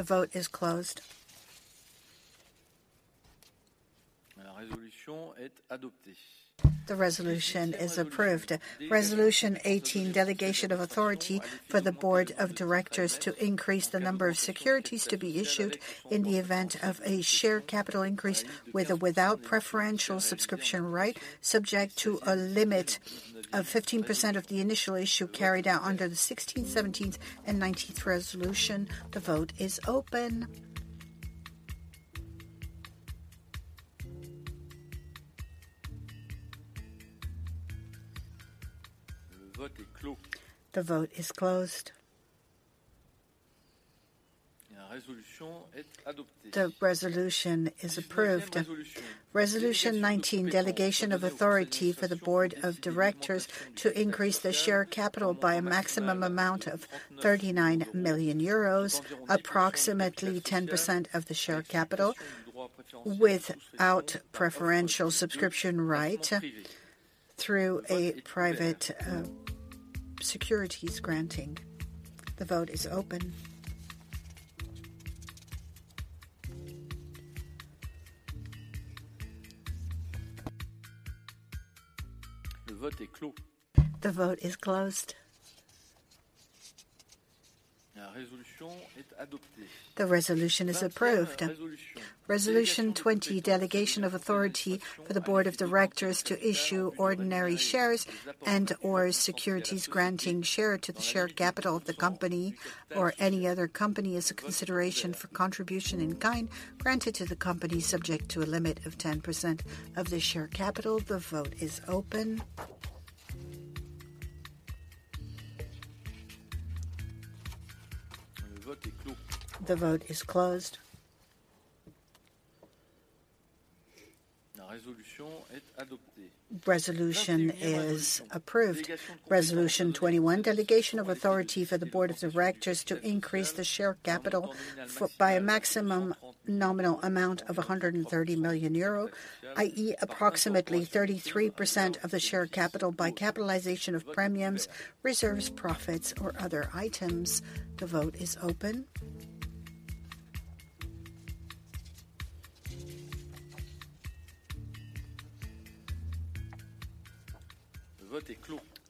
without preferential subscription right as part of a public offer. The vote is open. The vote is closed. The resolution is approved. Resolution 18, delegation of authority for the board of directors to increase the number of securities to be issued in the event of a share capital increase, with or without preferential subscription right, subject to a limit of 15% of the initial issue carried out under the 16th, 17th, and 19th resolution. The vote is open. The vote is closed. The resolution is approved. Resolution 19, delegation of authority for the Board of Directors to increase the share capital by a maximum amount of 39 million euros, approximately 10% of the share capital, without preferential subscription right through a private, securities granting. The vote is open. The vote is closed. The resolution is approved. Resolution 20, delegation of authority for the Board of Directors to issue ordinary shares and/or securities granting shares to the share capital of the company or any other company as a consideration for contribution in kind granted to the company, subject to a limit of 10% of the share capital. The vote is open. The vote is closed. Resolution is approved. Resolution 21, delegation of authority for the Board of Directors to increase the share capital by a maximum nominal amount of 130 million euro, i.e., approximately 33% of the share capital by capitalization of premiums, reserves, profits, or other items. The vote is open.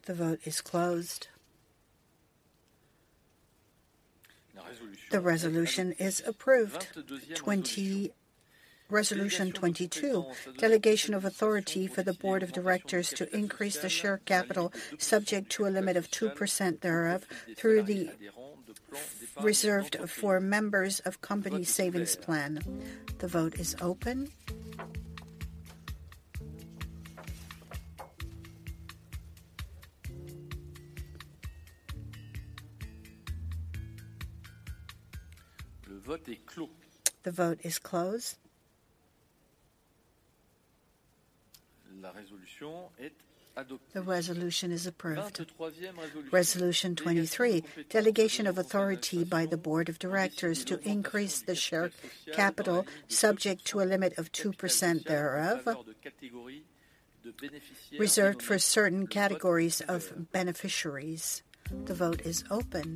The vote is closed. The resolution is approved. Resolution 22, delegation of authority for the Board of Directors to increase the share capital, subject to a limit of 2% thereof, through the reserved for members of company savings plan. The vote is open. The vote is closed. The resolution is approved. Resolution 23, delegation of authority by the Board of Directors to increase the share capital, subject to a limit of 2% thereof, reserved for certain categories of beneficiaries. The vote is open.